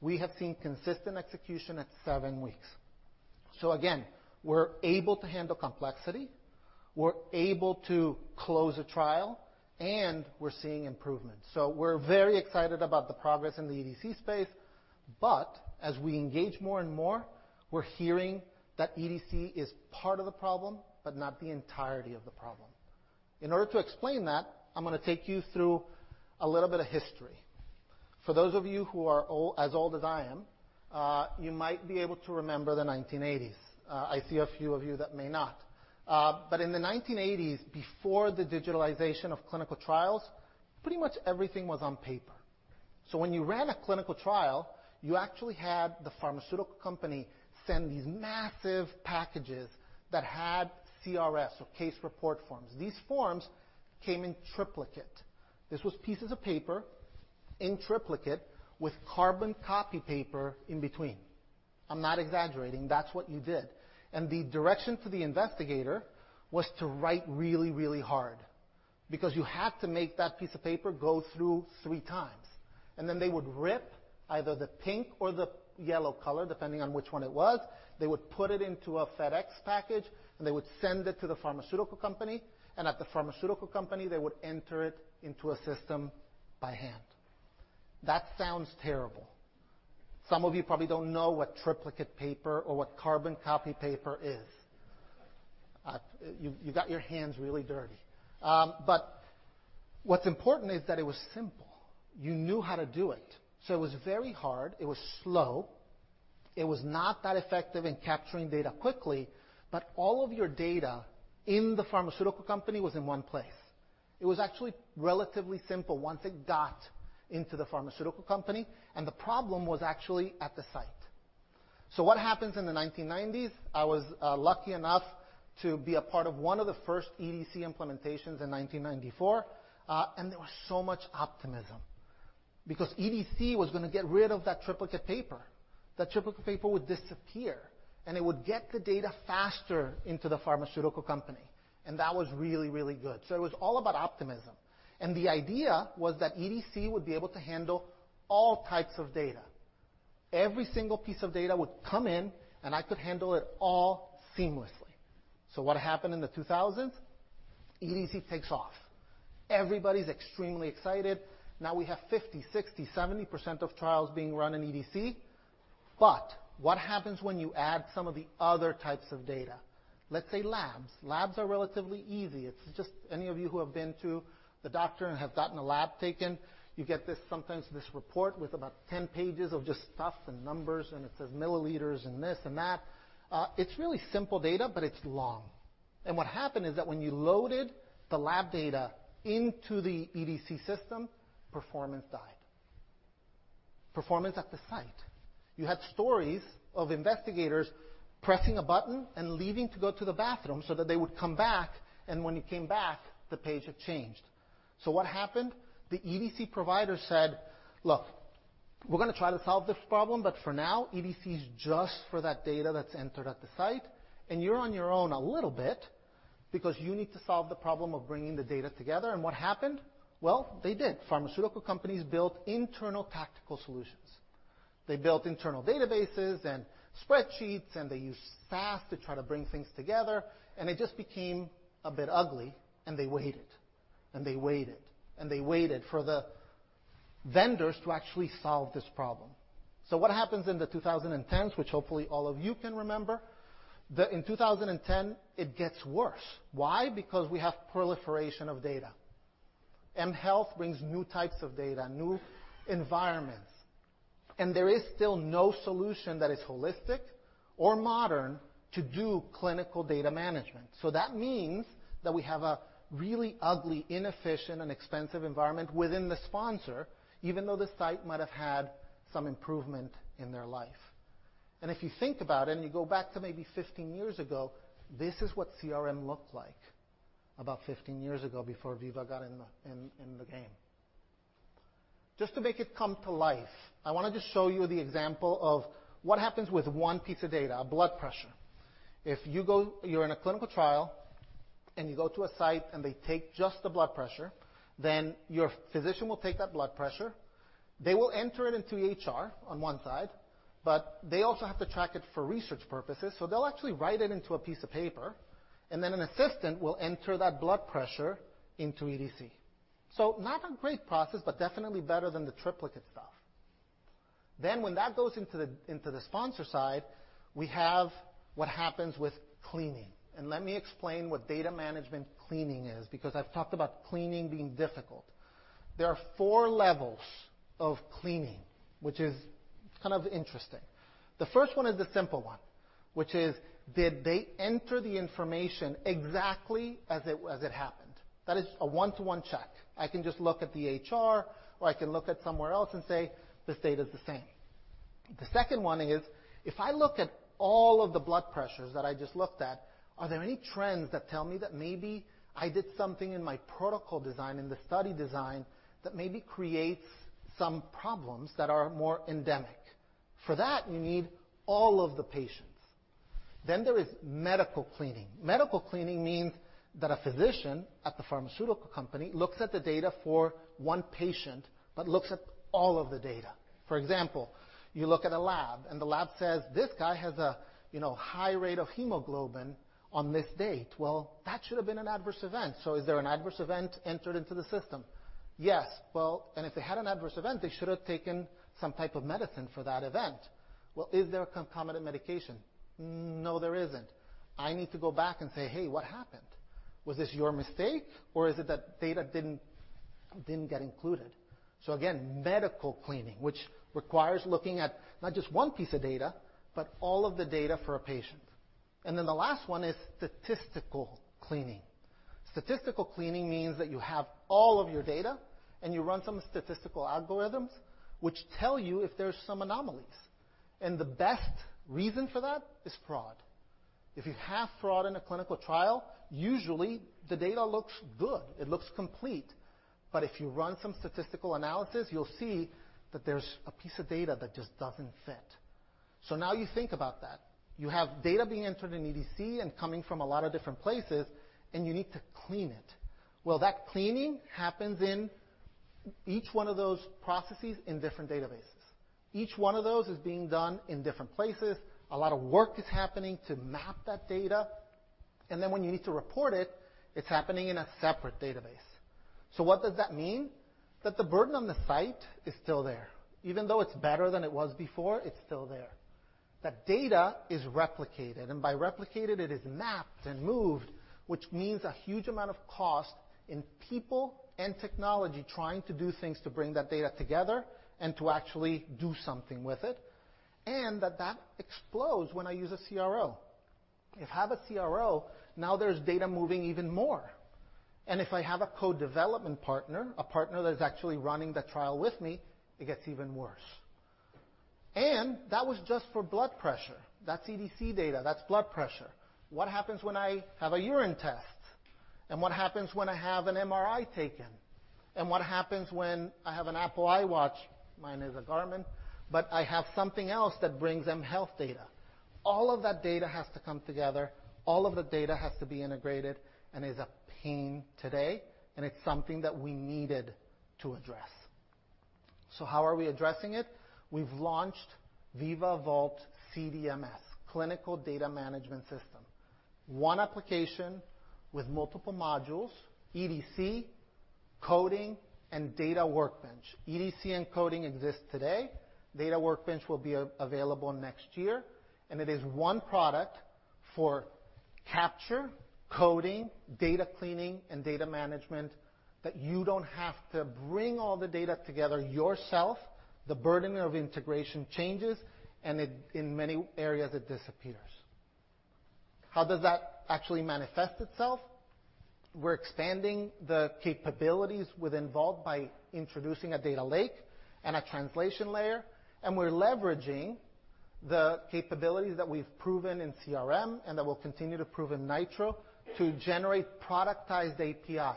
We have seen consistent execution at seven weeks. Again, we're able to handle complexity, we're able to close a trial, and we're seeing improvement. We're very excited about the progress in the EDC space. As we engage more and more, we're hearing that EDC is part of the problem, but not the entirety of the problem. In order to explain that, I'm gonna take you through a little bit of history. For those of you who are as old as I am, you might be able to remember the 1980s. I see a few of you that may not. In the 1980s, before the digitalization of clinical trials, pretty much everything was on paper. When you ran a clinical trial, you actually had the pharmaceutical company send these massive packages that had CRFs or case report forms. These forms came in triplicate. This was pieces of paper in triplicate with carbon copy paper in between. I'm not exaggerating. That's what you did. The direction to the investigator was to write really, really hard because you had to make that piece of paper go through three times. Then they would rip either the pink or the yellow color, depending on which one it was. They would put it into a FedEx package, and they would send it to the pharmaceutical company. At the pharmaceutical company, they would enter it into a system by hand. That sounds terrible. Some of you probably don't know what triplicate paper or what carbon copy paper is. You got your hands really dirty. What's important is that it was simple. You knew how to do it. It was very hard. It was slow. It was not that effective in capturing data quickly, but all of your data in the pharmaceutical company was in one place. It was actually relatively simple once it got into the pharmaceutical company, and the problem was actually at the site. What happens in the 1990s, I was lucky enough to be a part of one of the first EDC implementations in 1994, and there was so much optimism because EDC was gonna get rid of that triplicate paper. The triplicate paper would disappear, and it would get the data faster into the pharmaceutical company, and that was really, really good. It was all about optimism. The idea was that EDC would be able to handle all types of data. Every single piece of data would come in, and I could handle it all seamlessly. What happened in the 2000s? EDC takes off. Everybody's extremely excited. We have 50%, 60%, 70% of trials being run in EDC. But what happens when you add some of the other types of data? Let's say labs. Labs are relatively easy. It's just any of you who have been to the doctor and have gotten a lab taken, you get this sometimes this report with about 10 pages of just stuff and numbers, and it says milliliters and this and that. It's really simple data, but it's long. What happened is that when you loaded the lab data into the EDC system, performance died. Performance at the site. You had stories of investigators pressing a button and leaving to go to the bathroom so that they would come back, and when you came back, the page had changed. What happened? The EDC provider said, "Look, we're gonna try to solve this problem, but for now, EDC is just for that data that's entered at the site, and you're on your own a little bit because you need to solve the problem of bringing the data together." What happened? Well, they did. Pharmaceutical companies built internal tactical solutions. They built internal databases and spreadsheets, and they used SAS to try to bring things together, and it just became a bit ugly, and they waited, and they waited, and they waited for the vendors to actually solve this problem. What happens in the 2010s, which hopefully all of you can remember, in 2010, it gets worse. Why? Because we have proliferation of data. mHealth brings new types of data, new environments. There is still no solution that is holistic or modern to do Clinical Data Management. That means that we have a really ugly, inefficient, and expensive environment within the sponsor, even though the site might have had some improvement in their life. If you think about it and you go back to maybe 15 years ago, this is what CRM looked like about 15 years ago before Veeva got in the game. Just to make it come to life, I wanted to show you the example of what happens with one piece of data, a blood pressure. If you're in a clinical trial, you go to a site and they take just the blood pressure. Your physician will take that blood pressure. They will enter it into EHR on one side, they also have to track it for research purposes. They'll actually write it into a piece of paper, and then an assistant will enter that blood pressure into EDC. Not a great process, but definitely better than the triplicate stuff. When that goes into the sponsor side, we have what happens with cleaning. Let me explain what data management cleaning is because I've talked about cleaning being difficult. There are four levels of cleaning, which is kind of interesting. The first one is the simple one, which is, did they enter the information exactly as it happened? That is a one-to-one check. I can just look at the EHR, or I can look at somewhere else and say this data is the same. The second one is if I look at all of the blood pressures that I just looked at, are there any trends that tell me that maybe I did something in my protocol design, in the study design that maybe creates some problems that are more endemic? For that, you need all of the patients. There is medical cleaning. Medical cleaning means that a physician at the pharmaceutical company looks at the data for one patient, but looks at all of the data. For example, you look at a lab, and the lab says, "This guy has a, you know, high rate of hemoglobin on this date." Well, that should have been an adverse event. Is there an adverse event entered into the system? Yes. Well, if they had an adverse event, they should have taken some type of medicine for that event. Well, is there a concomitant medication? No, there isn't. I need to go back and say, "Hey, what happened? Was this your mistake or is it that data didn't get included?" Again, medical cleaning, which requires looking at not just one piece of data, but all of the data for a patient. The last one is statistical cleaning. Statistical cleaning means that you have all of your data and you run some statistical algorithms which tell you if there's some anomalies. The best reason for that is fraud. If you have fraud in a clinical trial, usually the data looks good, it looks complete. If you run some statistical analysis, you'll see that there's a piece of data that just doesn't fit. Now you think about that. You have data being entered in EDC and coming from a lot of different places, and you need to clean it. Well, that cleaning happens in each one of those processes in different databases. Each one of those is being done in different places. A lot of work is happening to map that data. When you need to report it's happening in a separate database. What does that mean? That the burden on the site is still there. Even though it's better than it was before, it's still there. That data is replicated, and by replicated, it is mapped and moved, which means a huge amount of cost in people and technology trying to do things to bring that data together and to actually do something with it, and that that explodes when I use a CRO. If I have a CRO, now there's data moving even more. If I have a co-development partner, a partner that is actually running that trial with me, it gets even worse. That was just for blood pressure. That's EDC data. That's blood pressure. What happens when I have a urine test? What happens when I have an MRI taken? What happens when I have an Apple Watch? Mine is a Garmin, but I have something else that brings them health data. All of that data has to come together. All of the data has to be integrated, and is a pain today, and it's something that we needed to address. How are we addressing it? We've launched Veeva Vault CDMS, Clinical Data Management System. One application with multiple modules, EDC, coding, and Data Workbench. EDC and coding exist today. Data Workbench will be available next year. It is one product for capture, coding, data cleaning, and data management that you don't have to bring all the data together yourself. The burden of integration changes. In many areas, it disappears. How does that actually manifest itself? We're expanding the capabilities within Vault by introducing a data lake and a translation layer. We're leveraging the capabilities that we've proven in CRM and that we'll continue to prove in Nitro to generate productized APIs.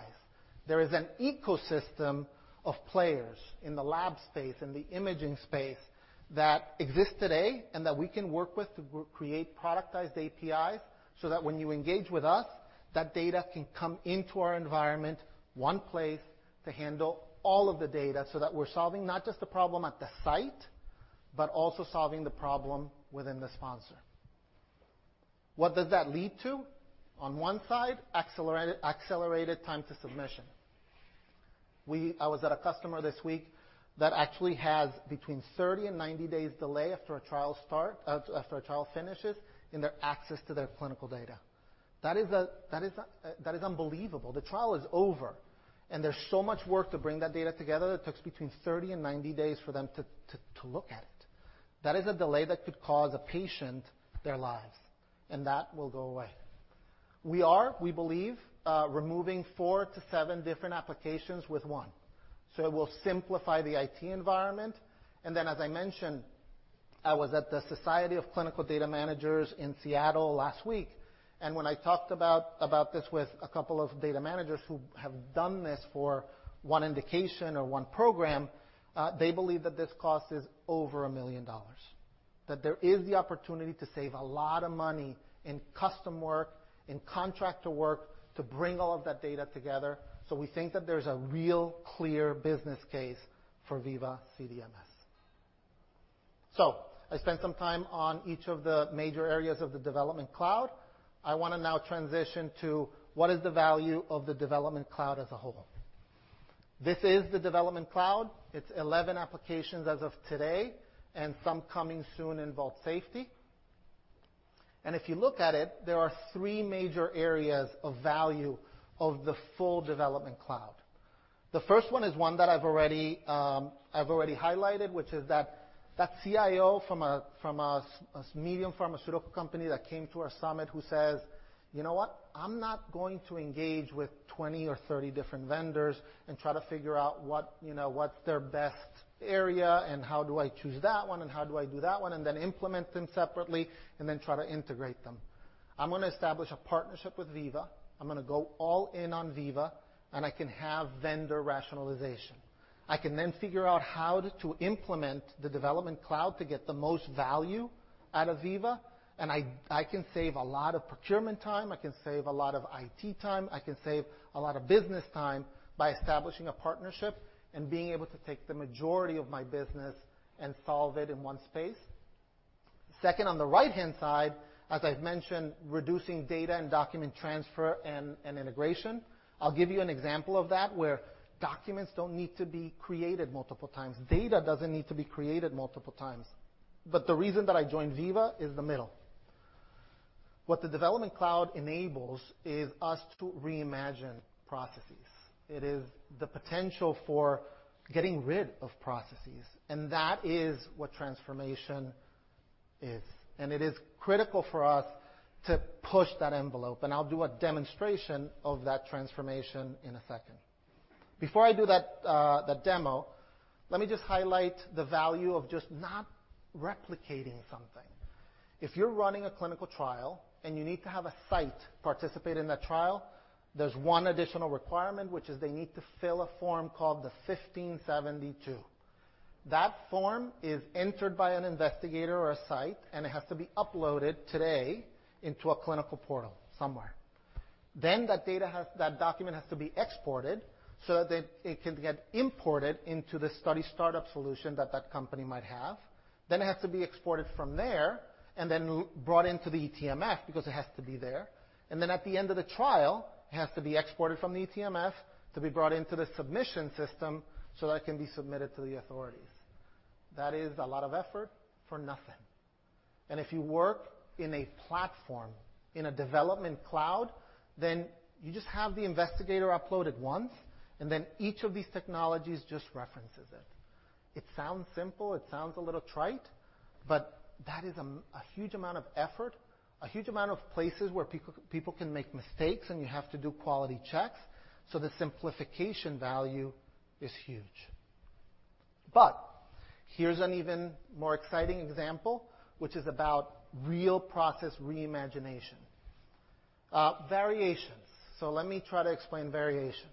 There is an ecosystem of players in the lab space, in the imaging space that exist today and that we can work with to create productized APIs, so that when you engage with us, that data can come into our environment, one place to handle all of the data so that we're solving not just the problem at the site, but also solving the problem within the sponsor. What does that lead to? On one side, accelerated time to submission. I was at a customer this week that actually has between 30 days and 90 days delay after a trial start, after a trial finishes in their access to their clinical data. That is unbelievable. The trial is over, there's so much work to bring that data together that it takes between 30 days and 90 days for them to look at it. That is a delay that could cost a patient their lives, that will go away. We are, we believe, removing four to seven different applications with one. It will simplify the IT environment. As I mentioned, I was at the Society for Clinical Data Managers in Seattle last week, when I talked about this with a couple of data managers who have done this for one indication or one program, they believe that this cost is over $1 million. There is the opportunity to save a lot of money in custom work, in contractor work to bring all of that data together. We think that there's a real clear business case for Veeva CDMS. I spent some time on each of the major areas of the Development Cloud. I wanna now transition to what is the value of the Development Cloud as a whole. This is the Development Cloud. It's 11 applications as of today and some coming soon in Vault Safety. If you look at it, there are three major areas of value of the full Development Cloud. The first one is one that I've already highlighted, which is that that CIO from a medium pharmaceutical company that came to our summit who says, 'You know what?' I'm not going to engage with 20 or 30 different vendors and try to figure out what, you know, what's their best area and how do I choose that one and how do I do that one, and then implement them separately and then try to integrate them. I'm gonna establish a partnership with Veeva. I'm gonna go all in on Veeva, and I can have vendor rationalization. I can then figure out how to implement the Development Cloud to get the most value out of Veeva, and I can save a lot of procurement time, I can save a lot of IT time, I can save a lot of business time by establishing a partnership and being able to take the majority of my business and solve it in one space. Second, on the right-hand side, as I've mentioned, reducing data and document transfer and integration. I'll give you an example of that where documents don't need to be created multiple times. Data doesn't need to be created multiple times. The reason that I joined Veeva is the middle. What the Development Cloud enables is us to reimagine processes. It is the potential for getting rid of processes, and that is what transformation is. It is critical for us to push that envelope, and I'll do a demonstration of that transformation in a second. Before I do that demo, let me just highlight the value of just not replicating something. If you're running a clinical trial and you need to have a site participate in that trial, there's one additional requirement, which is they need to fill a form called the 1572. That form is entered by an investigator or a site, it has to be uploaded today into a clinical portal somewhere. That document has to be exported so that it can get imported into the Study Startup solution that that company might have. It has to be exported from there and then brought into the eTMF because it has to be there. At the end of the trial, it has to be exported from the eTMF to be brought into the submission system so that it can be submitted to the authorities. That is a lot of effort for nothing. If you work in a platform, in a Development Cloud, then you just have the investigator upload it once, and then each of these technologies just references it. It sounds simple, it sounds a little trite, but that is a huge amount of effort, a huge amount of places where people can make mistakes, and you have to do quality checks. The simplification value is huge. Here's an even more exciting example, which is about real process reimagination. Variations. Let me try to explain variations.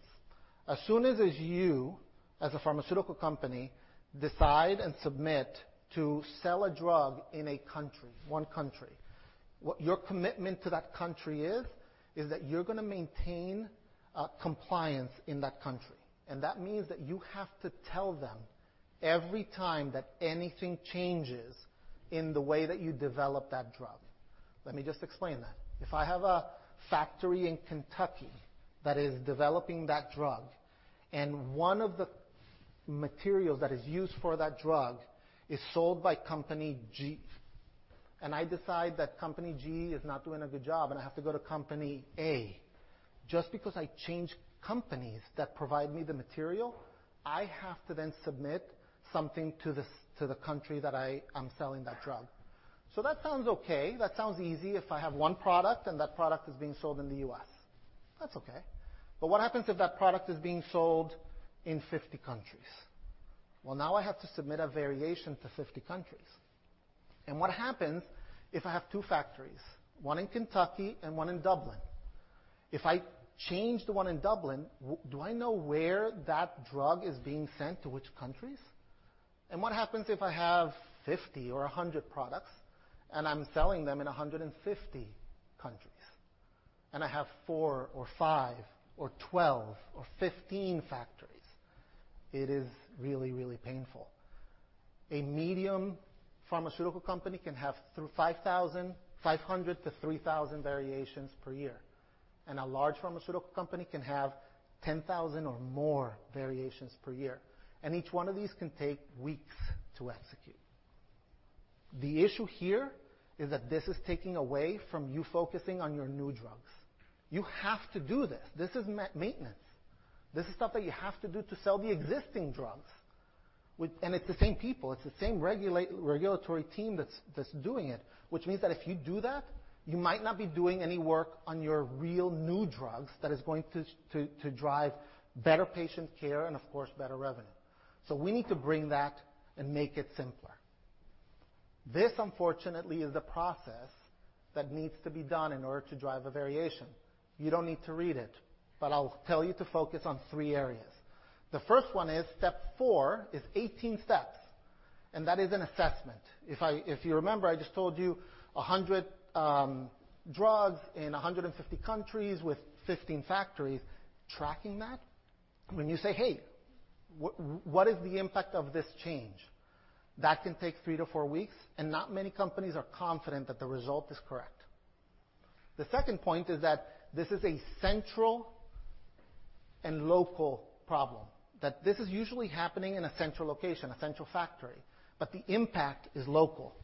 As soon as you, as a pharmaceutical company, decide and submit to sell a drug in a country, one country, what your commitment to that country is, that you're gonna maintain, compliance in that country. That means that you have to tell them every time that anything changes in the way that you develop that drug. Let me just explain that. If I have a factory in Kentucky that is developing that drug, one of the materials that is used for that drug is sold by company G, and I decide that company G is not doing a good job, I have to go to company A, just because I change companies that provide me the material, I have to submit something to the country that I am selling that drug. That sounds okay. That sounds easy if I have one product and that product is being sold in the U.S. That's okay. What happens if that product is being sold in 50 countries? Now I have to submit a variation to 50 countries. What happens if I have two factories, one in Kentucky and one in Dublin? If I change the one in Dublin, do I know where that drug is being sent to which countries? What happens if I have 50 or 100 products and I'm selling them in 150 countries, and I have four or five or 12 or 15 factories? It is really, really painful. A medium pharmaceutical company can have 500 variations-3,000 variations per year, and a large pharmaceutical company can have 10,000 or more variations per year, and each one of these can take weeks to execute. The issue here is that this is taking away from you focusing on your new drugs. You have to do this. This is maintenance. This is stuff that you have to do to sell the existing drugs. It's the same people, it's the same regulatory team that's doing it. Which means that if you do that, you might not be doing any work on your real new drugs that is going to drive better patient care and of course, better revenue. We need to bring that and make it simpler. This, unfortunately, is the process that needs to be done in order to drive a variation. You don't need to read it, but I'll tell you to focus on three areas. The first one is step four is 18 steps, and that is an assessment. If you remember, I just told you 100 drugs in 150 countries with 15 factories. Tracking that, when you say, "Hey, what is the impact of this change?" That can take three to four weeks, and not many companies are confident that the result is correct. The second point is that this is a central and local problem, that this is usually happening in a central location, a central factory, but the impact is local.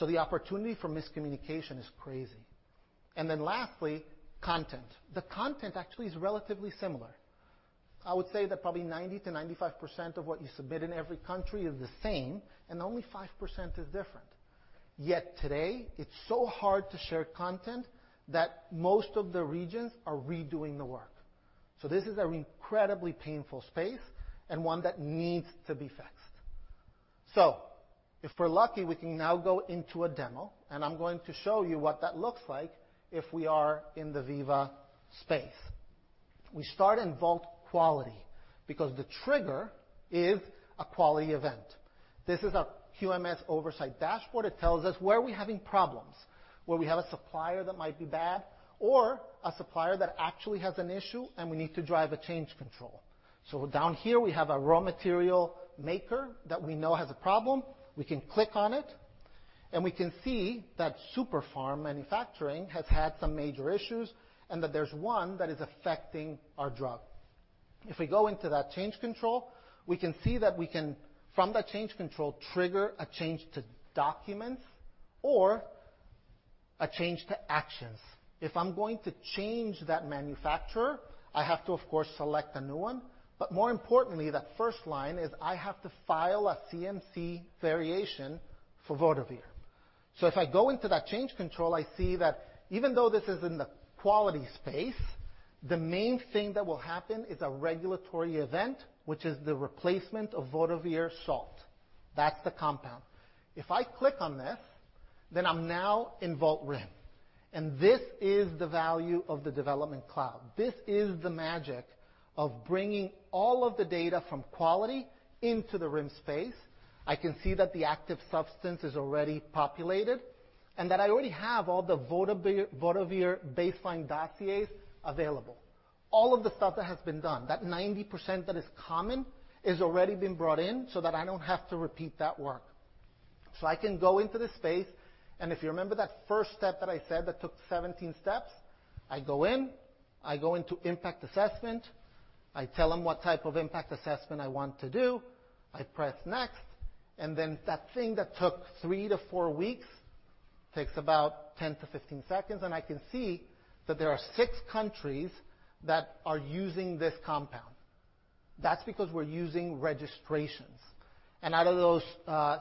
The opportunity for miscommunication is crazy. Lastly, content. The content actually is relatively similar. I would say that probably 90%-95% of what you submit in every country is the same and only 5% is different. Yet today, it's so hard to share content that most of the regions are redoing the work. This is an incredibly painful space and one that needs to be fixed. If we're lucky, we can now go into a demo, I'm going to show you what that looks like if we are in the Veeva space. We start in Vault Quality because the trigger is a quality event. This is a QMS oversight dashboard. It tells us where we're having problems, where we have a supplier that might be bad or a supplier that actually has an issue and we need to drive a change control. Down here we have a raw material maker that we know has a problem. We can click on it, and we can see that Super Pharm Manufacturing has had some major issues and that there's one that is affecting our drug. If we go into that change control, we can see that we can, from that change control, trigger a change to documents or a change to actions. If I'm going to change that manufacturer, I have to of course select a new one. More importantly, that first line is I have to file a CMC variation for Vodovir. If I go into that change control, I see that even though this is in the quality space, the main thing that will happen is a regulatory event, which is the replacement of Vodovir salt. That's the compound. If I click on this, I'm now in Vault RIM, and this is the value of the Development Cloud. This is the magic of bringing all of the data from quality into the RIM space. I can see that the active substance is already populated and that I already have all the Vodovir baseline dossiers available. All of the stuff that has been done, that 90% that is common, has already been brought in so that I don't have to repeat that work. I can go into this space. If you remember that first step that I said that took 17 steps, I go in, I go into Impact Assessment, I tell them what type of impact assessment I want to do, I press Next, then that thing that took three to four weeks takes about 10 seconds-15 seconds. I can see that there are six countries that are using this compound. That's because we're using Registrations. Out of those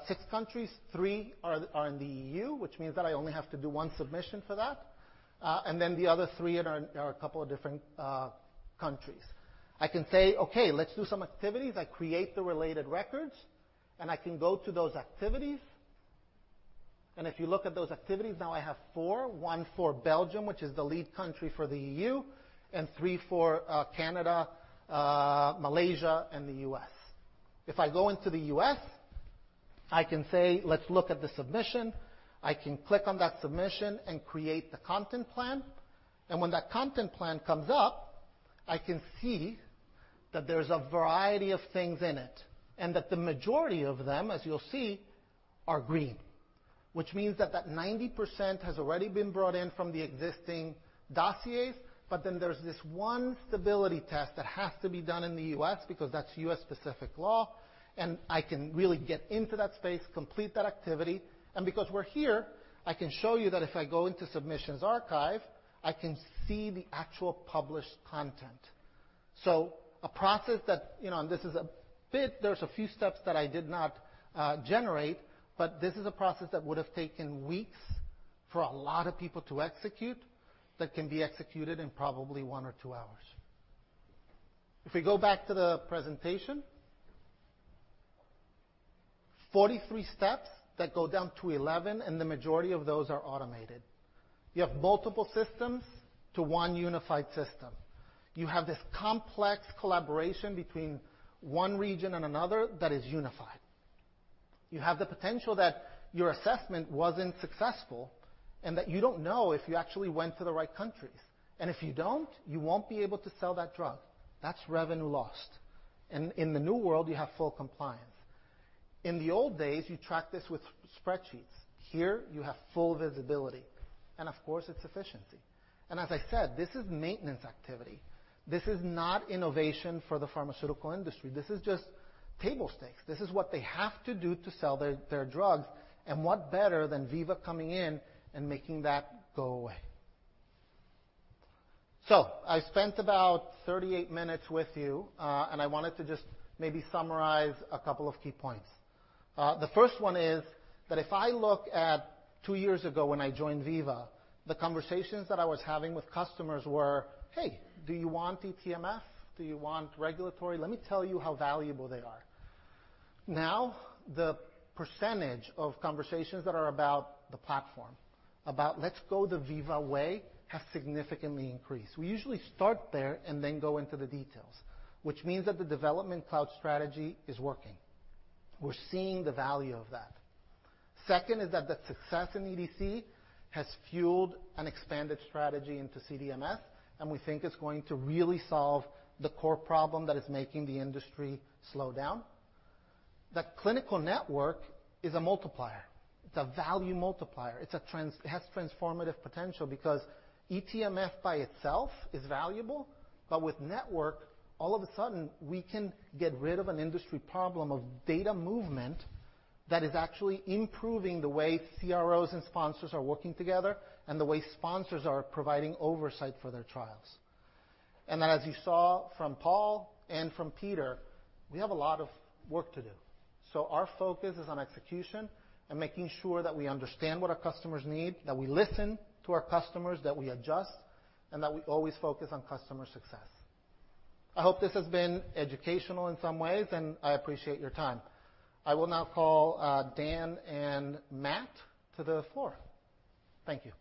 six countries, three are in the EU, which means that I only have to do one submission for that. Then the other three are a couple of different countries. I can say, "Okay, let's do some activities." I create the related records, I can go to those activities. If you look at those activities, now I have four. One for Belgium, which is the lead country for the EU, and three for Canada, Malaysia, and the U.S. If I go into the U.S., I can say, "Let's look at the submission." I can click on that submission and create the content plan. When that content plan comes up, I can see that there's a variety of things in it, and that the majority of them, as you'll see, are green, which means that that 90% has already been brought in from the existing dossiers. Then there's this one stability test that has to be done in the U.S. because that's U.S. specific law, and I can really get into that space, complete that activity. Because we're here, I can show you that if I go into Submissions Archive, I can see the actual published content. A process that, you know, there's a few steps that I did not generate, but this is a process that would have taken weeks for a lot of people to execute that can be executed in probably one or two hours. If we go back to the presentation. 43 steps that go down to 11, the majority of those are automated. You have multiple systems to one unified system. You have this complex collaboration between one region and another that is unified. You have the potential that your assessment wasn't successful and that you don't know if you actually went to the right countries. If you don't, you won't be able to sell that drug. That's revenue lost. In the new world, you have full compliance. In the old days, you track this with spreadsheets. Here you have full visibility, of course, it's efficiency. As I said, this is maintenance activity. This is not innovation for the pharmaceutical industry. This is just table stakes. This is what they have to do to sell their drugs. What better than Veeva coming in and making that go away? I spent about 38 minutes with you. I wanted to just maybe summarize a couple of key points. The first one is that if I look at two years ago when I joined Veeva, the conversations that I was having with customers were, "Hey, do you want eTMF? Do you want regulatory? Let me tell you how valuable they are." Now, the percentage of conversations that are about the platform, about let's go the Veeva Way, has significantly increased. We usually start there and then go into the details, which means that the Development Cloud strategy is working. We're seeing the value of that. Second is that the success in EDC has fueled an expanded strategy into CDMS, and we think it's going to really solve the core problem that is making the industry slow down. The Clinical Network is a multiplier. It's a value multiplier. It has transformative potential because eTMF by itself is valuable. With network, all of a sudden, we can get rid of an industry problem of data movement that is actually improving the way CROs and sponsors are working together and the way sponsors are providing oversight for their trials. As you saw from Paul and from Peter, we have a lot of work to do. Our focus is on execution and making sure that we understand what our customers need, that we listen to our customers, that we adjust, and that we always focus on customer success. I hope this has been educational in some ways, and I appreciate your time. I will now call Dan and Matt to the floor. Thank you.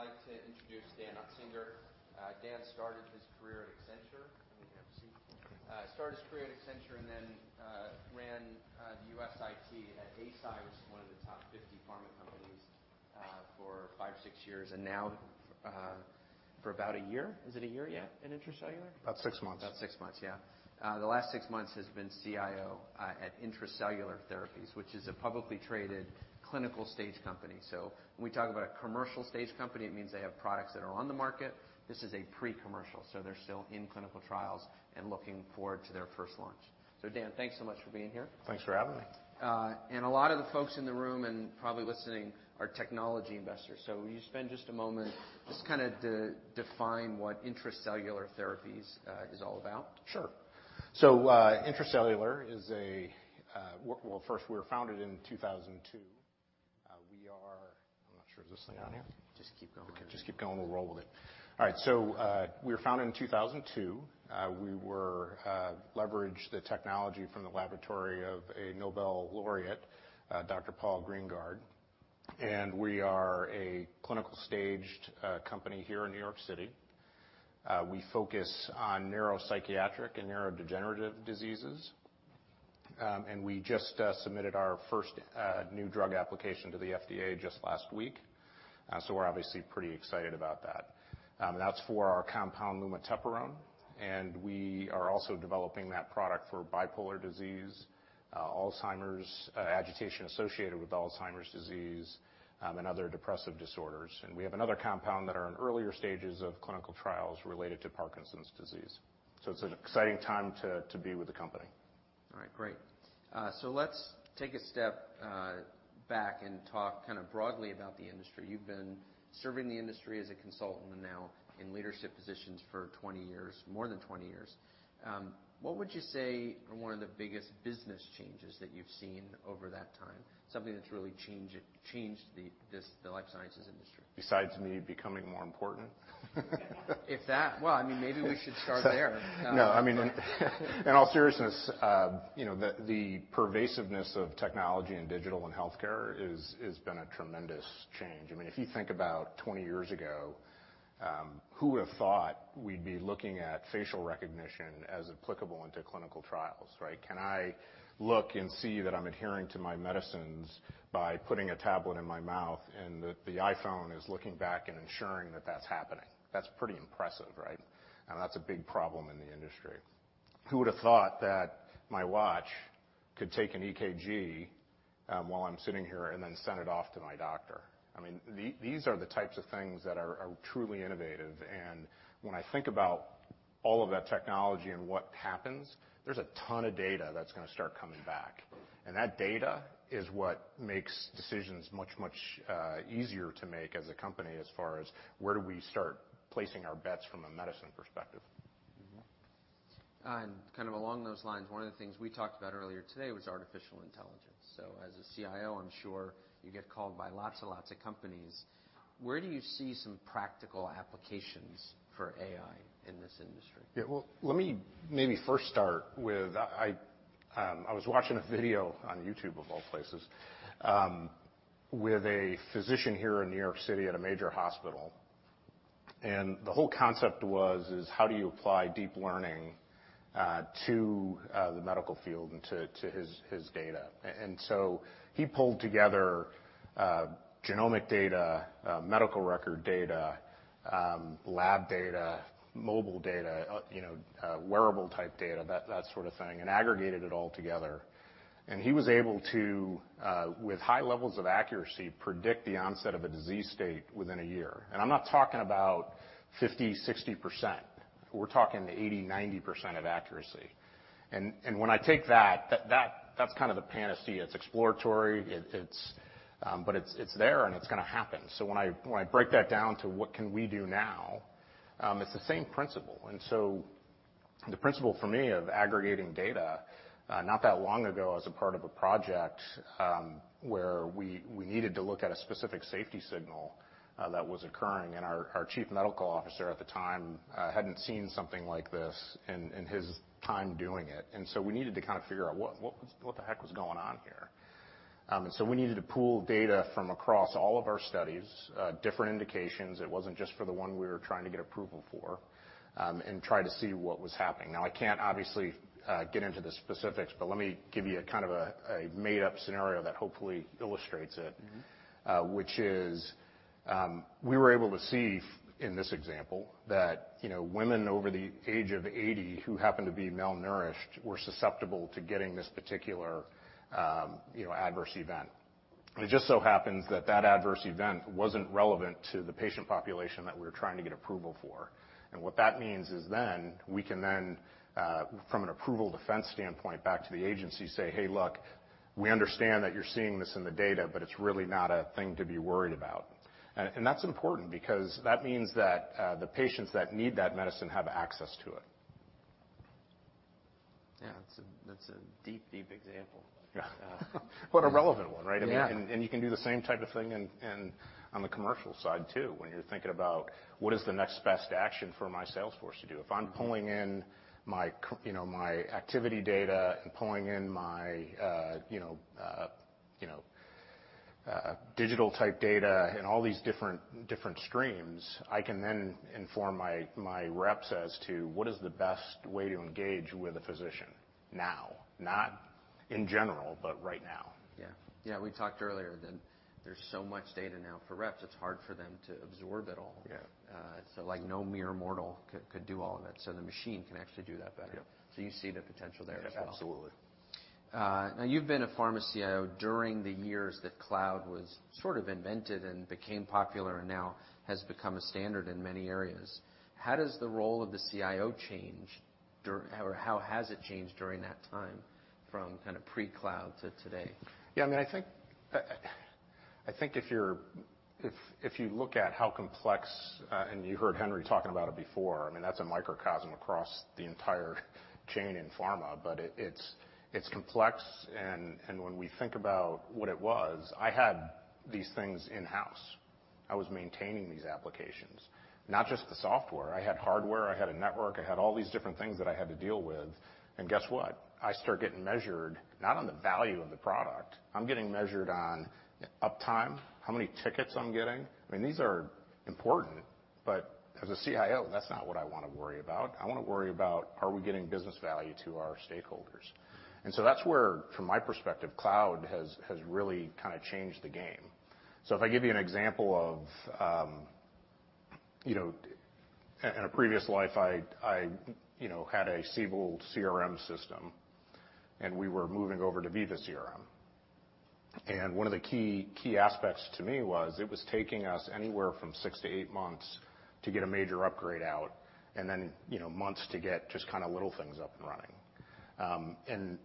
Great. All right. Perfect. Okay. All right. It's good to see you. All right. First I'd like to introduce Dan Utzinger. Dan started his career at Accenture. Let me have a seat. Started his career at Accenture and then ran the U.S. IT at Eisai, which is one of the top 50 pharma companies, for five, six years, and now for about a year. Is it a year yet at Intra-Cellular? About six months. About six months, yeah. The last six months has been CIO at Intra-Cellular Therapies, which is a publicly traded clinical stage company. When we talk about a commercial stage company, it means they have products that are on the market. This is a pre-commercial, they're still in clinical trials and looking forward to their first launch. Dan, thanks so much for being here. Thanks for having me. A lot of the folks in the room and probably listening are technology investors. Will you spend just a moment just kinda de-define what Intra-Cellular Therapies is all about? Sure. Intra-Cellular, first, we were founded in 2002. Is this thing on yet? Just keep going. Okay. Just keep going. We'll roll with it. All right. We were founded in 2002. We were leverage the technology from the laboratory of a Nobel Laureate, Dr. Paul Greengard. We are a clinical staged company here in New York City. We focus on neuropsychiatric and neurodegenerative diseases. We just submitted our first new drug application to the FDA just last week. We're obviously pretty excited about that. That's for our compound lumateperone, we are also developing that product for bipolar disease, Alzheimer's, agitation associated with Alzheimer's disease, and other depressive disorders. We have another compound that are in earlier stages of clinical trials related to Parkinson's disease. It's an exciting time to be with the company. All right, great. Let's take a step back and talk kind of broadly about the industry. You've been serving the industry as a consultant and now in leadership positions for 20 years, more than 20 years. What would you say are one of the biggest business changes that you've seen over that time? Something that's really changed the life sciences industry. Besides me becoming more important? If that. Well, I mean, maybe we should start there. No, I mean, in all seriousness, you know, the pervasiveness of technology and digital in healthcare has been a tremendous change. I mean, if you think about 20 years ago, who would have thought we'd be looking at facial recognition as applicable into clinical trials, right? Can I look and see that I'm adhering to my medicines by putting a tablet in my mouth, and the iPhone is looking back and ensuring that that's happening? That's pretty impressive, right? That's a big problem in the industry. Who would have thought that my watch could take an EKG while I'm sitting here and then send it off to my doctor? I mean, these are the types of things that are truly innovative. When I think about all of that technology and what happens, there's a ton of data that's gonna start coming back. That data is what makes decisions much, much easier to make as a company as far as where do we start placing our bets from a medicine perspective. Kind of along those lines, one of the things we talked about earlier today was artificial intelligence. As a CIO, I'm sure you get called by lots and lots of companies. Where do you see some practical applications for AI in this industry? Well, let me maybe first start with I was watching a video on YouTube of all places with a physician here in New York City at a major hospital, and the whole concept was, is how do you apply deep learning to the medical field and to his data. He pulled together genomic data, medical record data, lab data, mobile data, you know, wearable type data, that sort of thing, and aggregated it all together. He was able to, with high levels of accuracy, predict the onset of a disease state within 1 year. I'm not talking about 50%, 60%. We're talking 80%, 90% of accuracy. When I take that's kind of the panacea. It's exploratory. It's there, and it's gonna happen. When I break that down to what can we do now, it's the same principle. The principle for me of aggregating data, not that long ago, I was a part of a project where we needed to look at a specific safety signal that was occurring, and our Chief Medical Officer at the time hadn't seen something like this in his time doing it. We needed to kind of figure out what the heck was going on here. We needed to pool data from across all of our studies, different indications. It wasn't just for the one we were trying to get approval for, and try to see what was happening. I can't obviously get into the specifics, but let me give you a kind of a made-up scenario that hopefully illustrates it. Which is, we were able to see in this example that, you know, women over the age of 80 who happened to be malnourished were susceptible to getting this particular, you know, adverse event. It just so happens that that adverse event wasn't relevant to the patient population that we were trying to get approval for. What that means is then we can then, from an approval defense standpoint back to the agency, say, "Hey, look, we understand that you're seeing this in the data, but it's really not a thing to be worried about." That's important because that means that the patients that need that medicine have access to it. Yeah. That's a deep, deep example. Yeah. A relevant one, right? Yeah. I mean, you can do the same type of thing in, on the commercial side too, when you're thinking about what is the next best action for my sales force to do. If I'm pulling in my, you know, my activity data and pulling in my, you know, you know, digital type data and all these different streams, I can then inform my reps as to what is the best way to engage with a physician now, not in general, but right now. Yeah. Yeah, we talked earlier that there's so much data now for reps, it's hard for them to absorb it all. Yeah. Like no mere mortal could do all of it. The machine can actually do that better. Yeah. You see the potential there as well. Yes, absolutely. Now you've been a pharma CIO during the years that cloud was sort of invented and became popular and now has become a standard in many areas. How does the role of the CIO change or how has it changed during that time from kind of pre-cloud to today? Yeah, I mean, I think, I think if you look at how complex, and you heard Henry talking about it before, I mean, that's a microcosm across the entire chain in pharma, but it's complex and, when we think about what it was, I had these things in-house. I was maintaining these applications, not just the software. I had hardware, I had a network, I had all these different things that I had to deal with. Guess what? I start getting measured not on the value of the product. I'm getting measured on uptime, how many tickets I'm getting. I mean, these are important, but as a CIO, that's not what I wanna worry about. I wanna worry about are we getting business value to our stakeholders. That's where, from my perspective, cloud has really kinda changed the game. If I give you an example of, you know, in a previous life, I, you know, had a Siebel CRM system, and we were moving over to Veeva CRM. One of the key aspects to me was it was taking us anywhere from six to eight months to get a major upgrade out and then, you know, months to get just kinda little things up and running. And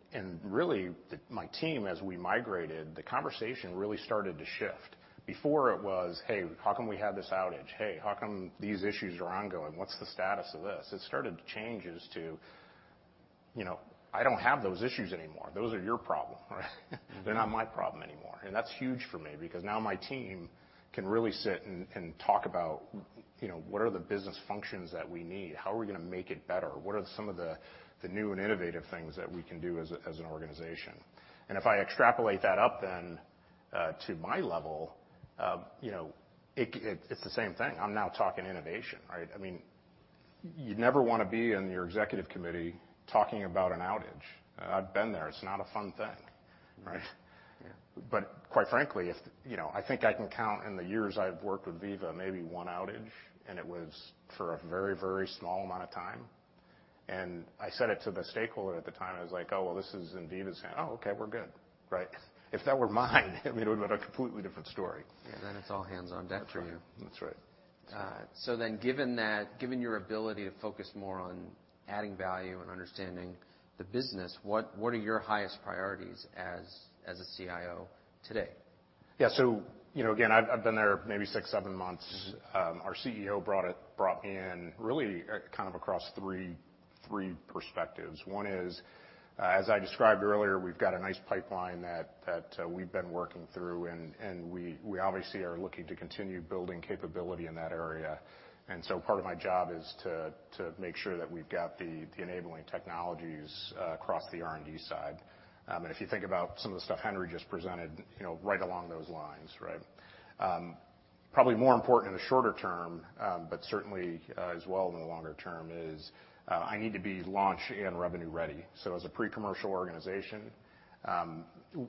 really my team, as we migrated, the conversation really started to shift. Before it was, "Hey, how come we had this outage? Hey, how come these issues are ongoing? What's the status of this?" It started to change as to, you know, "I don't have those issues anymore. Those are your problem, right? They're not my problem anymore." That's huge for me because now my team can really sit and talk about, you know, what are the business functions that we need? How are we gonna make it better? What are some of the new and innovative things that we can do as an organization? If I extrapolate that up then to my level, you know, it's the same thing. I'm now talking innovation, right? I mean, you'd never wanna be in your executive committee talking about an outage. I've been there. It's not a fun thing, right? Yeah. Quite frankly, if you know, I think I can count in the years I've worked with Veeva maybe one outage, and it was for a very, very small amount of time. I said it to the stakeholder at the time, I was like, "Oh, well, this is in Veeva's hand." "Oh, okay, we're good," right? If that were mine, I mean, it would've been a completely different story. Yeah. It's all hands on deck for you. That's right. That's right. Given that, given your ability to focus more on adding value and understanding the business, what are your highest priorities as a CIO today? Yeah. You know, again, I've been there maybe six, seven months. Our CEO brought me in really kind of across three perspectives. One is, as I described earlier, we've got a nice pipeline that we've been working through and we obviously are looking to continue building capability in that area. Part of my job is to make sure that we've got the enabling technologies across the R&D side. If you think about some of the stuff Henry just presented, you know, right along those lines, right? Probably more important in the shorter term, but certainly as well in the longer term is, I need to be launch and revenue ready. As a pre-commercial organization,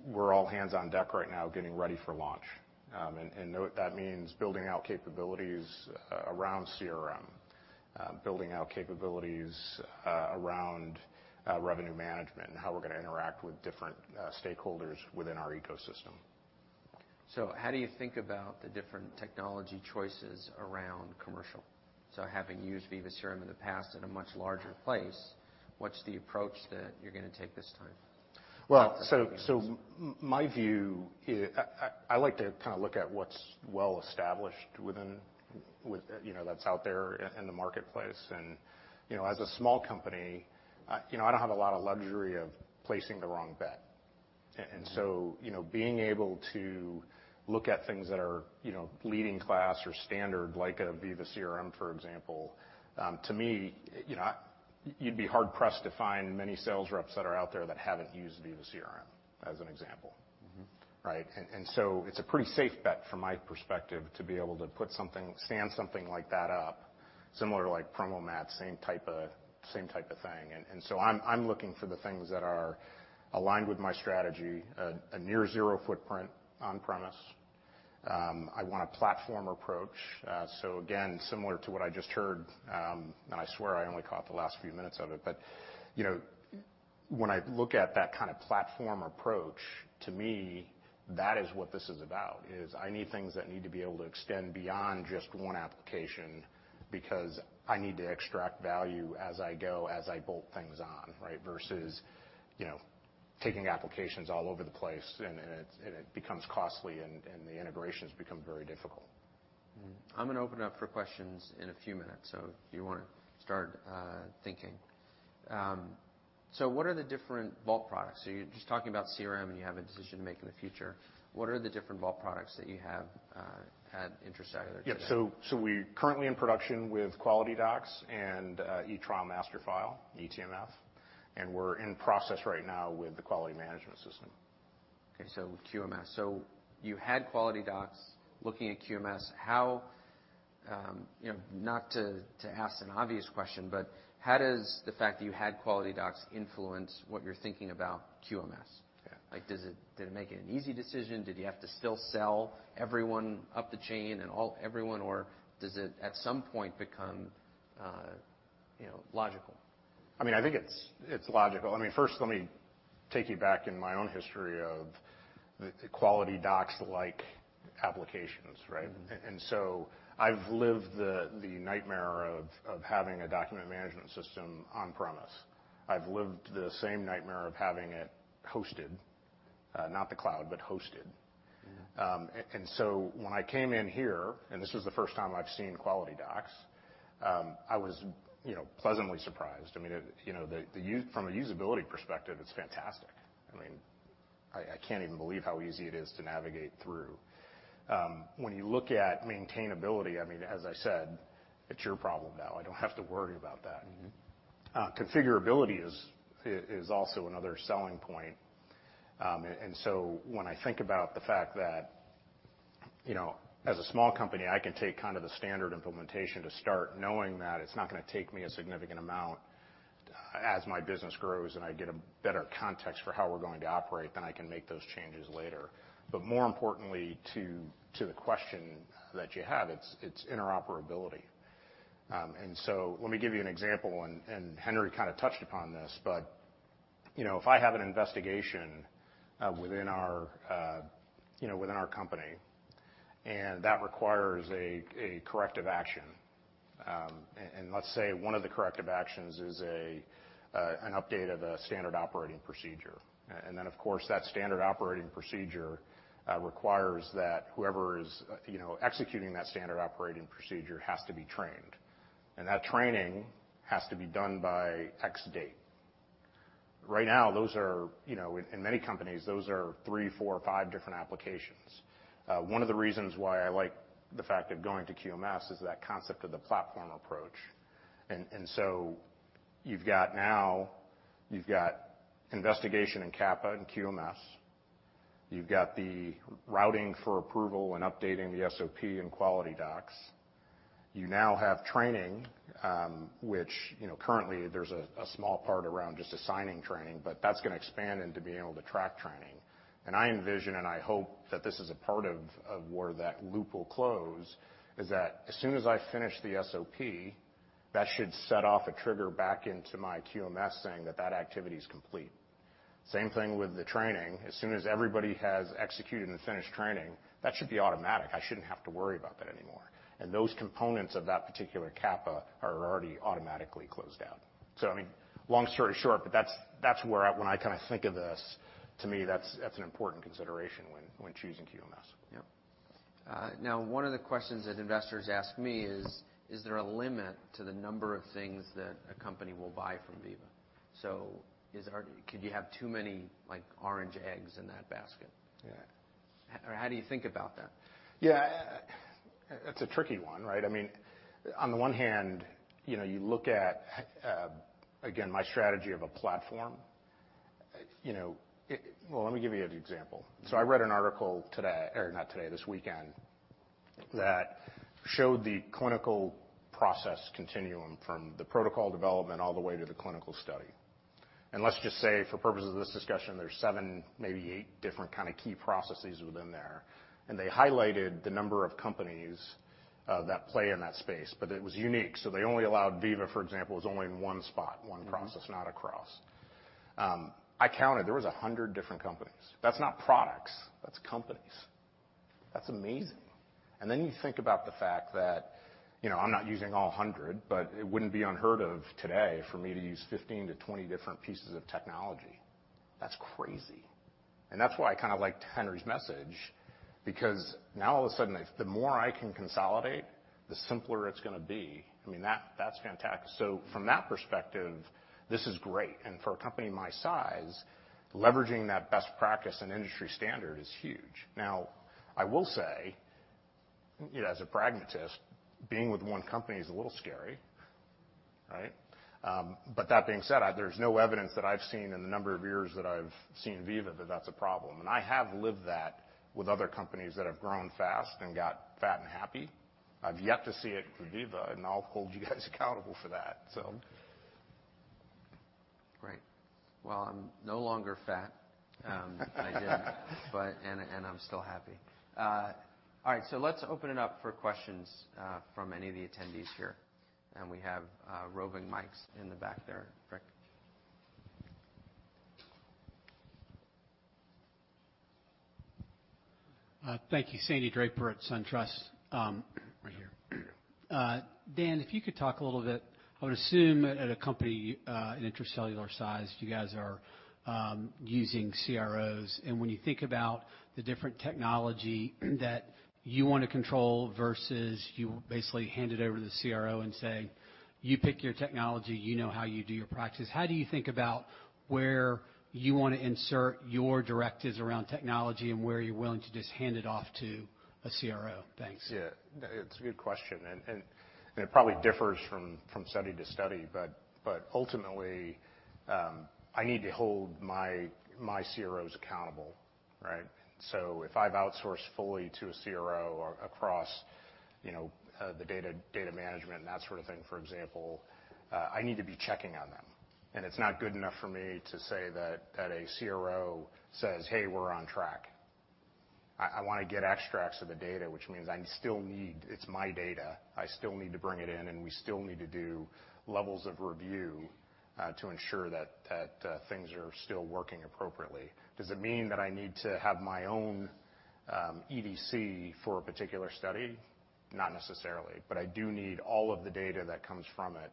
we're all hands on deck right now getting ready for launch. That means building out capabilities around CRM, building out capabilities around revenue management and how we're gonna interact with different stakeholders within our ecosystem. How do you think about the different technology choices around commercial? Having used Veeva CRM in the past in a much larger place, what's the approach that you're gonna take this time? My view, I like to kind of look at what's well established within, you know, that's out there in the marketplace. You know, as a small company, you know, I don't have a lot of luxury of placing the wrong bet. You know, being able to look at things that are, you know, leading class or standard like a Veeva CRM, for example, to me, you know, you'd be hard-pressed to find many sales reps that are out there that haven't used Veeva CRM, as an example. Right? So it's a pretty safe bet from my perspective to be able to put something stand something like that up, similar to like PromoMats, same type of thing. So I'm looking for the things that are aligned with my strategy, a near zero footprint on-premise. I want a platform approach. Again, similar to what I just heard, and I swear I only caught the last few minutes of it, but, you know, when I look at that kind of platform approach, to me, that is what this is about, is I need things that need to be able to extend beyond just one application, because I need to extract value as I go, as I bolt things on, right? Versus, you know, taking applications all over the place and it becomes costly and the integrations become very difficult. Mm-hmm. I'm gonna open up for questions in a few minutes, so you wanna start thinking. What are the different Vault products? You're just talking about CRM, and you have a decision to make in the future. What are the different Vault products that you have at Intra-Cellular today? Yeah. We're currently in production with QualityDocs and eTrial Master File, eTMF, and we're in process right now with the Quality Management System. Okay. QMS. You had QualityDocs. Looking at QMS, how, you know, not to ask an obvious question, but how does the fact that you had QualityDocs influence what you're thinking about QMS? Yeah. Like, did it make it an easy decision? Did you have to still sell everyone up the chain and all everyone, or does it, at some point, become, you know, logical? I mean, I think it's logical. I mean, first let me take you back in my own history of the Vault QualityDocs-like applications, right? I've lived the nightmare of having a document management system on-premise. I've lived the same nightmare of having it hosted, not the cloud, but hosted. When I came in here, and this was the first time I've seen QualityDocs, I was, you know, pleasantly surprised. I mean, it, you know, from a usability perspective, it's fantastic. I mean, I can't even believe how easy it is to navigate through. When you look at maintainability, I mean, as I said, it's your problem now. I don't have to worry about that. Configurability is also another selling point. When I think about the fact that, you know, as a small company, I can take kind of the standard implementation to start knowing that it's not gonna take me a significant amount as my business grows and I get a better context for how we're going to operate, then I can make those changes later. More importantly, to the question that you have, it's interoperability. Let me give you an example, and Henry kind of touched upon this. If I have an investigation within our company, and that requires a corrective action. Let's say one of the corrective actions is an update of a standard operating procedure. Then, of course, that standard operating procedure requires that whoever is, you know, executing that standard operating procedure has to be trained. That training has to be done by X date. Right now, those are, you know, in many companies, those are three, four, five different applications. One of the reasons why I like the fact of going to QMS is that concept of the platform approach. You've got investigation and CAPA and QMS. You've got the routing for approval and updating the SOP and QualityDocs. You now have Training, which, you know, currently there's a small part around just assigning training, but that's gonna expand into being able to track training. I envision, and I hope that this is a part of where that loop will close, is that as soon as I finish the SOP, that should set off a trigger back into my QMS saying that activity is complete. Same thing with the Training. As soon as everybody has executed and finished training, that should be automatic. I shouldn't have to worry about that anymore. Those components of that particular CAPA are already automatically closed out. I mean, long story short, but that's where when I kind of think of this, to me, that's an important consideration when choosing QMS. Yeah. Now, one of the questions that investors ask me is there a limit to the number of things that a company will buy from Veeva? Could you have too many, like, orange eggs in that basket? Yeah. How do you think about that? Yeah. It's a tricky one, right? I mean, on the one hand, you know, you look at, again, my strategy of a platform. You know, Well, let me give you an example. I read an article this weekend that showed the clinical process continuum from the protocol development all the way to the clinical study. Let's just say, for purposes of this discussion, there's seven, maybe eight different kind of key processes within there. They highlighted the number of companies that play in that space, but it was unique. They only allowed Veeva, for example, was only in one spot, one process, not across. I counted, there was 100 different companies. That's not products. That's companies. That's amazing. You think about the fact that, you know, I'm not using all 100, but it wouldn't be unheard of today for me to use 15 pieces-20 different pieces of technology. That's crazy. I kind of liked Henry's message, because now all of a sudden, the more I can consolidate, the simpler it's gonna be. I mean, that's fantastic. From that perspective, this is great. For a company my size, leveraging that best practice and industry standard is huge. I will say, you know, as a pragmatist, being with one company is a little scary, right? That being said, there's no evidence that I've seen in the number of years that I've seen Veeva that that's a problem. I have lived that with other companies that have grown fast and got fat and happy. I've yet to see it with Veeva, and I'll hold you guys accountable for that, so. Great. Well, I'm no longer fat. I did. I'm still happy. All right, let's open it up for questions from any of the attendees here. We have roving mics in the back there. Thank you. Sandy Draper at SunTrust. Right here. Dan, if you could talk a little bit, I would assume at a company, an Intra-Cellular size, you guys are using CROs. When you think about the different technology that you wanna control versus you basically hand it over to the CRO and say, "You pick your technology, you know how you do your practice," how do you think about where you wanna insert your directives around technology and where you're willing to just hand it off to a CRO? Thanks. Yeah. It's a good question. It probably differs from study to study, but ultimately, I need to hold my CROs accountable, right? If I've outsourced fully to a CRO across, you know, the data management and that sort of thing, for example, I need to be checking on them. It's not good enough for me to say that a CRO says, "Hey, we're on track." I wanna get extracts of the data, which means it's my data. I still need to bring it in, we still need to do levels of review to ensure that things are still working appropriately. Does it mean that I need to have my own EDC for a particular study? Not necessarily. I do need all of the data that comes from it.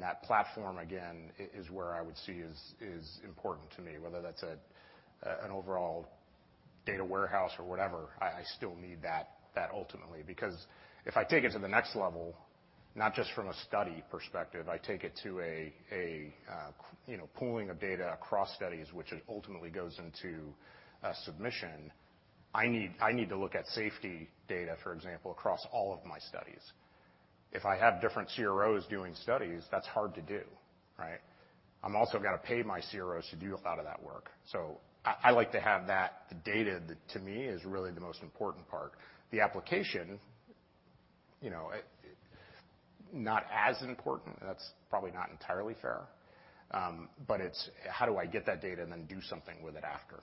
That platform, again, is where I would see is important to me, whether that's an overall data warehouse or whatever, I still need that ultimately. Because if I take it to the next level, not just from a study perspective, I take it to a, you know, pooling of data across studies, which ultimately goes into a submission, I need to look at safety data, for example, across all of my studies. If I have different CROs doing studies, that's hard to do, right? I'm also gonna pay my CROs to do a lot of that work. I like to have that data. To me is really the most important part. The application, you know, not as important. That's probably not entirely fair. It's how do I get that data and then do something with it after?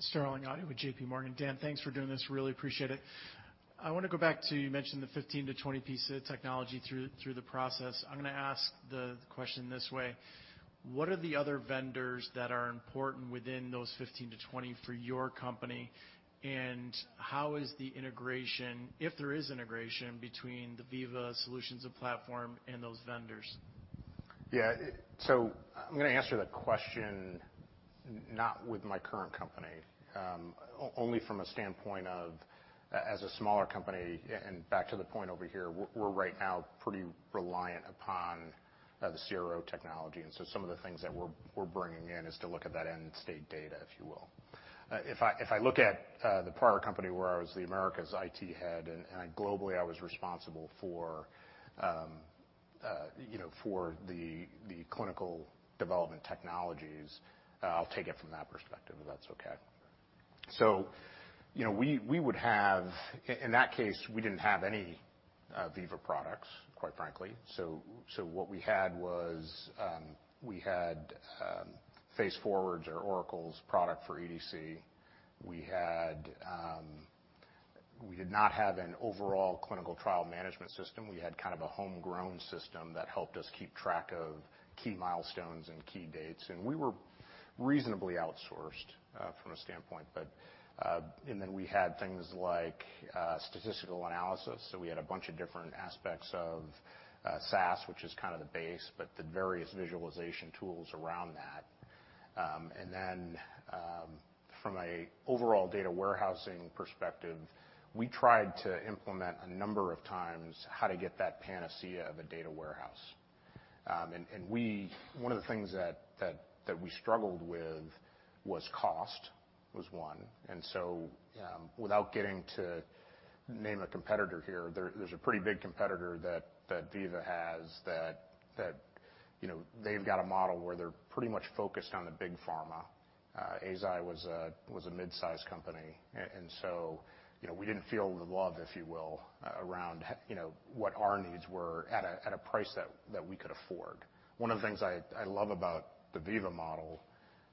Sterling Auty with JPMorgan. Dan, thanks for doing this. Really appreciate it. I wanna go back to, you mentioned the 15 pieces-20 pieces of technology through the process. I'm gonna ask the question this way: What are the other vendors that are important within those 15 pieces-20 for your company, how is the integration, if there is integration, between the Veeva solutions and platform and those vendors? Yeah. I'm gonna answer that question not with my current company, only from a standpoint of, as a smaller company, and back to the point over here, we're right now pretty reliant upon the CRO technology. Some of the things that we're bringing in is to look at that end-state data, if you will. If I look at the prior company where I was the Americas IT head and globally I was responsible for, you know, for the clinical development technologies, I'll take it from that perspective, if that's okay. You know, in that case, we didn't have any Veeva products, quite frankly. What we had was, we had Phase Forward or Oracle's product for EDC. We did not have an overall clinical trial management system. We had kind of a homegrown system that helped us keep track of key milestones and key dates, and we were reasonably outsourced from a standpoint. We had things like statistical analysis. We had a bunch of different aspects of SAS, which is kind of the base, but the various visualization tools around that. From an overall data warehousing perspective, we tried to implement a number of times how to get that panacea of a data warehouse. One of the things that we struggled with was cost, was one. Without getting to name a competitor here, there's a pretty big competitor that Veeva has that, you know, they've got a model where they're pretty much focused on the big pharma. Eisai was a mid-sized company. You know, we didn't feel the love, if you will, around, you know, what our needs were at a price that we could afford. One of the things I love about the Veeva model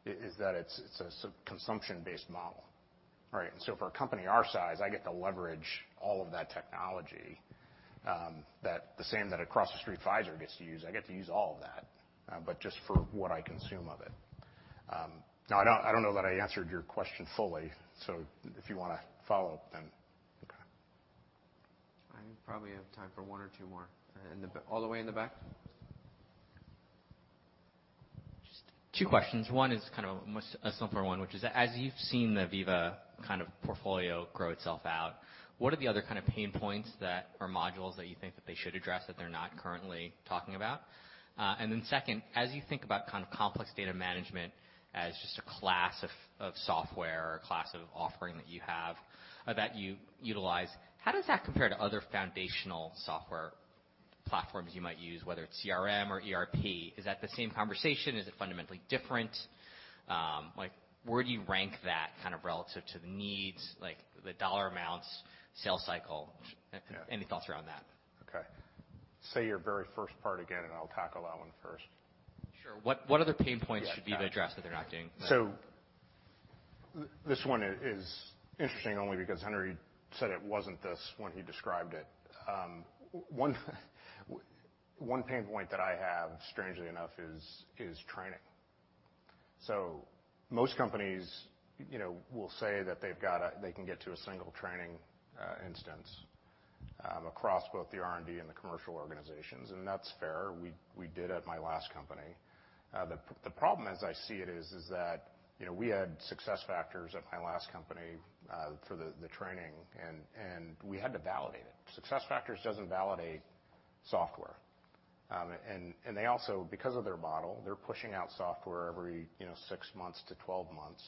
is that it's a consumption-based model, right? For a company our size, I get to leverage all of that technology, the same that across the street Pfizer gets to use. I get to use all of that, but just for what I consume of it. Now I don't know that I answered your question fully. If you want to follow up, then Okay. I probably have time for one or two more. In the all the way in the back. Just two questions. One is kind of a simpler one, which is: As you've seen the Veeva kind of portfolio grow itself out, what are the other kind of pain points that are modules that you think that they should address that they're not currently talking about? Second, as you think about kind of complex data management as just a class of software or class of offering that you have or that you utilize, how does that compare to other foundational software platforms you might use, whether it's CRM or ERP? Is that the same conversation? Is it fundamentally different? like, where do you rank that kind of relative to the needs, like the dollar amounts, sales cycle? Yeah. Any thoughts around that? Okay. Say your very first part again, and I'll tackle that one first. Sure. What other pain points should they address that they're not doing? This one is interesting only because Henry said it wasn't this when he described it. One pain point that I have, strangely enough, is Training. Most companies, you know, will say that they've got they can get to a single training instance across both the R&D and the commercial organizations, and that's fair. We did at my last company. The problem as I see it is that, you know, we had SuccessFactors at my last company for the training and we had to validate it. SuccessFactors doesn't validate software. And they also, because of their model, they're pushing out software every, you know, six months-12 months.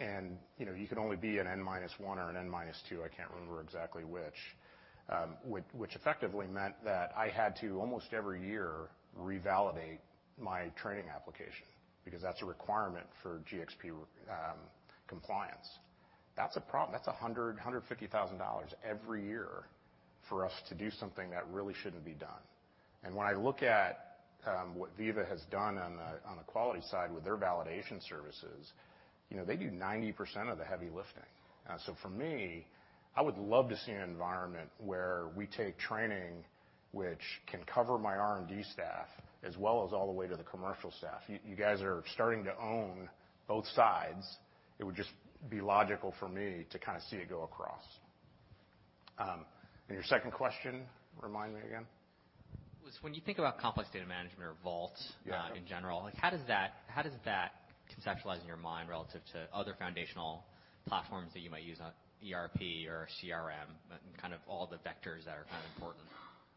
And, you know, you can only be an N-1 or an N-2, I can't remember exactly which. Which effectively meant that I had to almost every year revalidate my training application, because that's a requirement for GxP compliance. That's a problem. That's $150,000 every year for us to do something that really shouldn't be done. When I look at what Veeva has done on the quality side with their validation services, you know, they do 90% of the heavy lifting. For me, I would love to see an environment where we take training, which can cover my R&D staff as well as all the way to the commercial staff. You guys are starting to own both sides. It would just be logical for me to kind of see it go across. Your second question, remind me again. Was when you think about complex data management or Vaults. Yeah. In general, like how does that, how does that conceptualize in your mind relative to other foundational platforms that you might use, ERP or CRM, and all the vectors that are important?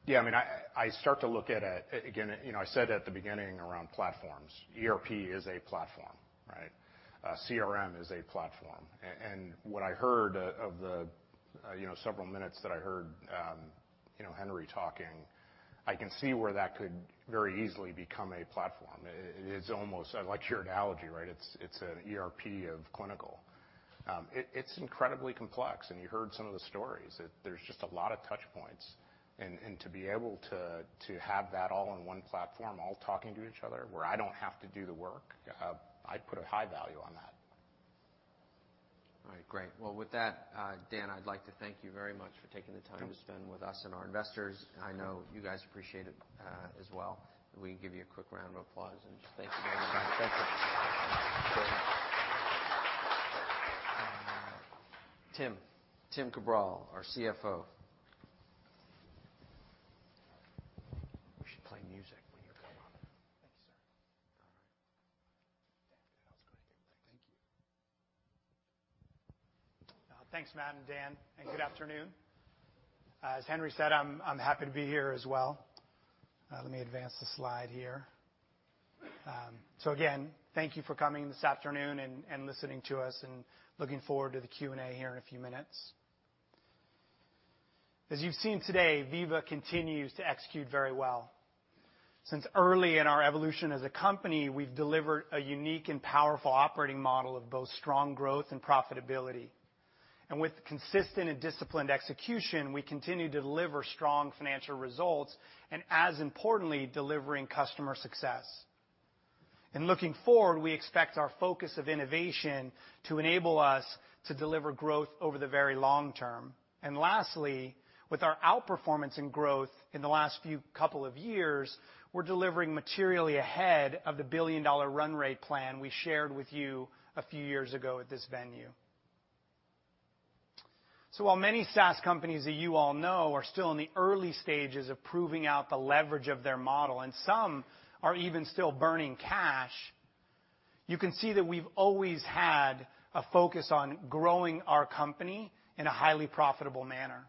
Yeah. I mean, I start to look at it. Again, you know, I said at the beginning around platforms, ERP is a platform, right? CRM is a platform. What I heard, of the, you know, several minutes that I heard, you know, Henry talking, I can see where that could very easily become a platform. It's almost I like your analogy, right? It's an ERP of clinical. It's incredibly complex, and you heard some of the stories. There's just a lot of touchpoints, and to be able to have that all in one platform, all talking to each other where I don't have to do the work, I'd put a high value on that. All right. Great. Well, with that, Dan, I'd like to thank you very much for taking the time. Sure To spend with us and our investors. I know you guys appreciate it as well. We can give you a quick round of applause and just thank you very much. Thank you. Dan. Tim. Tim Cabral, our CFO. We should play music when you come up. Thank you, sir. All right. Dan, that was great. Thank you. Thanks, Matt and Dan, good afternoon. As Henry said, I'm happy to be here as well. Let me advance the slide here. Again, thank you for coming this afternoon and listening to us, looking forward to the Q&A here in a few minutes. As you've seen today, Veeva continues to execute very well. Since early in our evolution as a company, we've delivered a unique and powerful operating model of both strong growth and profitability. With consistent and disciplined execution, we continue to deliver strong financial results and, as importantly, delivering customer success. In looking forward, we expect our focus of innovation to enable us to deliver growth over the very long term. Lastly, with our outperformance in growth in the last few couple of years, we're delivering materially ahead of the billion-dollar run rate plan we shared with you a few years ago at this venue. While many SaaS companies that you all know are still in the early stages of proving out the leverage of their model, and some are even still burning cash, you can see that we've always had a focus on growing our company in a highly profitable manner.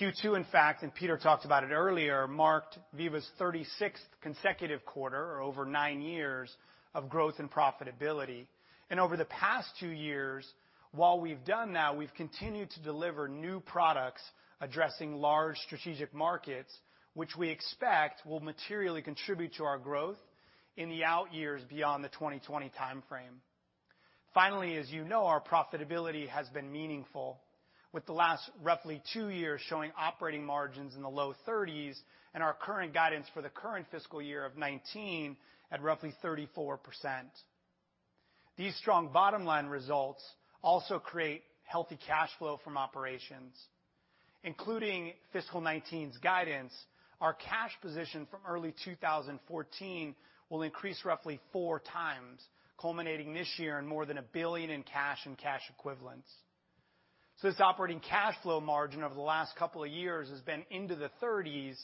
Q2, in fact, and Peter talked about it earlier, marked Veeva's 36th consecutive quarter or over nine years of growth and profitability. Over the past two years, while we've done that, we've continued to deliver new products addressing large strategic markets, which we expect will materially contribute to our growth in the out years beyond the 2020 timeframe. Finally, as you know, our profitability has been meaningful, with the last roughly two years showing operating margins in the low 30s% and our current guidance for the current fiscal year of 2019 at roughly 34%. These strong bottom-line results also create healthy cash flow from operations. Including fiscal 2019's guidance, our cash position from early 2014 will increase roughly 4x, culminating this year in more than $1 billion in cash and cash equivalents. This operating cash flow margin over the last couple of years has been into the 30s%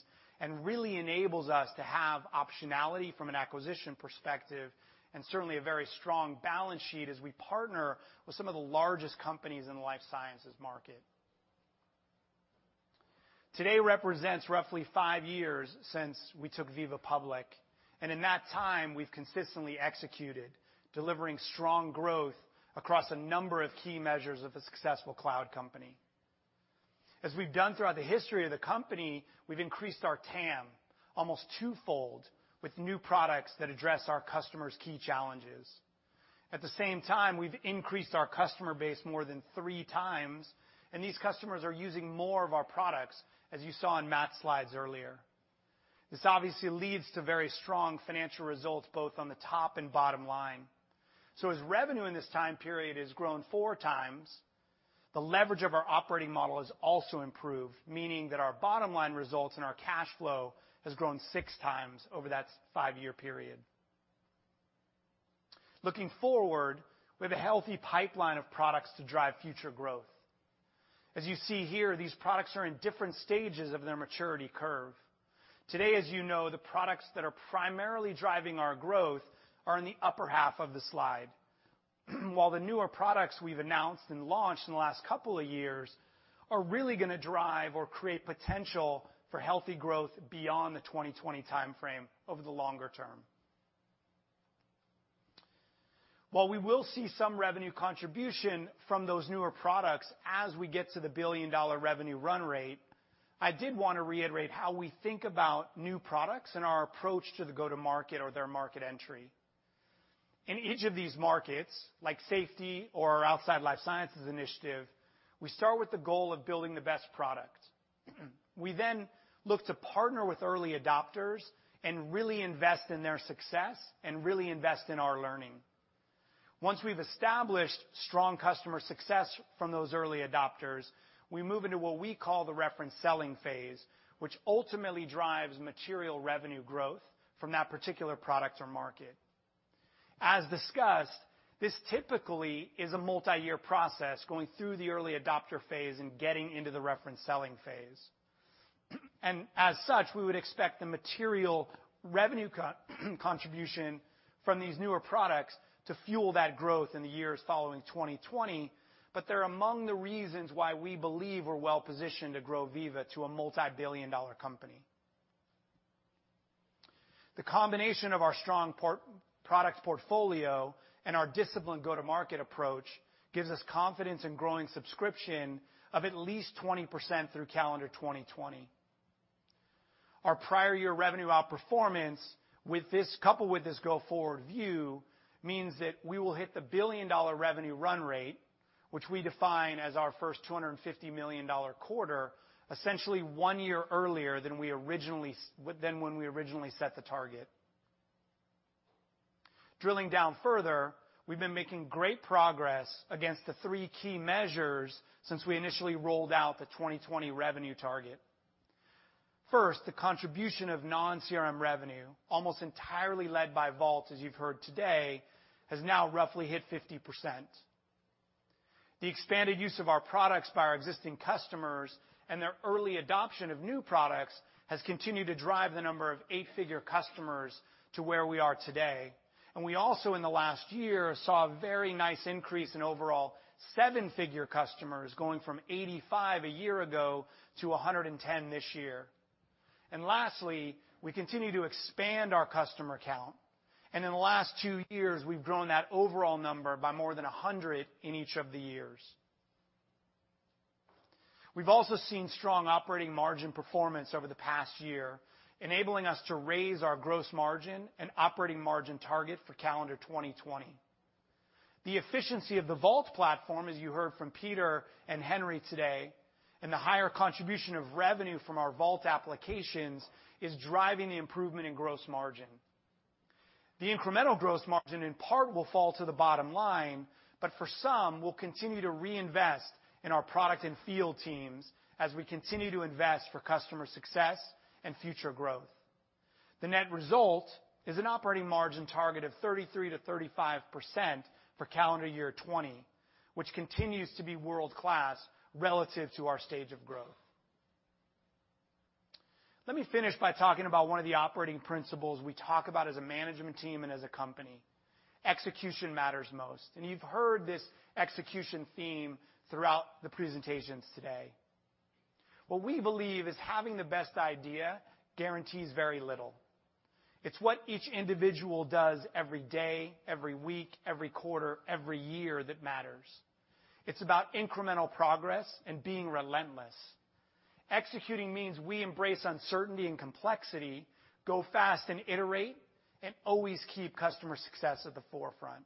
and really enables us to have optionality from an acquisition perspective and certainly a very strong balance sheet as we partner with some of the largest companies in the life sciences market. Today represents roughly five years since we took Veeva public, and in that time, we've consistently executed, delivering strong growth across a number of key measures of a successful cloud company. As we've done throughout the history of the company, we've increased our TAM almost two-fold with new products that address our customers' key challenges. At the same time, we've increased our customer base more than 3x, and these customers are using more of our products, as you saw in Matt's slides earlier. This obviously leads to very strong financial results, both on the top and bottom line. As revenue in this time period has grown 4x, the leverage of our operating model has also improved, meaning that our bottom-line results and our cash flow has grown 6x over that five-year period. Looking forward, we have a healthy pipeline of products to drive future growth. As you see here, these products are in different stages of their maturity curve. Today, as you know, the products that are primarily driving our growth are in the upper half of the slide, while the newer products we've announced and launched in the last couple of years are really gonna drive or create potential for healthy growth beyond the 2020 timeframe over the longer term. While we will see some revenue contribution from those newer products as we get to the billion-dollar revenue run rate, I did wanna reiterate how we think about new products and our approach to the go-to-market or their market entry. In each of these markets, like safety or our outside life sciences initiative, we start with the goal of building the best product. We then look to partner with early adopters and really invest in their success and really invest in our learning. Once we've established strong customer success from those early adopters, we move into what we call the reference selling phase, which ultimately drives material revenue growth from that particular product or market. As discussed, this typically is a multi-year process going through the early adopter phase and getting into the reference selling phase. As such, we would expect the material revenue co-contribution from these newer products to fuel that growth in the years following 2020. They're among the reasons why we believe we're well-positioned to grow Veeva to a multibillion-dollar company. The combination of our strong product portfolio and our disciplined go-to-market approach gives us confidence in growing subscription of at least 20% through calendar 2020. Our prior year revenue outperformance with this coupled with this go-forward view means that we will hit the billion-dollar revenue run rate, which we define as our first $250 million quarter, essentially one year earlier than when we originally set the target. Drilling down further, we've been making great progress against the three key measures since we initially rolled out the 2020 revenue target. First, the contribution of non-CRM revenue, almost entirely led by Vault, as you've heard today, has now roughly hit 50%. The expanded use of our products by our existing customers and their early adoption of new products has continued to drive the number of eight-figure customers to where we are today. We also, in the last year, saw a very nice increase in overall seven-figure customers, going from 85 customers a year ago to 110 customers this year. Lastly, we continue to expand our customer count. In the last two years, we've grown that overall number by more than 100 in each of the years. We've also seen strong operating margin performance over the past year, enabling us to raise our gross margin and operating margin target for calendar 2020. The efficiency of the Vault platform, as you heard from Peter and Henry today, and the higher contribution of revenue from our Vault applications is driving the improvement in gross margin. The incremental gross margin, in part, will fall to the bottom line, but for some, we'll continue to reinvest in our product and field teams as we continue to invest for customer success and future growth. The net result is an operating margin target of 33%-35% for calendar year 2020, which continues to be world-class relative to our stage of growth. Let me finish by talking about one of the operating principles we talk about as a management team and as a company. Execution matters most. You've heard this execution theme throughout the presentations today. What we believe is having the best idea guarantees very little. It's what each individual does every day, every week, every quarter, every year that matters. It's about incremental progress and being relentless. Executing means we embrace uncertainty and complexity, go fast and iterate, and always keep customer success at the forefront.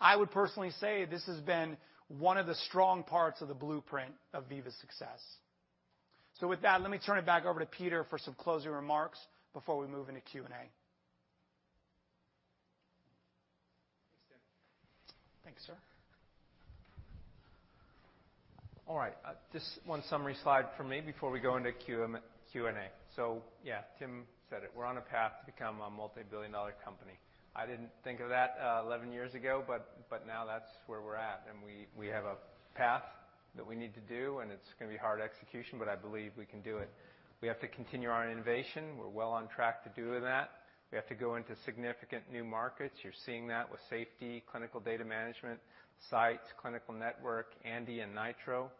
I would personally say this has been one of the strong parts of the blueprint of Veeva's success. With that, let me turn it back over to Peter for some closing remarks before we move into Q&A. Thanks, Tim. Thank you, sir. Just one summary slide from me before we go into Q&A. Yeah, Tim said it. We're on a path to become a multibillion-dollar company. I didn't think of that, 11 years ago, but now that's where we're at, and we have a path that we need to do, and it's gonna be hard execution, I believe we can do it. We have to continue our innovation. We're well on track to doing that. We have to go into significant new markets. You're seeing that with Safety, Clinical Data Management, Sites, Clinical Network, Andi, and Nitro.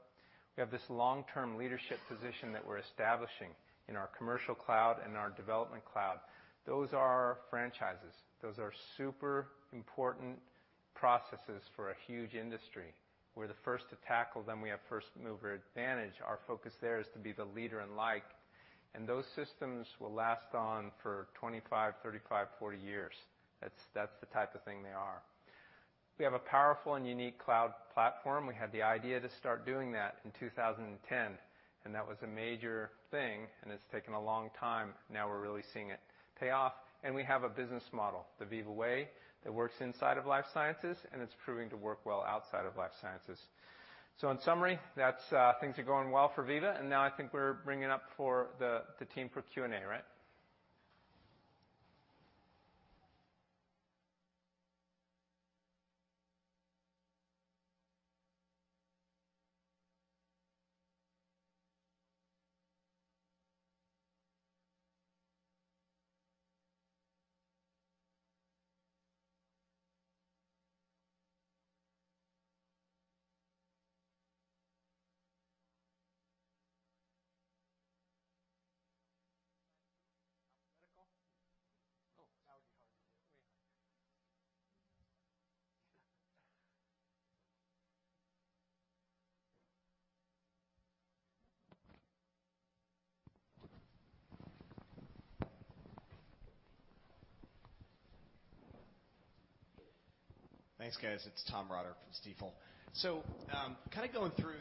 We have this long-term leadership position that we're establishing in our Commercial Cloud and our Development Cloud. Those are our franchises. Those are super important processes for a huge industry. We're the first to tackle them. We have first-mover advantage. Our focus there is to be the leader and liked, and those systems will last on for 25 years years, 35 years, 40 years. That's the type of thing they are. We have a powerful and unique cloud platform. We had the idea to start doing that in 2010, and that was a major thing, and it's taken a long time. Now we're really seeing it pay off. We have a business model, the Veeva Way, that works inside of life sciences, and it's proving to work well outside of life sciences. In summary, that's things are going well for Veeva, and now I think we're bringing up for the team for Q&A, right? Thanks, guys. It's Tom Roderick from Stifel. Kind of going through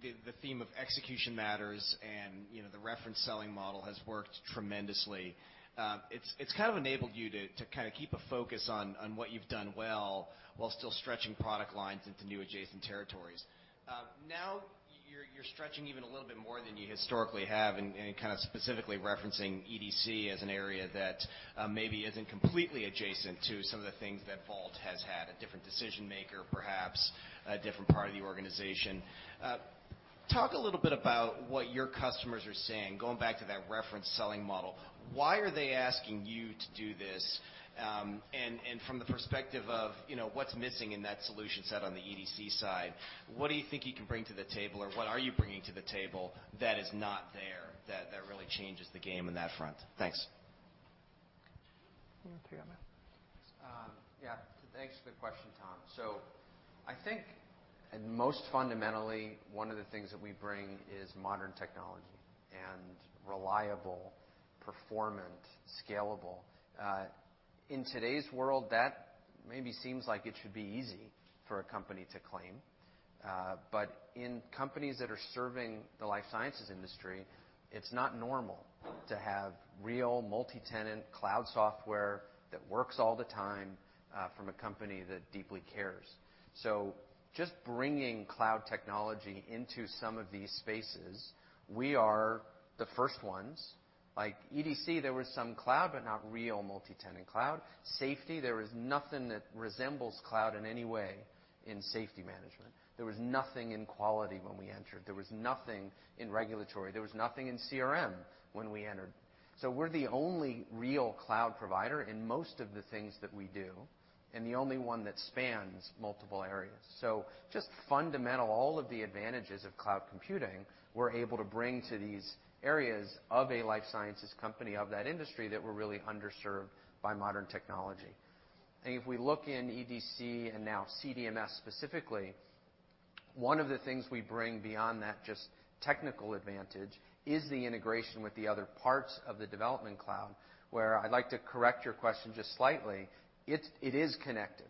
the, the theme of execution matters and, you know, the reference selling model has worked tremendously. It's kind of enabled you to kind of keep a focus on what you've done well while still stretching product lines into new adjacent territories. Now you're stretching even a little bit more than you historically have and kind of specifically referencing EDC as an area that maybe isn't completely adjacent to some of the things that Vault has had, a different decision-maker, perhaps a different part of the organization. Talk a little bit about what your customers are saying, going back to that reference selling model. Why are they asking you to do this? From the perspective of, you know, what's missing in that solution set on the EDC side, what do you think you can bring to the table, or what are you bringing to the table that is not there that really changes the game on that front? Thanks. Yeah, thanks for the question, Tom. I think, and most fundamentally, one of the things that we bring is modern technology and reliable performant, scalable. In today's world, that maybe seems like it should be easy for a company to claim. In companies that are serving the life sciences industry, it's not normal to have real multi-tenant cloud software that works all the time, from a company that deeply cares. Just bringing cloud technology into some of these spaces, we are the first ones. Like EDC, there was some cloud, but not real multi-tenant cloud. Safety, there was nothing that resembles cloud in any way in safety management. There was nothing in quality when we entered. There was nothing in regulatory. There was nothing in CRM when we entered. We're the only real cloud provider in most of the things that we do, and the only one that spans multiple areas. Just fundamental, all of the advantages of cloud computing, we're able to bring to these areas of a life sciences company, of that industry that we're really underserved by modern technology. I think if we look in EDC and now CDMS specifically, one of the things we bring beyond that just technical advantage is the integration with the other parts of the Development Cloud. Where I'd like to correct your question just slightly, it is connected.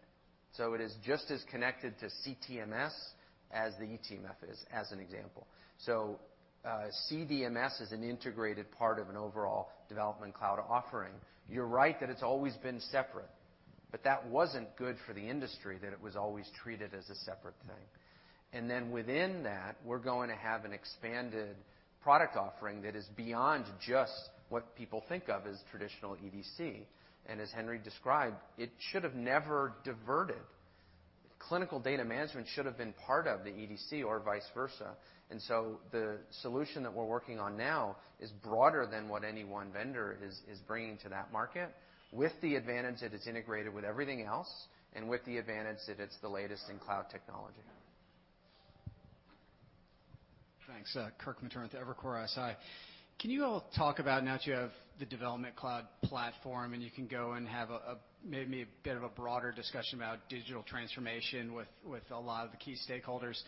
It is just as connected to CTMS as the eTMF is, as an example. CDMS is an integrated part of an overall Development Cloud offering. You're right that it's always been separate, but that wasn't good for the industry that it was always treated as a separate thing. Within that, we're going to have an expanded product offering that is beyond just what people think of as traditional EDC. As Henry described, it should have never diverted. Clinical Data Management should have been part of the EDC or vice versa. The solution that we're working on now is broader than what any one vendor is bringing to that market with the advantage that it's integrated with everything else and with the advantage that it's the latest in cloud technology. Thanks. Kirk Materne at Evercore ISI. Can you all talk about now that you have the Development Cloud platform, you can go and have a maybe a bit of a broader discussion about digital transformation with a lot of the key stakeholders.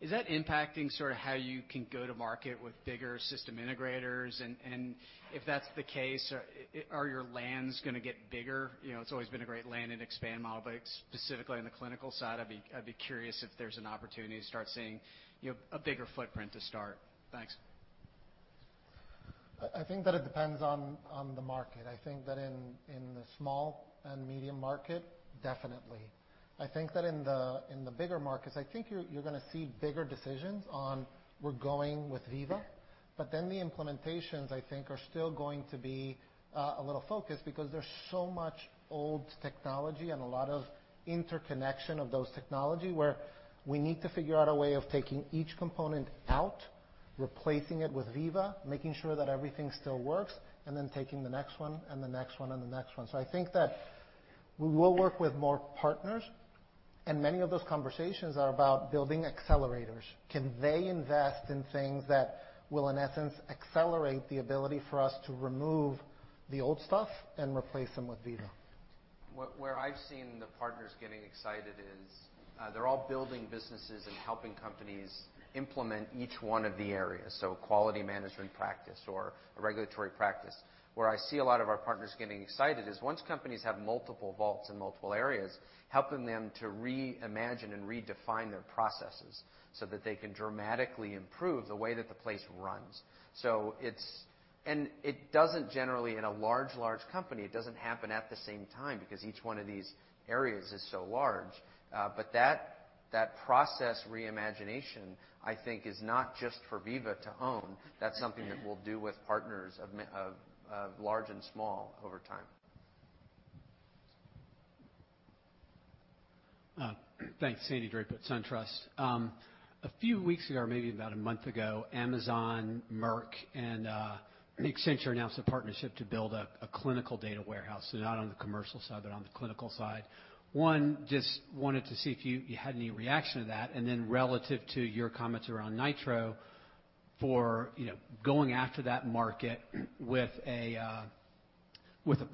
Is that impacting sort of how you can go to market with bigger system integrators? If that's the case, are your lands gonna get bigger? You know, it's always been a great land and expand model, but specifically on the clinical side, I'd be curious if there's an opportunity to start seeing, you know, a bigger footprint to start. Thanks. I think that it depends on the market. I think that in the small and medium market, definitely. I think that in the bigger markets, I think you're gonna see bigger decisions on we're going with Veeva. The implementations, I think, are still going to be a little focused because there's so much old technology and a lot of interconnection of those technology, where we need to figure out a way of taking each component out, replacing it with Veeva, making sure that everything still works, and then taking the next one and the next one and the next one. I think that we will work with more partners, and many of those conversations are about building accelerators. Can they invest in things that will, in essence, accelerate the ability for us to remove the old stuff and replace them with Veeva. Where I've seen the partners getting excited is, they're all building businesses and helping companies implement each one of the areas, so quality management practice or a regulatory practice. Where I see a lot of our partners getting excited is once companies have multiple Vaults in multiple areas, helping them to reimagine and redefine their processes so that they can dramatically improve the way that the place runs. It doesn't generally, in a large company, it doesn't happen at the same time because each one of these areas is so large. That process re-imagination, I think, is not just for Veeva to own. That's something that we'll do with partners of large and small over time. Thanks. Sandy Draper at SunTrust. A few weeks ago, or maybe about a month ago, Amazon, Merck, and Accenture announced a partnership to build a clinical data warehouse. Not on the commercial side, but on the clinical side. One, just wanted to see if you had any reaction to that. Relative to your comments around Nitro for, you know, going after that market with a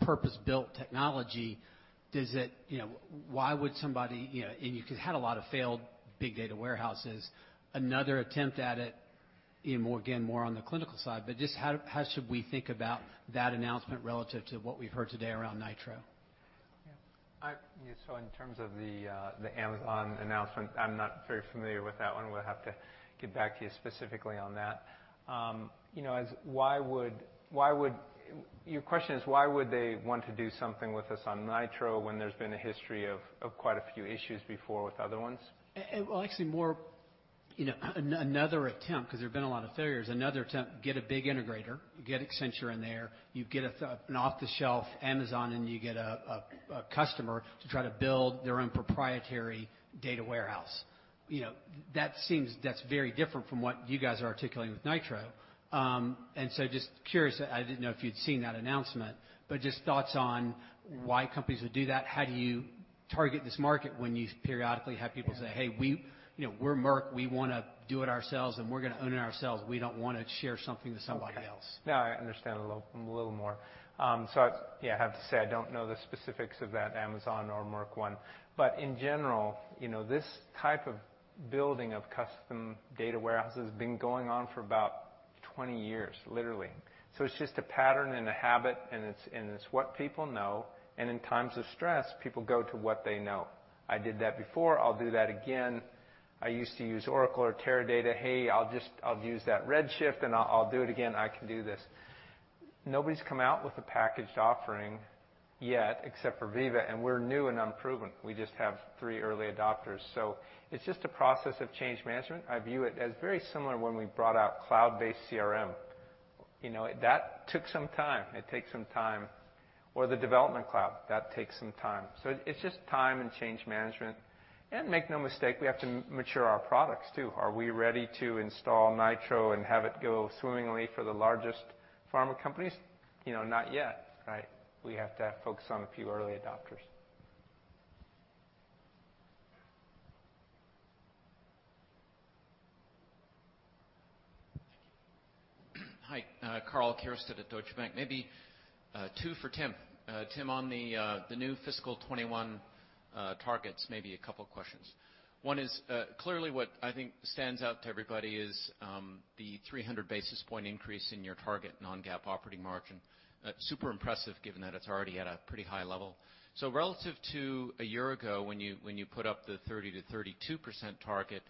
purpose-built technology, does it, you know, why would somebody, you know, and you had a lot of failed big data warehouses, another attempt at it even more, again, more on the clinical side? Just how should we think about that announcement relative to what we've heard today around Nitro? Yeah. In terms of the Amazon announcement, I'm not very familiar with that one. We'll have to get back to you specifically on that. You know, Your question is, why would they want to do something with us on Nitro when there's been a history of quite a few issues before with other ones? Well, actually more, you know, another attempt, 'cause there have been a lot of failures. Another attempt, get a big integrator, you get Accenture in there, you get a, an off-the-shelf Amazon, and you get a, a customer to try to build their own proprietary data warehouse. You know, that seems that's very different from what you guys are articulating with Nitro. Just curious, I didn't know if you'd seen that announcement, but just thoughts on why companies would do that? How do you target this market when you periodically have people say, "Hey, we're Merck, we wanna do it ourselves, and we're gonna own it ourselves. We don't wanna share something with somebody else. Okay. No, I understand a little more. I have to say, I don't know the specifics of that Amazon or Merck one. In general, you know, this type of building of custom data warehouse has been going on for about 20 years, literally. It's just a pattern and a habit, and it's what people know. In times of stress, people go to what they know. I did that before, I'll do that again. I used to use Oracle or Teradata, hey, I'll just use that Redshift and I'll do it again. I can do this. Nobody's come out with a packaged offering yet except for Veeva, and we're new and unproven. We just have three early adopters. It's just a process of change management. I view it as very similar when we brought out cloud-based CRM. You know, that took some time. It takes some time. The Development Cloud, that takes some time. It's just time and change management. Make no mistake, we have to mature our products too. Are we ready to install Nitro and have it go swimmingly for the largest pharma companies? You know, not yet, right? We have to focus on a few early adopters. Hi, Karl Keirstead at Deutsche Bank. Maybe two for Tim. Tim, on the new fiscal 2021 targets, maybe a couple questions. One is, clearly what I think stands out to everybody is the 300 basis point increase in your target non-GAAP operating margin. Super impressive given that it's already at a pretty high level. Relative to a year ago when you, when you put up the 30%-32% target,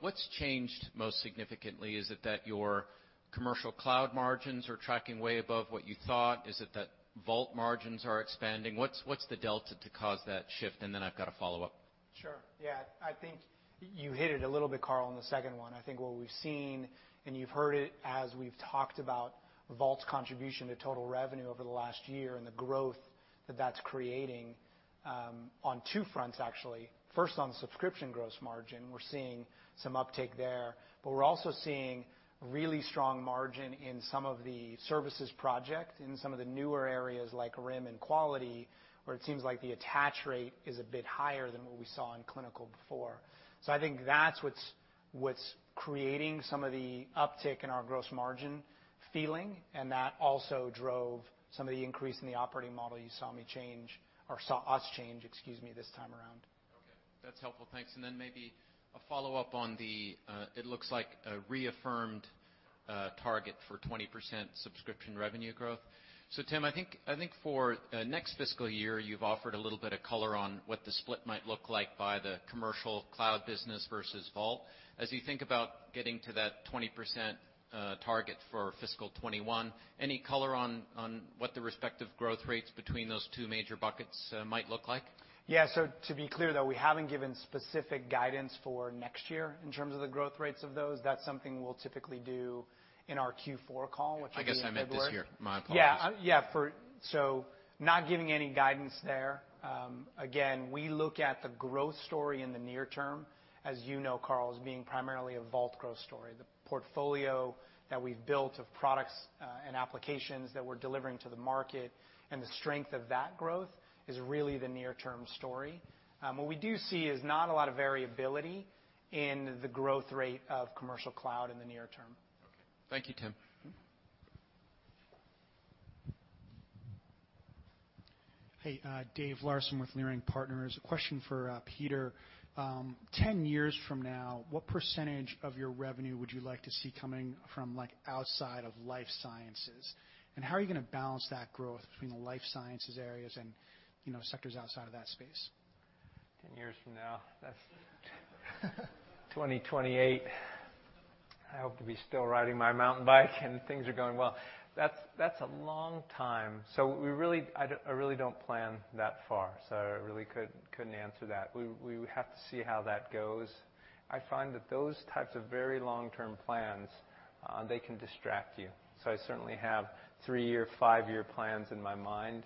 what's changed most significantly? Is it that your Commercial Cloud margins are tracking way above what you thought? Is it that Vault margins are expanding? What's the delta to cause that shift? Then I've got a follow-up. Sure. Yeah. I think you hit it a little bit, Karl, on the second one. I think what we've seen, and you've heard it as we've talked about Vault's contribution to total revenue over the last year and the growth that that's creating on two fronts, actually. First, on subscription gross margin, we're seeing some uptake there, but we're also seeing really strong margin in some of the services project, in some of the newer areas like RIM and Quality, where it seems like the attach rate is a bit higher than what we saw in clinical before. I think that's what's creating some of the uptick in our gross margin feeling, and that also drove some of the increase in the operating model you saw me change or saw us change, excuse me, this time around. Okay. That's helpful. Thanks. Then maybe a follow-up on the it looks like a reaffirmed target for 20% subscription revenue growth. Tim, I think for next fiscal year, you've offered a little bit of color on what the split might look like by the Commercial Cloud business versus Vault. As you think about getting to that 20% target for fiscal 2021, any color on what the respective growth rates between those two major buckets might look like? Yeah. To be clear, though, we haven't given specific guidance for next year in terms of the growth rates of those. That's something we'll typically do in our Q4 call, which will be in February. I guess I meant this year. My apologies. Yeah. Yeah, not giving any guidance there. Again, we look at the growth story in the near term, as you know, Karl, as being primarily a Vault growth story. The portfolio that we've built of products and applications that we're delivering to the market and the strength of that growth is really the near-term story. What we do see is not a lot of variability in the growth rate of Commercial Cloud in the near term. Okay. Thank you, Tim. Hey, David Larsen with Leerink Partners. A question for Peter. 10 years from now, what % of your revenue would you like to see coming from, like, outside of life sciences? How are you gonna balance that growth between the life sciences areas and, you know, sectors outside of that space? 10 years from now. That's 2028. I hope to be still riding my mountain bike and things are going well. That's a long time, we really don't plan that far, I really couldn't answer that. We would have to see how that goes. I find that those types of very long-term plans, they can distract you. I certainly have three-year, five-year plans in my mind,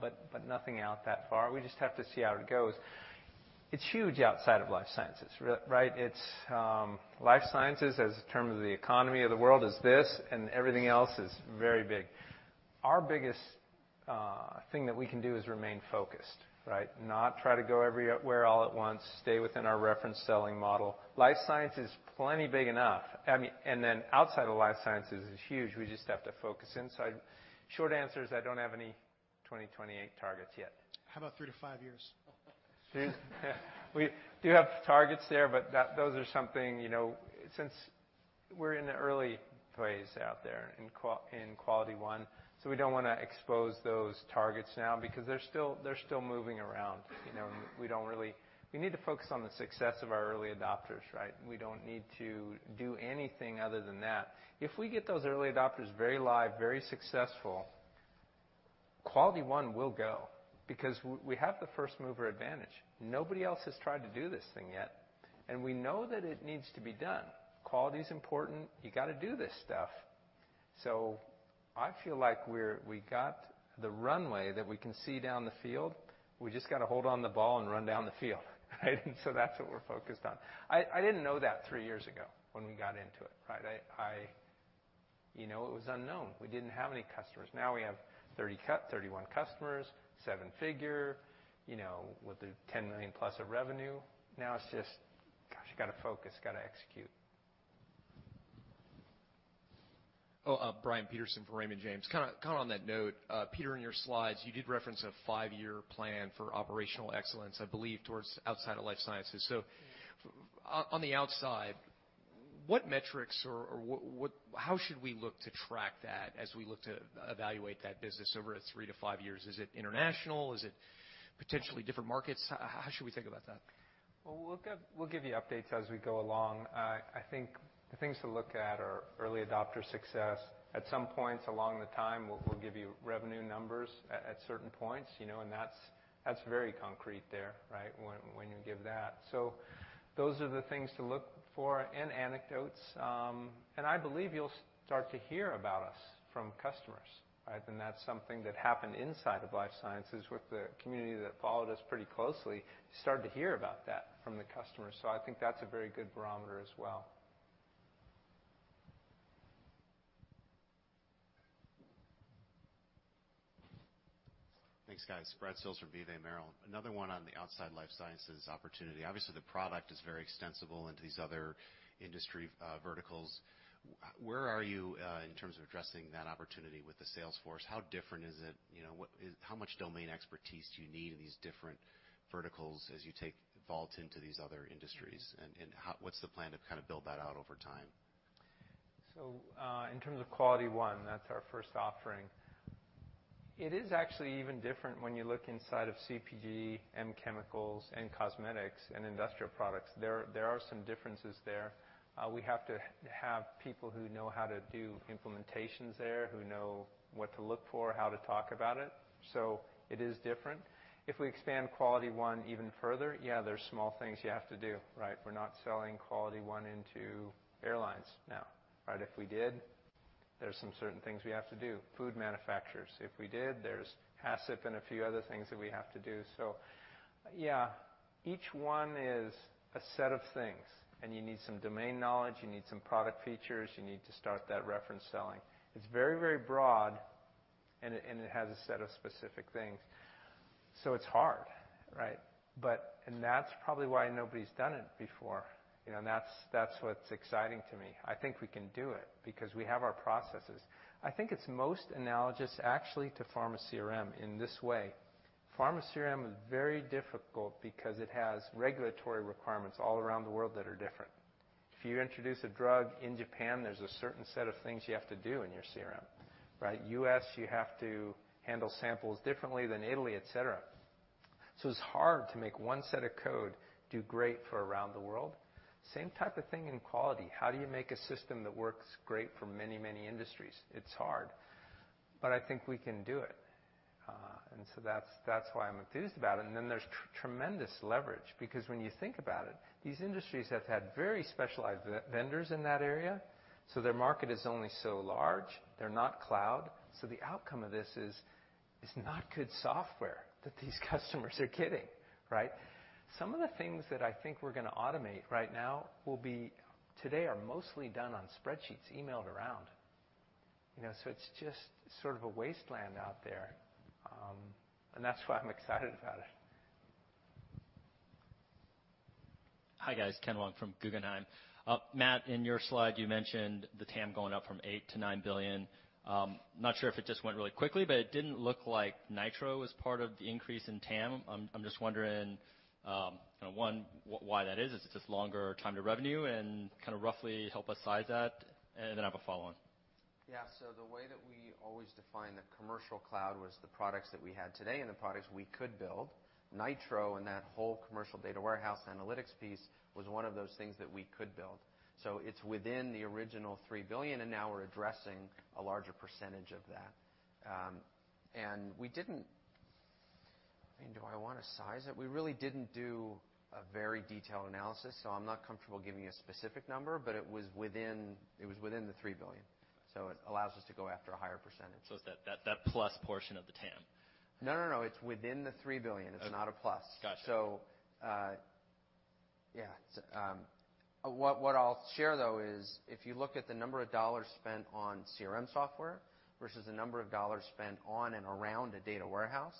but nothing out that far. We just have to see how it goes. It's huge outside of life sciences, right? It's life sciences, as a term of the economy of the world, is this, everything else is very big. Our biggest thing that we can do is remain focused, right? Not try to go everywhere all at once. Stay within our reference selling model. Life science is plenty big enough. I mean, then outside of life sciences is huge. We just have to focus inside. Short answer is I don't have any 2028 targets yet. How about three to five years? We do have targets there, but those are something, you know, since we're in the early phase out there in QualityOne, we don't wanna expose those targets now because they're still moving around. You know, we need to focus on the success of our early adopters, right? We don't need to do anything other than that. If we get those early adopters very live, very successful, QualityOne will go because we have the first-mover advantage. Nobody else has tried to do this thing yet, we know that it needs to be done. Quality's important. You gotta do this stuff. I feel like we got the runway that we can see down the field. We just gotta hold on the ball and run down the field, right? That's what we're focused on. I didn't know that three years ago when we got into it, right. You know, it was unknown. We didn't have any customers. Now we have 31 customers, seven-figure, you know, with the $10 million+ of revenue. Now it's just, gosh, you gotta focus, gotta execute. Brian Peterson from Raymond James. Kinda on that note, Peter, in your slides, you did reference a five-year plan for operational excellence, I believe towards outside of life sciences. On the outside, what metrics or how should we look to track that as we look to evaluate that business over three to five years? Is it international? Is it potentially different markets? How should we think about that? Well, we'll give you updates as we go along. I think the things to look at are early adopter success. At some points along the time, we'll give you revenue numbers at certain points, you know, That's very concrete there, right? When you give that. Those are the things to look for and anecdotes. I believe you'll start to hear about us from customers, right? That's something that happened inside of life sciences with the community that followed us pretty closely, started to hear about that from the customers. I think that's a very good barometer as well. Thanks, guys. Brad Sills from BofA Merrill. Another one on the outside life sciences opportunity. Obviously, the product is very extensible into these other industry verticals. Where are you in terms of addressing that opportunity with the sales force? How different is it? You know, how much domain expertise do you need in these different verticals as you take Vault into these other industries? What's the plan to kind of build that out over time? In terms of QualityOne, that's our first offering. It is actually even different when you look inside of CPG and chemicals and cosmetics and industrial products. There are some differences there. We have to have people who know how to do implementations there, who know what to look for, how to talk about it. It is different. If we expand QualityOne even further, yeah, there's small things you have to do, right? We're not selling QualityOne into airlines now, right? If we did, there's some certain things we have to do. Food manufacturers, if we did, there's HACCP and a few other things that we have to do. Each one is a set of things, and you need some domain knowledge, you need some product features, you need to start that reference selling. It's very, very broad, and it has a set of specific things. It's hard, right? That's probably why nobody's done it before, you know, that's what's exciting to me. I think we can do it because we have our processes. I think it's most analogous actually to pharma CRM in this way. Pharma CRM is very difficult because it has regulatory requirements all around the world that are different. If you introduce a drug in Japan, there's a certain set of things you have to do in your CRM, right? U.S., you have to handle samples differently than Italy, et cetera. It's hard to make one set of code do great for around the world. Same type of thing in quality. How do you make a system that works great for many, many industries? It's hard, but I think we can do it. That's why I'm enthused about it. There's tremendous leverage because when you think about it, these industries have had very specialized vendors in that area, so their market is only so large. They're not cloud. The outcome of this is not good software that these customers are getting, right? Some of the things that I think we're gonna automate right now today are mostly done on spreadsheets emailed around. You know, it's just sort of a wasteland out there. That's why I'm excited about it. Hi, guys. Ken Wong from Guggenheim. Matt, in your slide, you mentioned the TAM going up from $8 billion to $9 billion. Not sure if it just went really quickly, but it didn't look like Nitro was part of the increase in TAM. I'm just wondering, you know, one, why that is? Is it just longer time to revenue? Kinda roughly help us size that, then I have a follow on. Yeah. The way that we always define the Commercial Cloud was the products that we had today and the products we could build. Nitro and that whole commercial data warehouse analytics piece was one of those things that we could build. It's within the original $3 billion, and now we're addressing a larger percentage of that. I mean, do I want to size it? We really didn't do a very detailed analysis, I'm not comfortable giving you a specific number, but it was within the $3 billion. It allows us to go after a higher percentage. It's that plus portion of the TAM? No, no, it's within the $3 billion. Oh. It's not a plus. Gotcha. Yeah. What I'll share, though, is if you look at the number of dollars spent on CRM software versus the number of dollars spent on and around a data warehouse,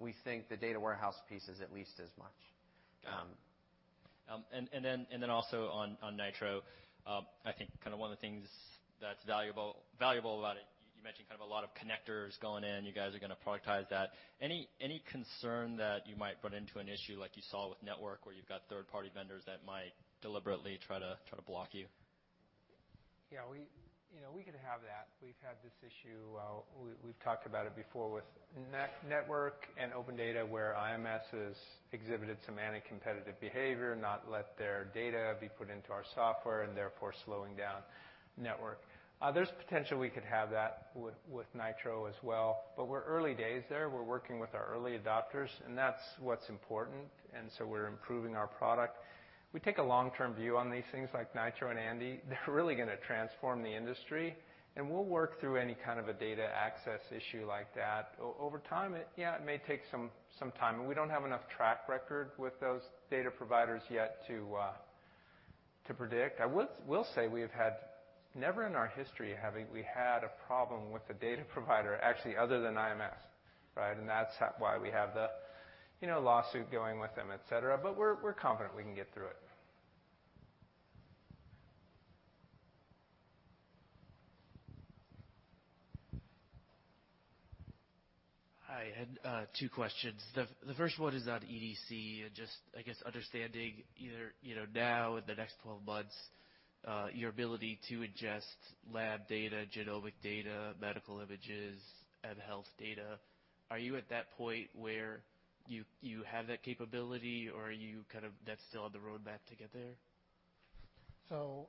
we think the data warehouse piece is at least as much. Got it. Then also on Nitro, I think kind of one of the things that's valuable about it, you mentioned kind of a lot of connectors going in. You guys are gonna productize that. Any concern that you might run into an issue like you saw with Network, where you've got third-party vendors that might deliberately try to block you? Yeah. We, you know, we could have that. We've had this issue, we've talked about it before with Network and OpenData, where IMS has exhibited some anti-competitive behavior, not let their data be put into our software and therefore slowing down Network. There's potential we could have that with Nitro as well, but we're early days there. We're working with our early adopters, that's what's important, we're improving our product. We take a long-term view on these things like Nitro and Andi. They're really gonna transform the industry, we'll work through any kind of a data access issue like that. Over time, it, yeah, it may take some time, we don't have enough track record with those data providers yet to predict. I will say we've had Never in our history have we had a problem with the data provider, actually other than IMS, right? That's why we have the, you know, lawsuit going with them, et cetera. We're confident we can get through it. Hi. I had two questions. The first one is on EDC, and just, I guess, understanding either, you know, now in the next 12 months, your ability to adjust lab data, genomic data, medical images and health data. Are you at that point where you have that capability or are you kind of, that's still on the roadmap to get there? I'll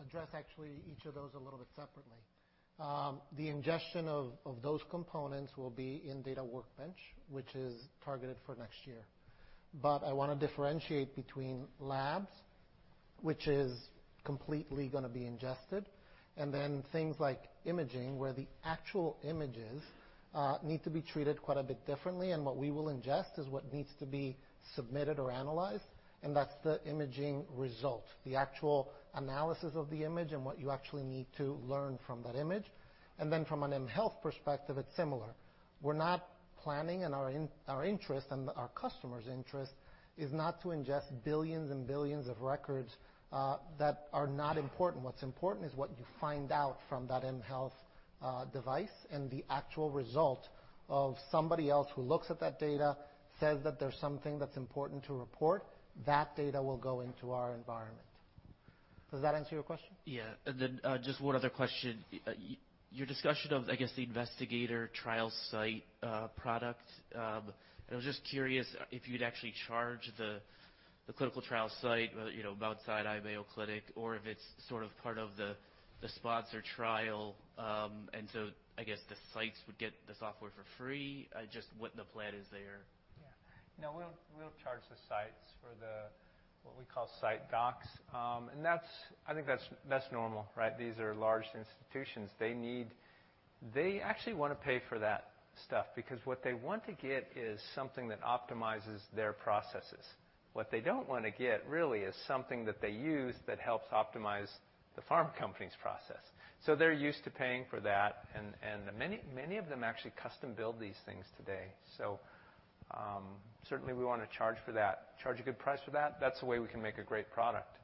address actually each of those a little bit separately. The ingestion of those components will be in Data Workbench, which is targeted for next year. I wanna differentiate between labs, which is completely gonna be ingested, and then things like imaging, where the actual images need to be treated quite a bit differently. What we will ingest is what needs to be submitted or analyzed, and that's the imaging result, the actual analysis of the image and what you actually need to learn from that image. From an mHealth perspective, it's similar. We're not planning and our interest and our customer's interest is not to ingest billions and billions of records that are not important. What's important is what you find out from that mHealth device, and the actual result of somebody else who looks at that data says that there's something that's important to report, that data will go into our environment. Does that answer your question? Yeah. Then, just one other question. Your discussion of, I guess, the investigator trial site product, I was just curious if you'd actually charge the clinical trial site, whether, you know, outside Mayo Clinic or if it's sort of part of the sponsor trial. So I guess the sites would get the software for free. Just what the plan is there. No, we don't charge the sites for the, what we call SiteDocs. That's, I think that's normal, right? These are large institutions. They actually wanna pay for that stuff because what they want to get is something that optimizes their processes. What they don't wanna get really is something that they use that helps optimize the pharma company's process. They're used to paying for that and many of them actually custom build these things today. Certainly we wanna charge for that. Charge a good price for that. That's the way we can make a great product.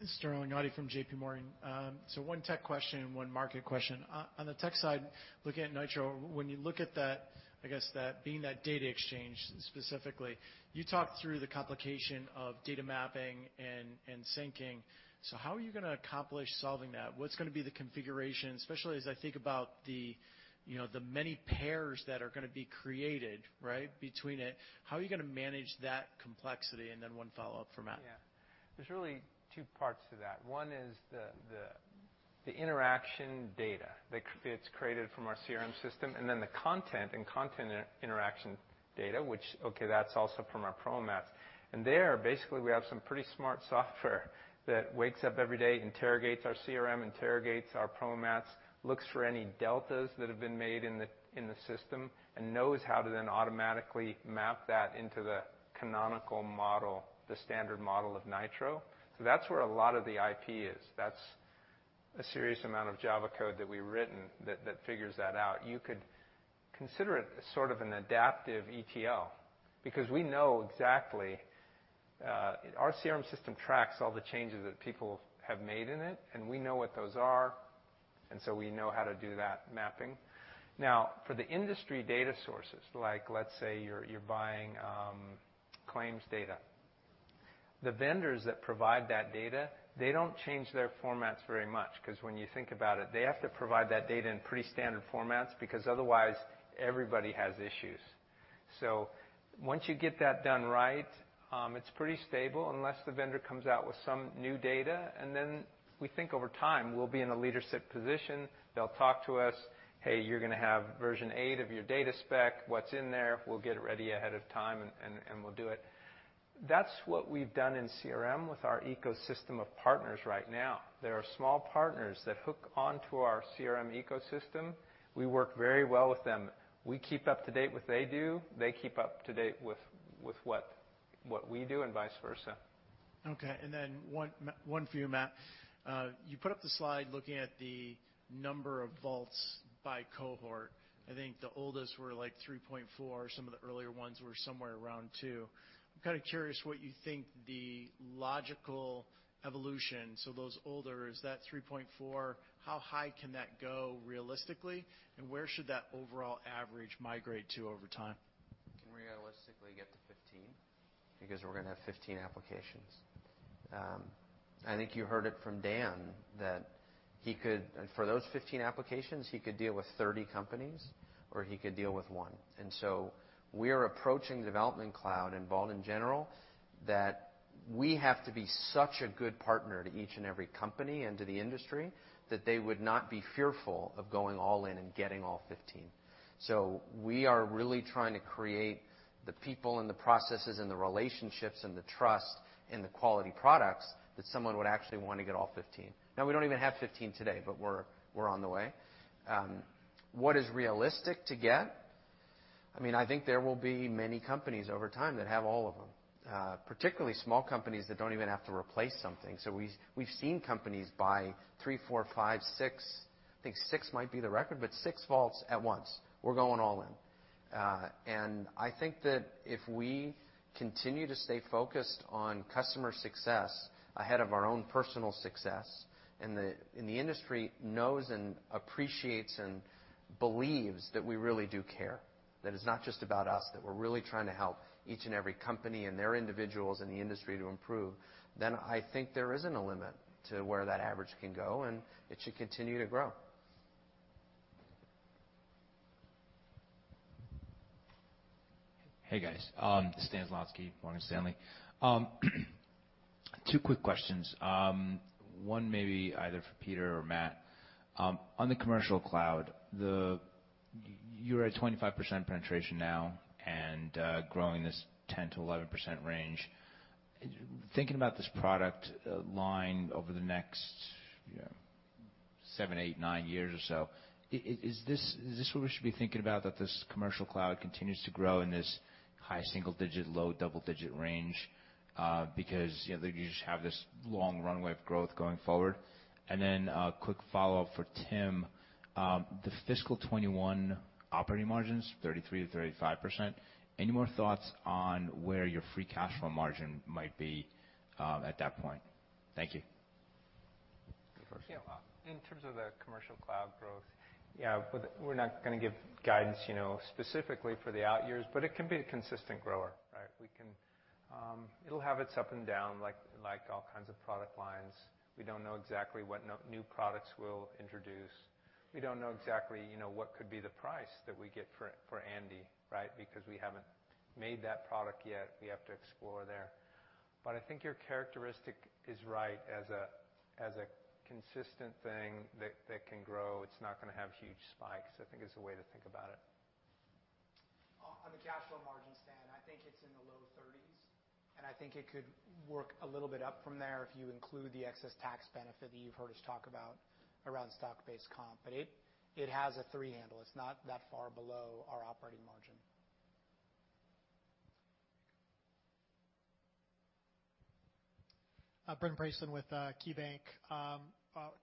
This is [Darryl Ngadi] from JPMorgan. One tech question and one market question. On the tech side, looking at Nitro, when you look at that, I guess that being that data exchange specifically, you talked through the complication of data mapping and syncing. How are you gonna accomplish solving that? What's gonna be the configuration, especially as I think about the, you know, the many pairs that are gonna be created, right? Between it. How are you gonna manage that complexity? Then one follow-up for Matt. Yeah. There's really two parts to that. One is the interaction data that it's created from our CRM system, and then the content and content interaction data, which, okay, that's also from our PromoMats. There, basically, we have some pretty smart software that wakes up every day, interrogates our CRM, interrogates our PromoMats, looks for any deltas that have been made in the system, and knows how to then automatically map that into the canonical model, the standard model of Nitro. That's where a lot of the IP is. That's a serious amount of Java code that we've written that figures that out. You could consider it sort of an adaptive ETL, because we know exactly, our CRM system tracks all the changes that people have made in it, and we know what those are, we know how to do that mapping. For the industry data sources, like let's say you're buying claims data. The vendors that provide that data, they don't change their formats very much, 'cause when you think about it, they have to provide that data in pretty standard formats because otherwise everybody has issues. Once you get that done right, it's pretty stable unless the vendor comes out with some new data. We think over time, we'll be in a leadership position. They'll talk to us, "Hey, you're gonna have version eight of your data spec. What's in there? We'll get it ready ahead of time and we'll do it. That's what we've done in CRM with our ecosystem of partners right now. There are small partners that hook onto our CRM ecosystem. We work very well with them. We keep up to date what they do. They keep up to date with what we do and vice versa. Okay. One for you, Matt. You put up the slide looking at the number of Vaults by cohort. I think the oldest were like 3.4 Vaults. Some of the earlier ones were somewhere around 2 Vaults. I'm kind of curious what you think the logical evolution, so those older, is that 3.4 Vaults, how high can that go realistically? Where should that overall average migrate to over time? Can realistically get to 15 applications because we're going to have 15 applications. I think you heard it from Dan, that for those 15 applications, he could deal with 30 companies, or he could deal with one. We are approaching Development Cloud and Veeva Vault in general, that we have to be such a good partner to each and every company and to the industry that they would not be fearful of going all in and getting all 15 applications. We are really trying to create the people and the processes and the relationships and the trust in the quality products that someone would actually wanna get all 15 applications. Now, we don't even have 15 applications today, but we're on the way. What is realistic to get? I mean, I think there will be many companies over time that have all of them, particularly small companies that don't even have to replace something. We've seen companies buy 3 Vaults, 4 Vaults, 5 Vaults, 6 Vaults. I think 6 might be the record, but 6 Vaults at once. We're going all in. I think that if we continue to stay focused on customer success ahead of our own personal success, and the industry knows and appreciates and believes that we really do care, that it's not just about us, that we're really trying to help each and every company and their individuals in the industry to improve, then I think there isn't a limit to where that average can go, and it should continue to grow. Hey, guys. Stan Zlotsky, Morgan Stanley. Two quick questions. One maybe either for Peter or Matt. On the Commercial Cloud, you're at 25% penetration now and growing this 10%-11% range. Thinking about this product line over the next, you know, seven, eight, nine years or so, is this, is this what we should be thinking about that this Commercial Cloud continues to grow in this high single-digit, low double-digit range, because, you know, you just have this long runway of growth going forward? Then a quick follow-up for Tim. The fiscal 2021 operating margins, 33%-35%. Any more thoughts on where your free cash flow margin might be at that point? Thank you. You first. Yeah. In terms of the Commercial Cloud growth, yeah, but we're not gonna give guidance, you know, specifically for the out years, but it can be a consistent grower, right? We can. It'll have its up and down, like all kinds of product lines. We don't know exactly what new products we'll introduce. We don't know exactly, you know, what could be the price that we get for Andi, right? Because we haven't made that product yet. We have to explore there. I think your characteristic is right as a consistent thing that can grow. It's not gonna have huge spikes, I think is the way to think about it. On the cash flow margin, Stan, I think it's in the low 30s, and I think it could work a little bit up from there if you include the excess tax benefit that you've heard us talk about around stock-based comp. It has a 3 handle. It's not that far below our operating margin. Brent Bracelin with KeyBanc.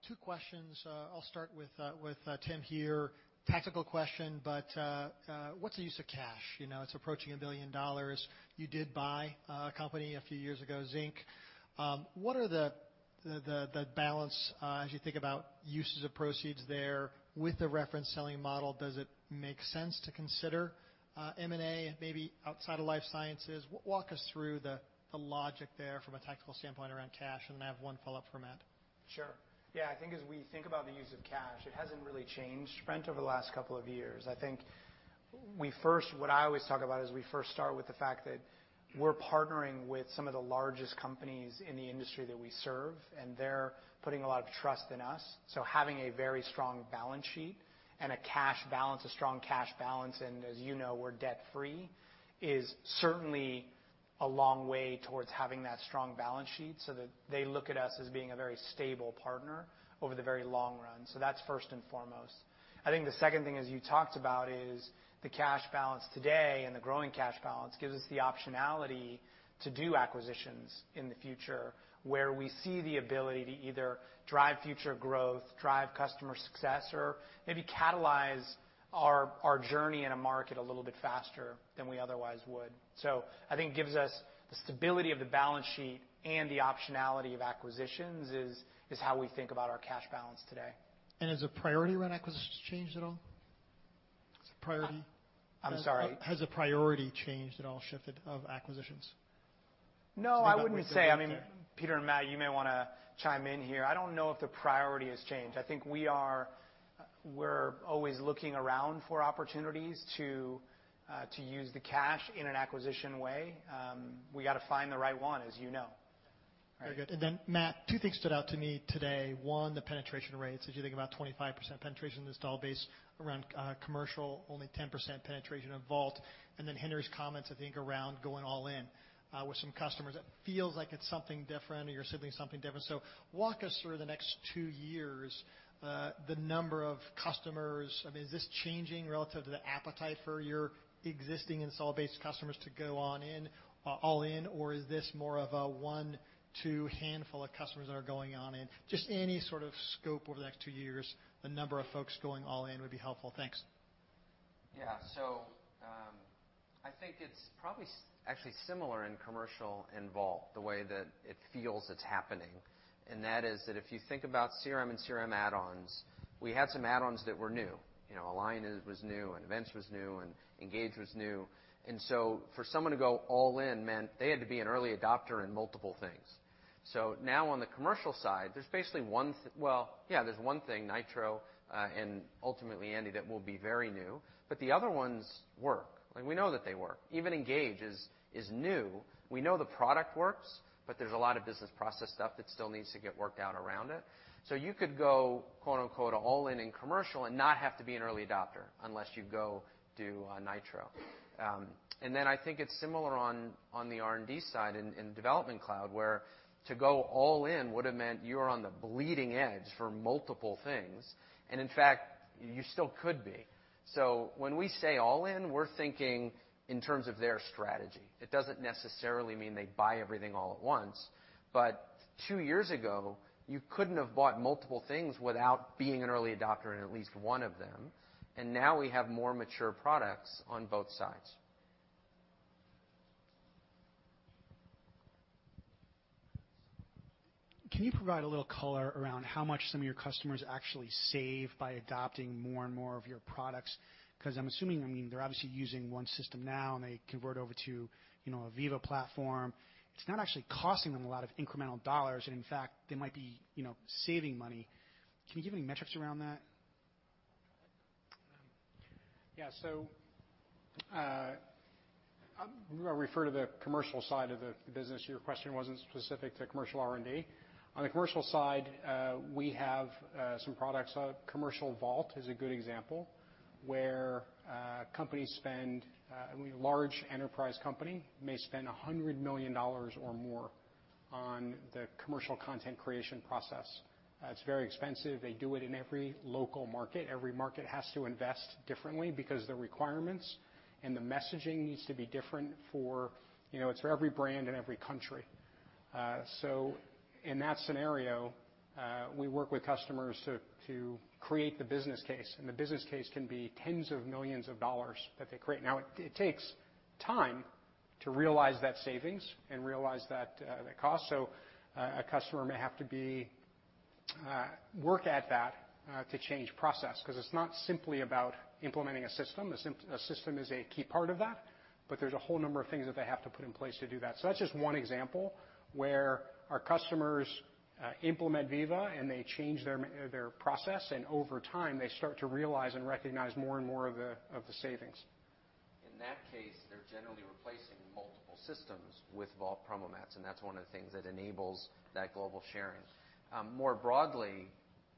Two questions. I'll start with Tim here. Tactical question, but what's the use of cash? You know, it's approaching $1 billion. You did buy a company a few years ago, Zinc. What are the balance, as you think about uses of proceeds there with the reference selling model, does it make sense to consider M&A maybe outside of life sciences? Walk us through the logic there from a tactical standpoint around cash. I have one follow-up for Matt. Sure. Yeah. I think as we think about the use of cash, it hasn't really changed, Brent, over the last couple of years. What I always talk about is we first start with the fact that we're partnering with some of the largest companies in the industry that we serve, and they're putting a lot of trust in us. Having a very strong balance sheet and a cash balance, a strong cash balance, and as you know, we're debt-free, is certainly a long way towards having that strong balance sheet so that they look at us as being a very stable partner over the very long run. That's first and foremost. I think the second thing, as you talked about, is the cash balance today and the growing cash balance gives us the optionality to do acquisitions in the future, where we see the ability to either drive future growth, drive customer success, or maybe catalyze our journey in a market a little bit faster than we otherwise would. I think it gives us the stability of the balance sheet and the optionality of acquisitions is how we think about our cash balance today. Has the priority around acquisitions changed at all? I'm sorry? Has the priority changed at all, shifted of acquisitions? No, I wouldn't say. I mean, Peter and Matt, you may wanna chime in here. I don't know if the priority has changed. I think we're always looking around for opportunities to use the cash in an acquisition way. We gotta find the right one, as you know. Very good. Matt, two things stood out to me today. One, the penetration rates. As you think about 25% penetration, this is all based around commercial, only 10% penetration of Vault. Henry's comments, I think, around going all in with some customers. It feels like it's something different or you're seeing something different. Walk us through the next two years, the number of customers. I mean, is this changing relative to the appetite for your existing install-based customers to go on in, all in, or is this more of a one, two handful of customers that are going all in? Just any sort of scope over the next two years, the number of folks going all in would be helpful. Thanks. Yeah. I think it's probably actually similar in Commercial and Vault, the way that it feels it's happening. That is that if you think about CRM and CRM add-ons, we had some add-ons that were new. You know, Align was new, and Events was new, and Engage was new. For someone to go all in meant they had to be an early adopter in multiple things. Now on the Commercial side, there's basically one Well, yeah, there's one thing, Nitro, and ultimately Andi that will be very new, the other ones work. Like, we know that they work. Even Engage is new. We know the product works, there's a lot of business process stuff that still needs to get worked out around it. You could go, quote-unquote, "all in" in commercial and not have to be an early adopter unless you go do Nitro. I think it's similar on the R&D side in Development Cloud, where to go all in would have meant you're on the bleeding edge for multiple things. In fact, you still could be. When we say all in, we're thinking in terms of their strategy. It doesn't necessarily mean they buy everything all at once. Two years ago, you couldn't have bought multiple things without being an early adopter in at least one of them. Now we have more mature products on both sides. Can you provide a little color around how much some of your customers actually save by adopting more and more of your products? 'Cause I'm assuming, I mean, they're obviously using one system now, and they convert over to, you know, a Veeva platform. It's not actually costing them a lot of incremental dollars. In fact, they might be, you know, saving money. Can you give any metrics around that? I'll refer to the commercial side of the business. Your question wasn't specific to commercial R&D. On the commercial side, we have some products. Commercial Vault is a good example, where companies spend, I mean, large enterprise company may spend $100 million or more on the commercial content creation process. It's very expensive. They do it in every local market. Every market has to invest differently because the requirements and the messaging needs to be different for, you know, it's for every brand in every country. In that scenario, we work with customers to create the business case, and the business case can be tens of millions of dollars that they create. Now, it takes time to realize that savings and realize that the cost. A customer may have to work at that to change process because it's not simply about implementing a system. A system is a key part of that, but there's a whole number of things that they have to put in place to do that. That's just one example where our customers implement Veeva and they change their process, and over time, they start to realize and recognize more and more of the savings. In that case, they're generally replacing multiple systems with Vault PromoMats, and that's one of the things that enables that global sharing. More broadly,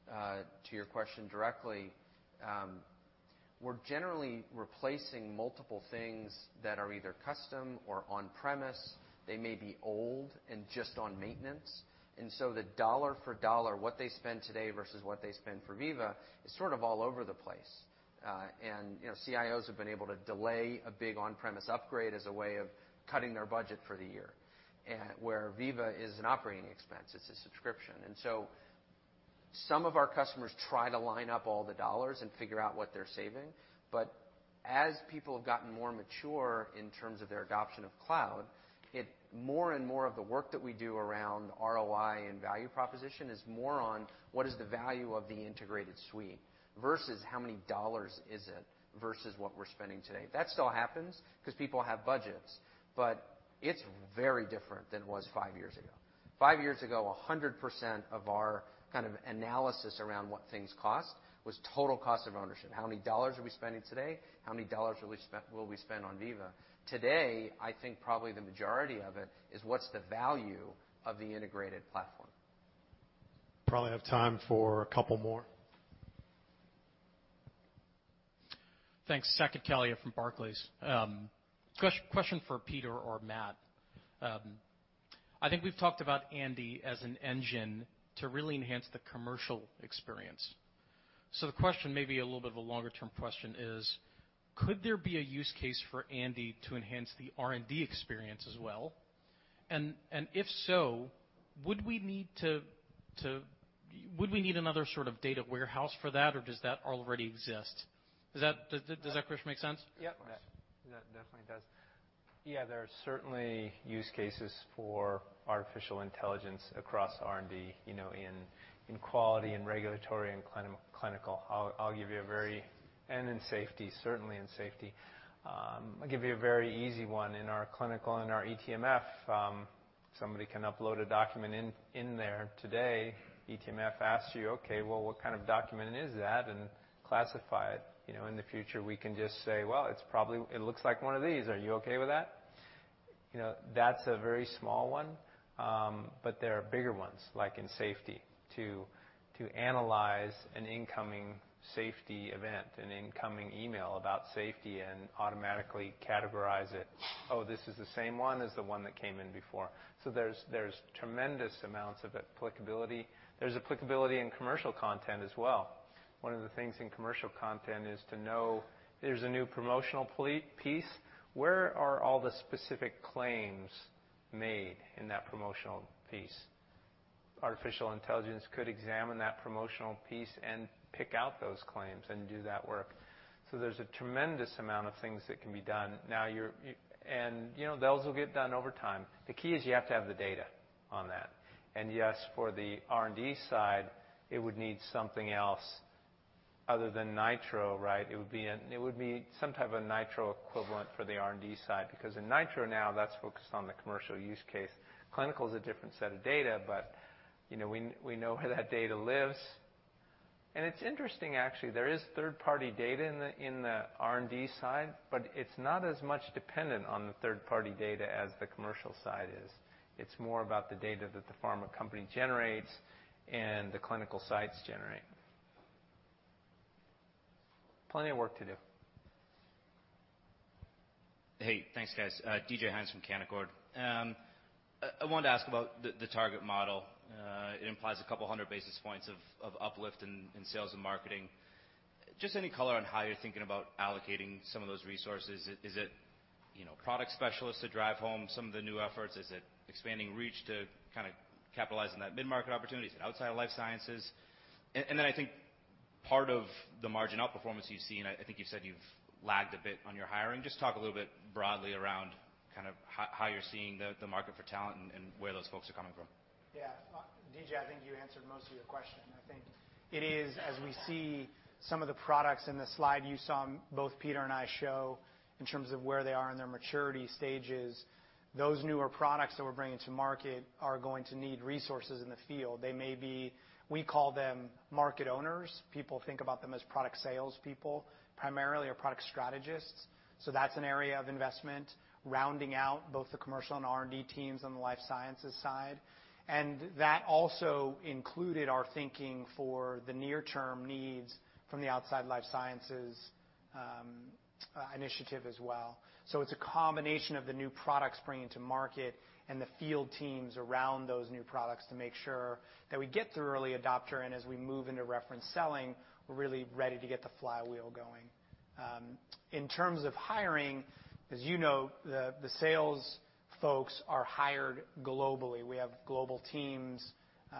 to your question directly, we're generally replacing multiple things that are either custom or on-premise. They may be old and just on maintenance. The dollar for dollar, what they spend today versus what they spend for Veeva is sort of all over the place. You know, CIOs have been able to delay a big on-premise upgrade as a way of cutting their budget for the year. Where Veeva is an operating expense, it's a subscription. Some of our customers try to line up all the dollars and figure out what they're saving. As people have gotten more mature in terms of their adoption of cloud, More and more of the work that we do around ROI and value proposition is more on what is the value of the integrated suite versus how many dollars is it versus what we're spending today. That still happens because people have budgets, but it's very different than it was five years ago. Five years ago, 100% of our kind of analysis around what things cost was total cost of ownership. How many dollars are we spending today? How many dollars will we spend on Veeva? Today, I think probably the majority of it is what's the value of the integrated platform. Probably have time for a couple more. Thanks. Saket Kalia from Barclays. Question for Peter or Matt. I think we've talked about Andi as an engine to really enhance the commercial experience. The question may be a little bit of a longer-term question, is could there be a use case for Andi to enhance the R&D experience as well? And if so, would we need to Would we need another sort of data warehouse for that, or does that already exist? Does that question make sense? Yep. Yeah. That definitely does. There are certainly use cases for artificial intelligence across R&D, you know, in quality and regulatory and clinical. In safety, certainly in safety. I'll give you a very easy one. In our clinical, in our eTMF, somebody can upload a document in there today. eTMF asks you, "Okay, well, what kind of document is that?" Classify it. You know, in the future, we can just say, "Well, it looks like one of these. Are you okay with that?" You know, that's a very small one. There are bigger ones, like in safety, to analyze an incoming safety event, an incoming email about safety and automatically categorize it. "Oh, this is the same one as the one that came in before." There's tremendous amounts of applicability. There's applicability in commercial content as well. One of the things in commercial content is to know there's a new promotional piece. Where are all the specific claims made in that promotional piece? Artificial intelligence could examine that promotional piece and pick out those claims and do that work. There's a tremendous amount of things that can be done. Now, you know, those will get done over time. The key is you have to have the data on that. Yes, for the R&D side, it would need something else other than Nitro, right? It would be some type of Nitro equivalent for the R&D side because in Nitro now, that's focused on the commercial use case. Clinical is a different set of data, you know, we know where that data lives. It's interesting, actually. There is third-party data in the R&D side, but it's not as much dependent on the third-party data as the commercial side is. It's more about the data that the pharma company generates and the clinical sites generate. Plenty of work to do. Hey, thanks guys. DJ Hynes from Canaccord. I wanted to ask about the target model. It implies a couple hundred basis points of uplift in sales and marketing. Any color on how you're thinking about allocating some of those resources. Is it, you know, product specialists that drive home some of the new efforts? Is it expanding reach to kinda capitalize on that mid-market opportunities and outside life sciences? I think part of the margin outperformance you've seen, I think you said you've lagged a bit on your hiring. Talk a little bit broadly around kind of how you're seeing the market for talent and where those folks are coming from. DJ, I think you answered most of your question. I think it is, as we see some of the products in the slide you saw both Peter and I show in terms of where they are in their maturity stages, those newer products that we're bringing to market are going to need resources in the field. We call them market owners. People think about them as product sales people, primarily our product strategists. That's an area of investment, rounding out both the commercial and R&D teams on the life sciences side. That also included our thinking for the near-term needs from the outside life sciences initiative as well. It's a combination of the new products bringing to market and the field teams around those new products to make sure that we get through early adopter, and as we move into reference selling, we're really ready to get the flywheel going. In terms of hiring, as you know, the sales folks are hired globally. We have global teams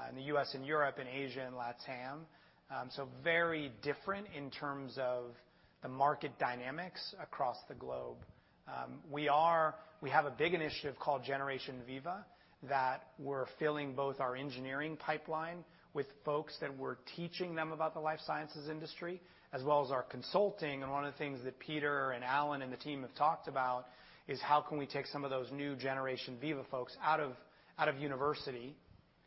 in the U.S. and Europe and Asia and LATAM. So very different in terms of the market dynamics across the globe. We have a big initiative called Generation Veeva, that we're filling both our engineering pipeline with folks that we're teaching them about the life sciences industry, as well as our consulting. One of the things that Peter and Alan and the team have talked about is how can we take some of those new generation Veeva folks out of, out of university,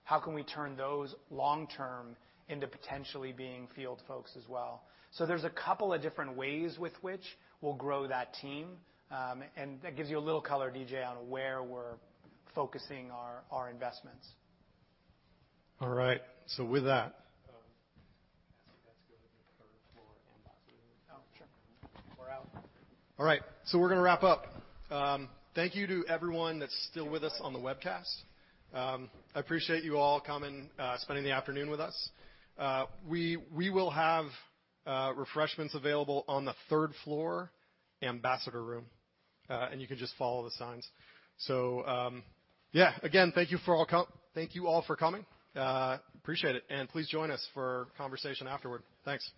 how can we turn those long-term into potentially being field folks as well? There's a couple of different ways with which we'll grow that team, and that gives you a little color, DJ, on where we're focusing our investments. All right, with that. Oh, sure. We're out. All right, we're gonna wrap up. Thank you to everyone that's still with us on the webcast. I appreciate you all coming, spending the afternoon with us. We will have refreshments available on the third floor Ambassador room, and you can just follow the signs. Yeah, again, thank you all for coming. Appreciate it, and please join us for conversation afterward. Thanks.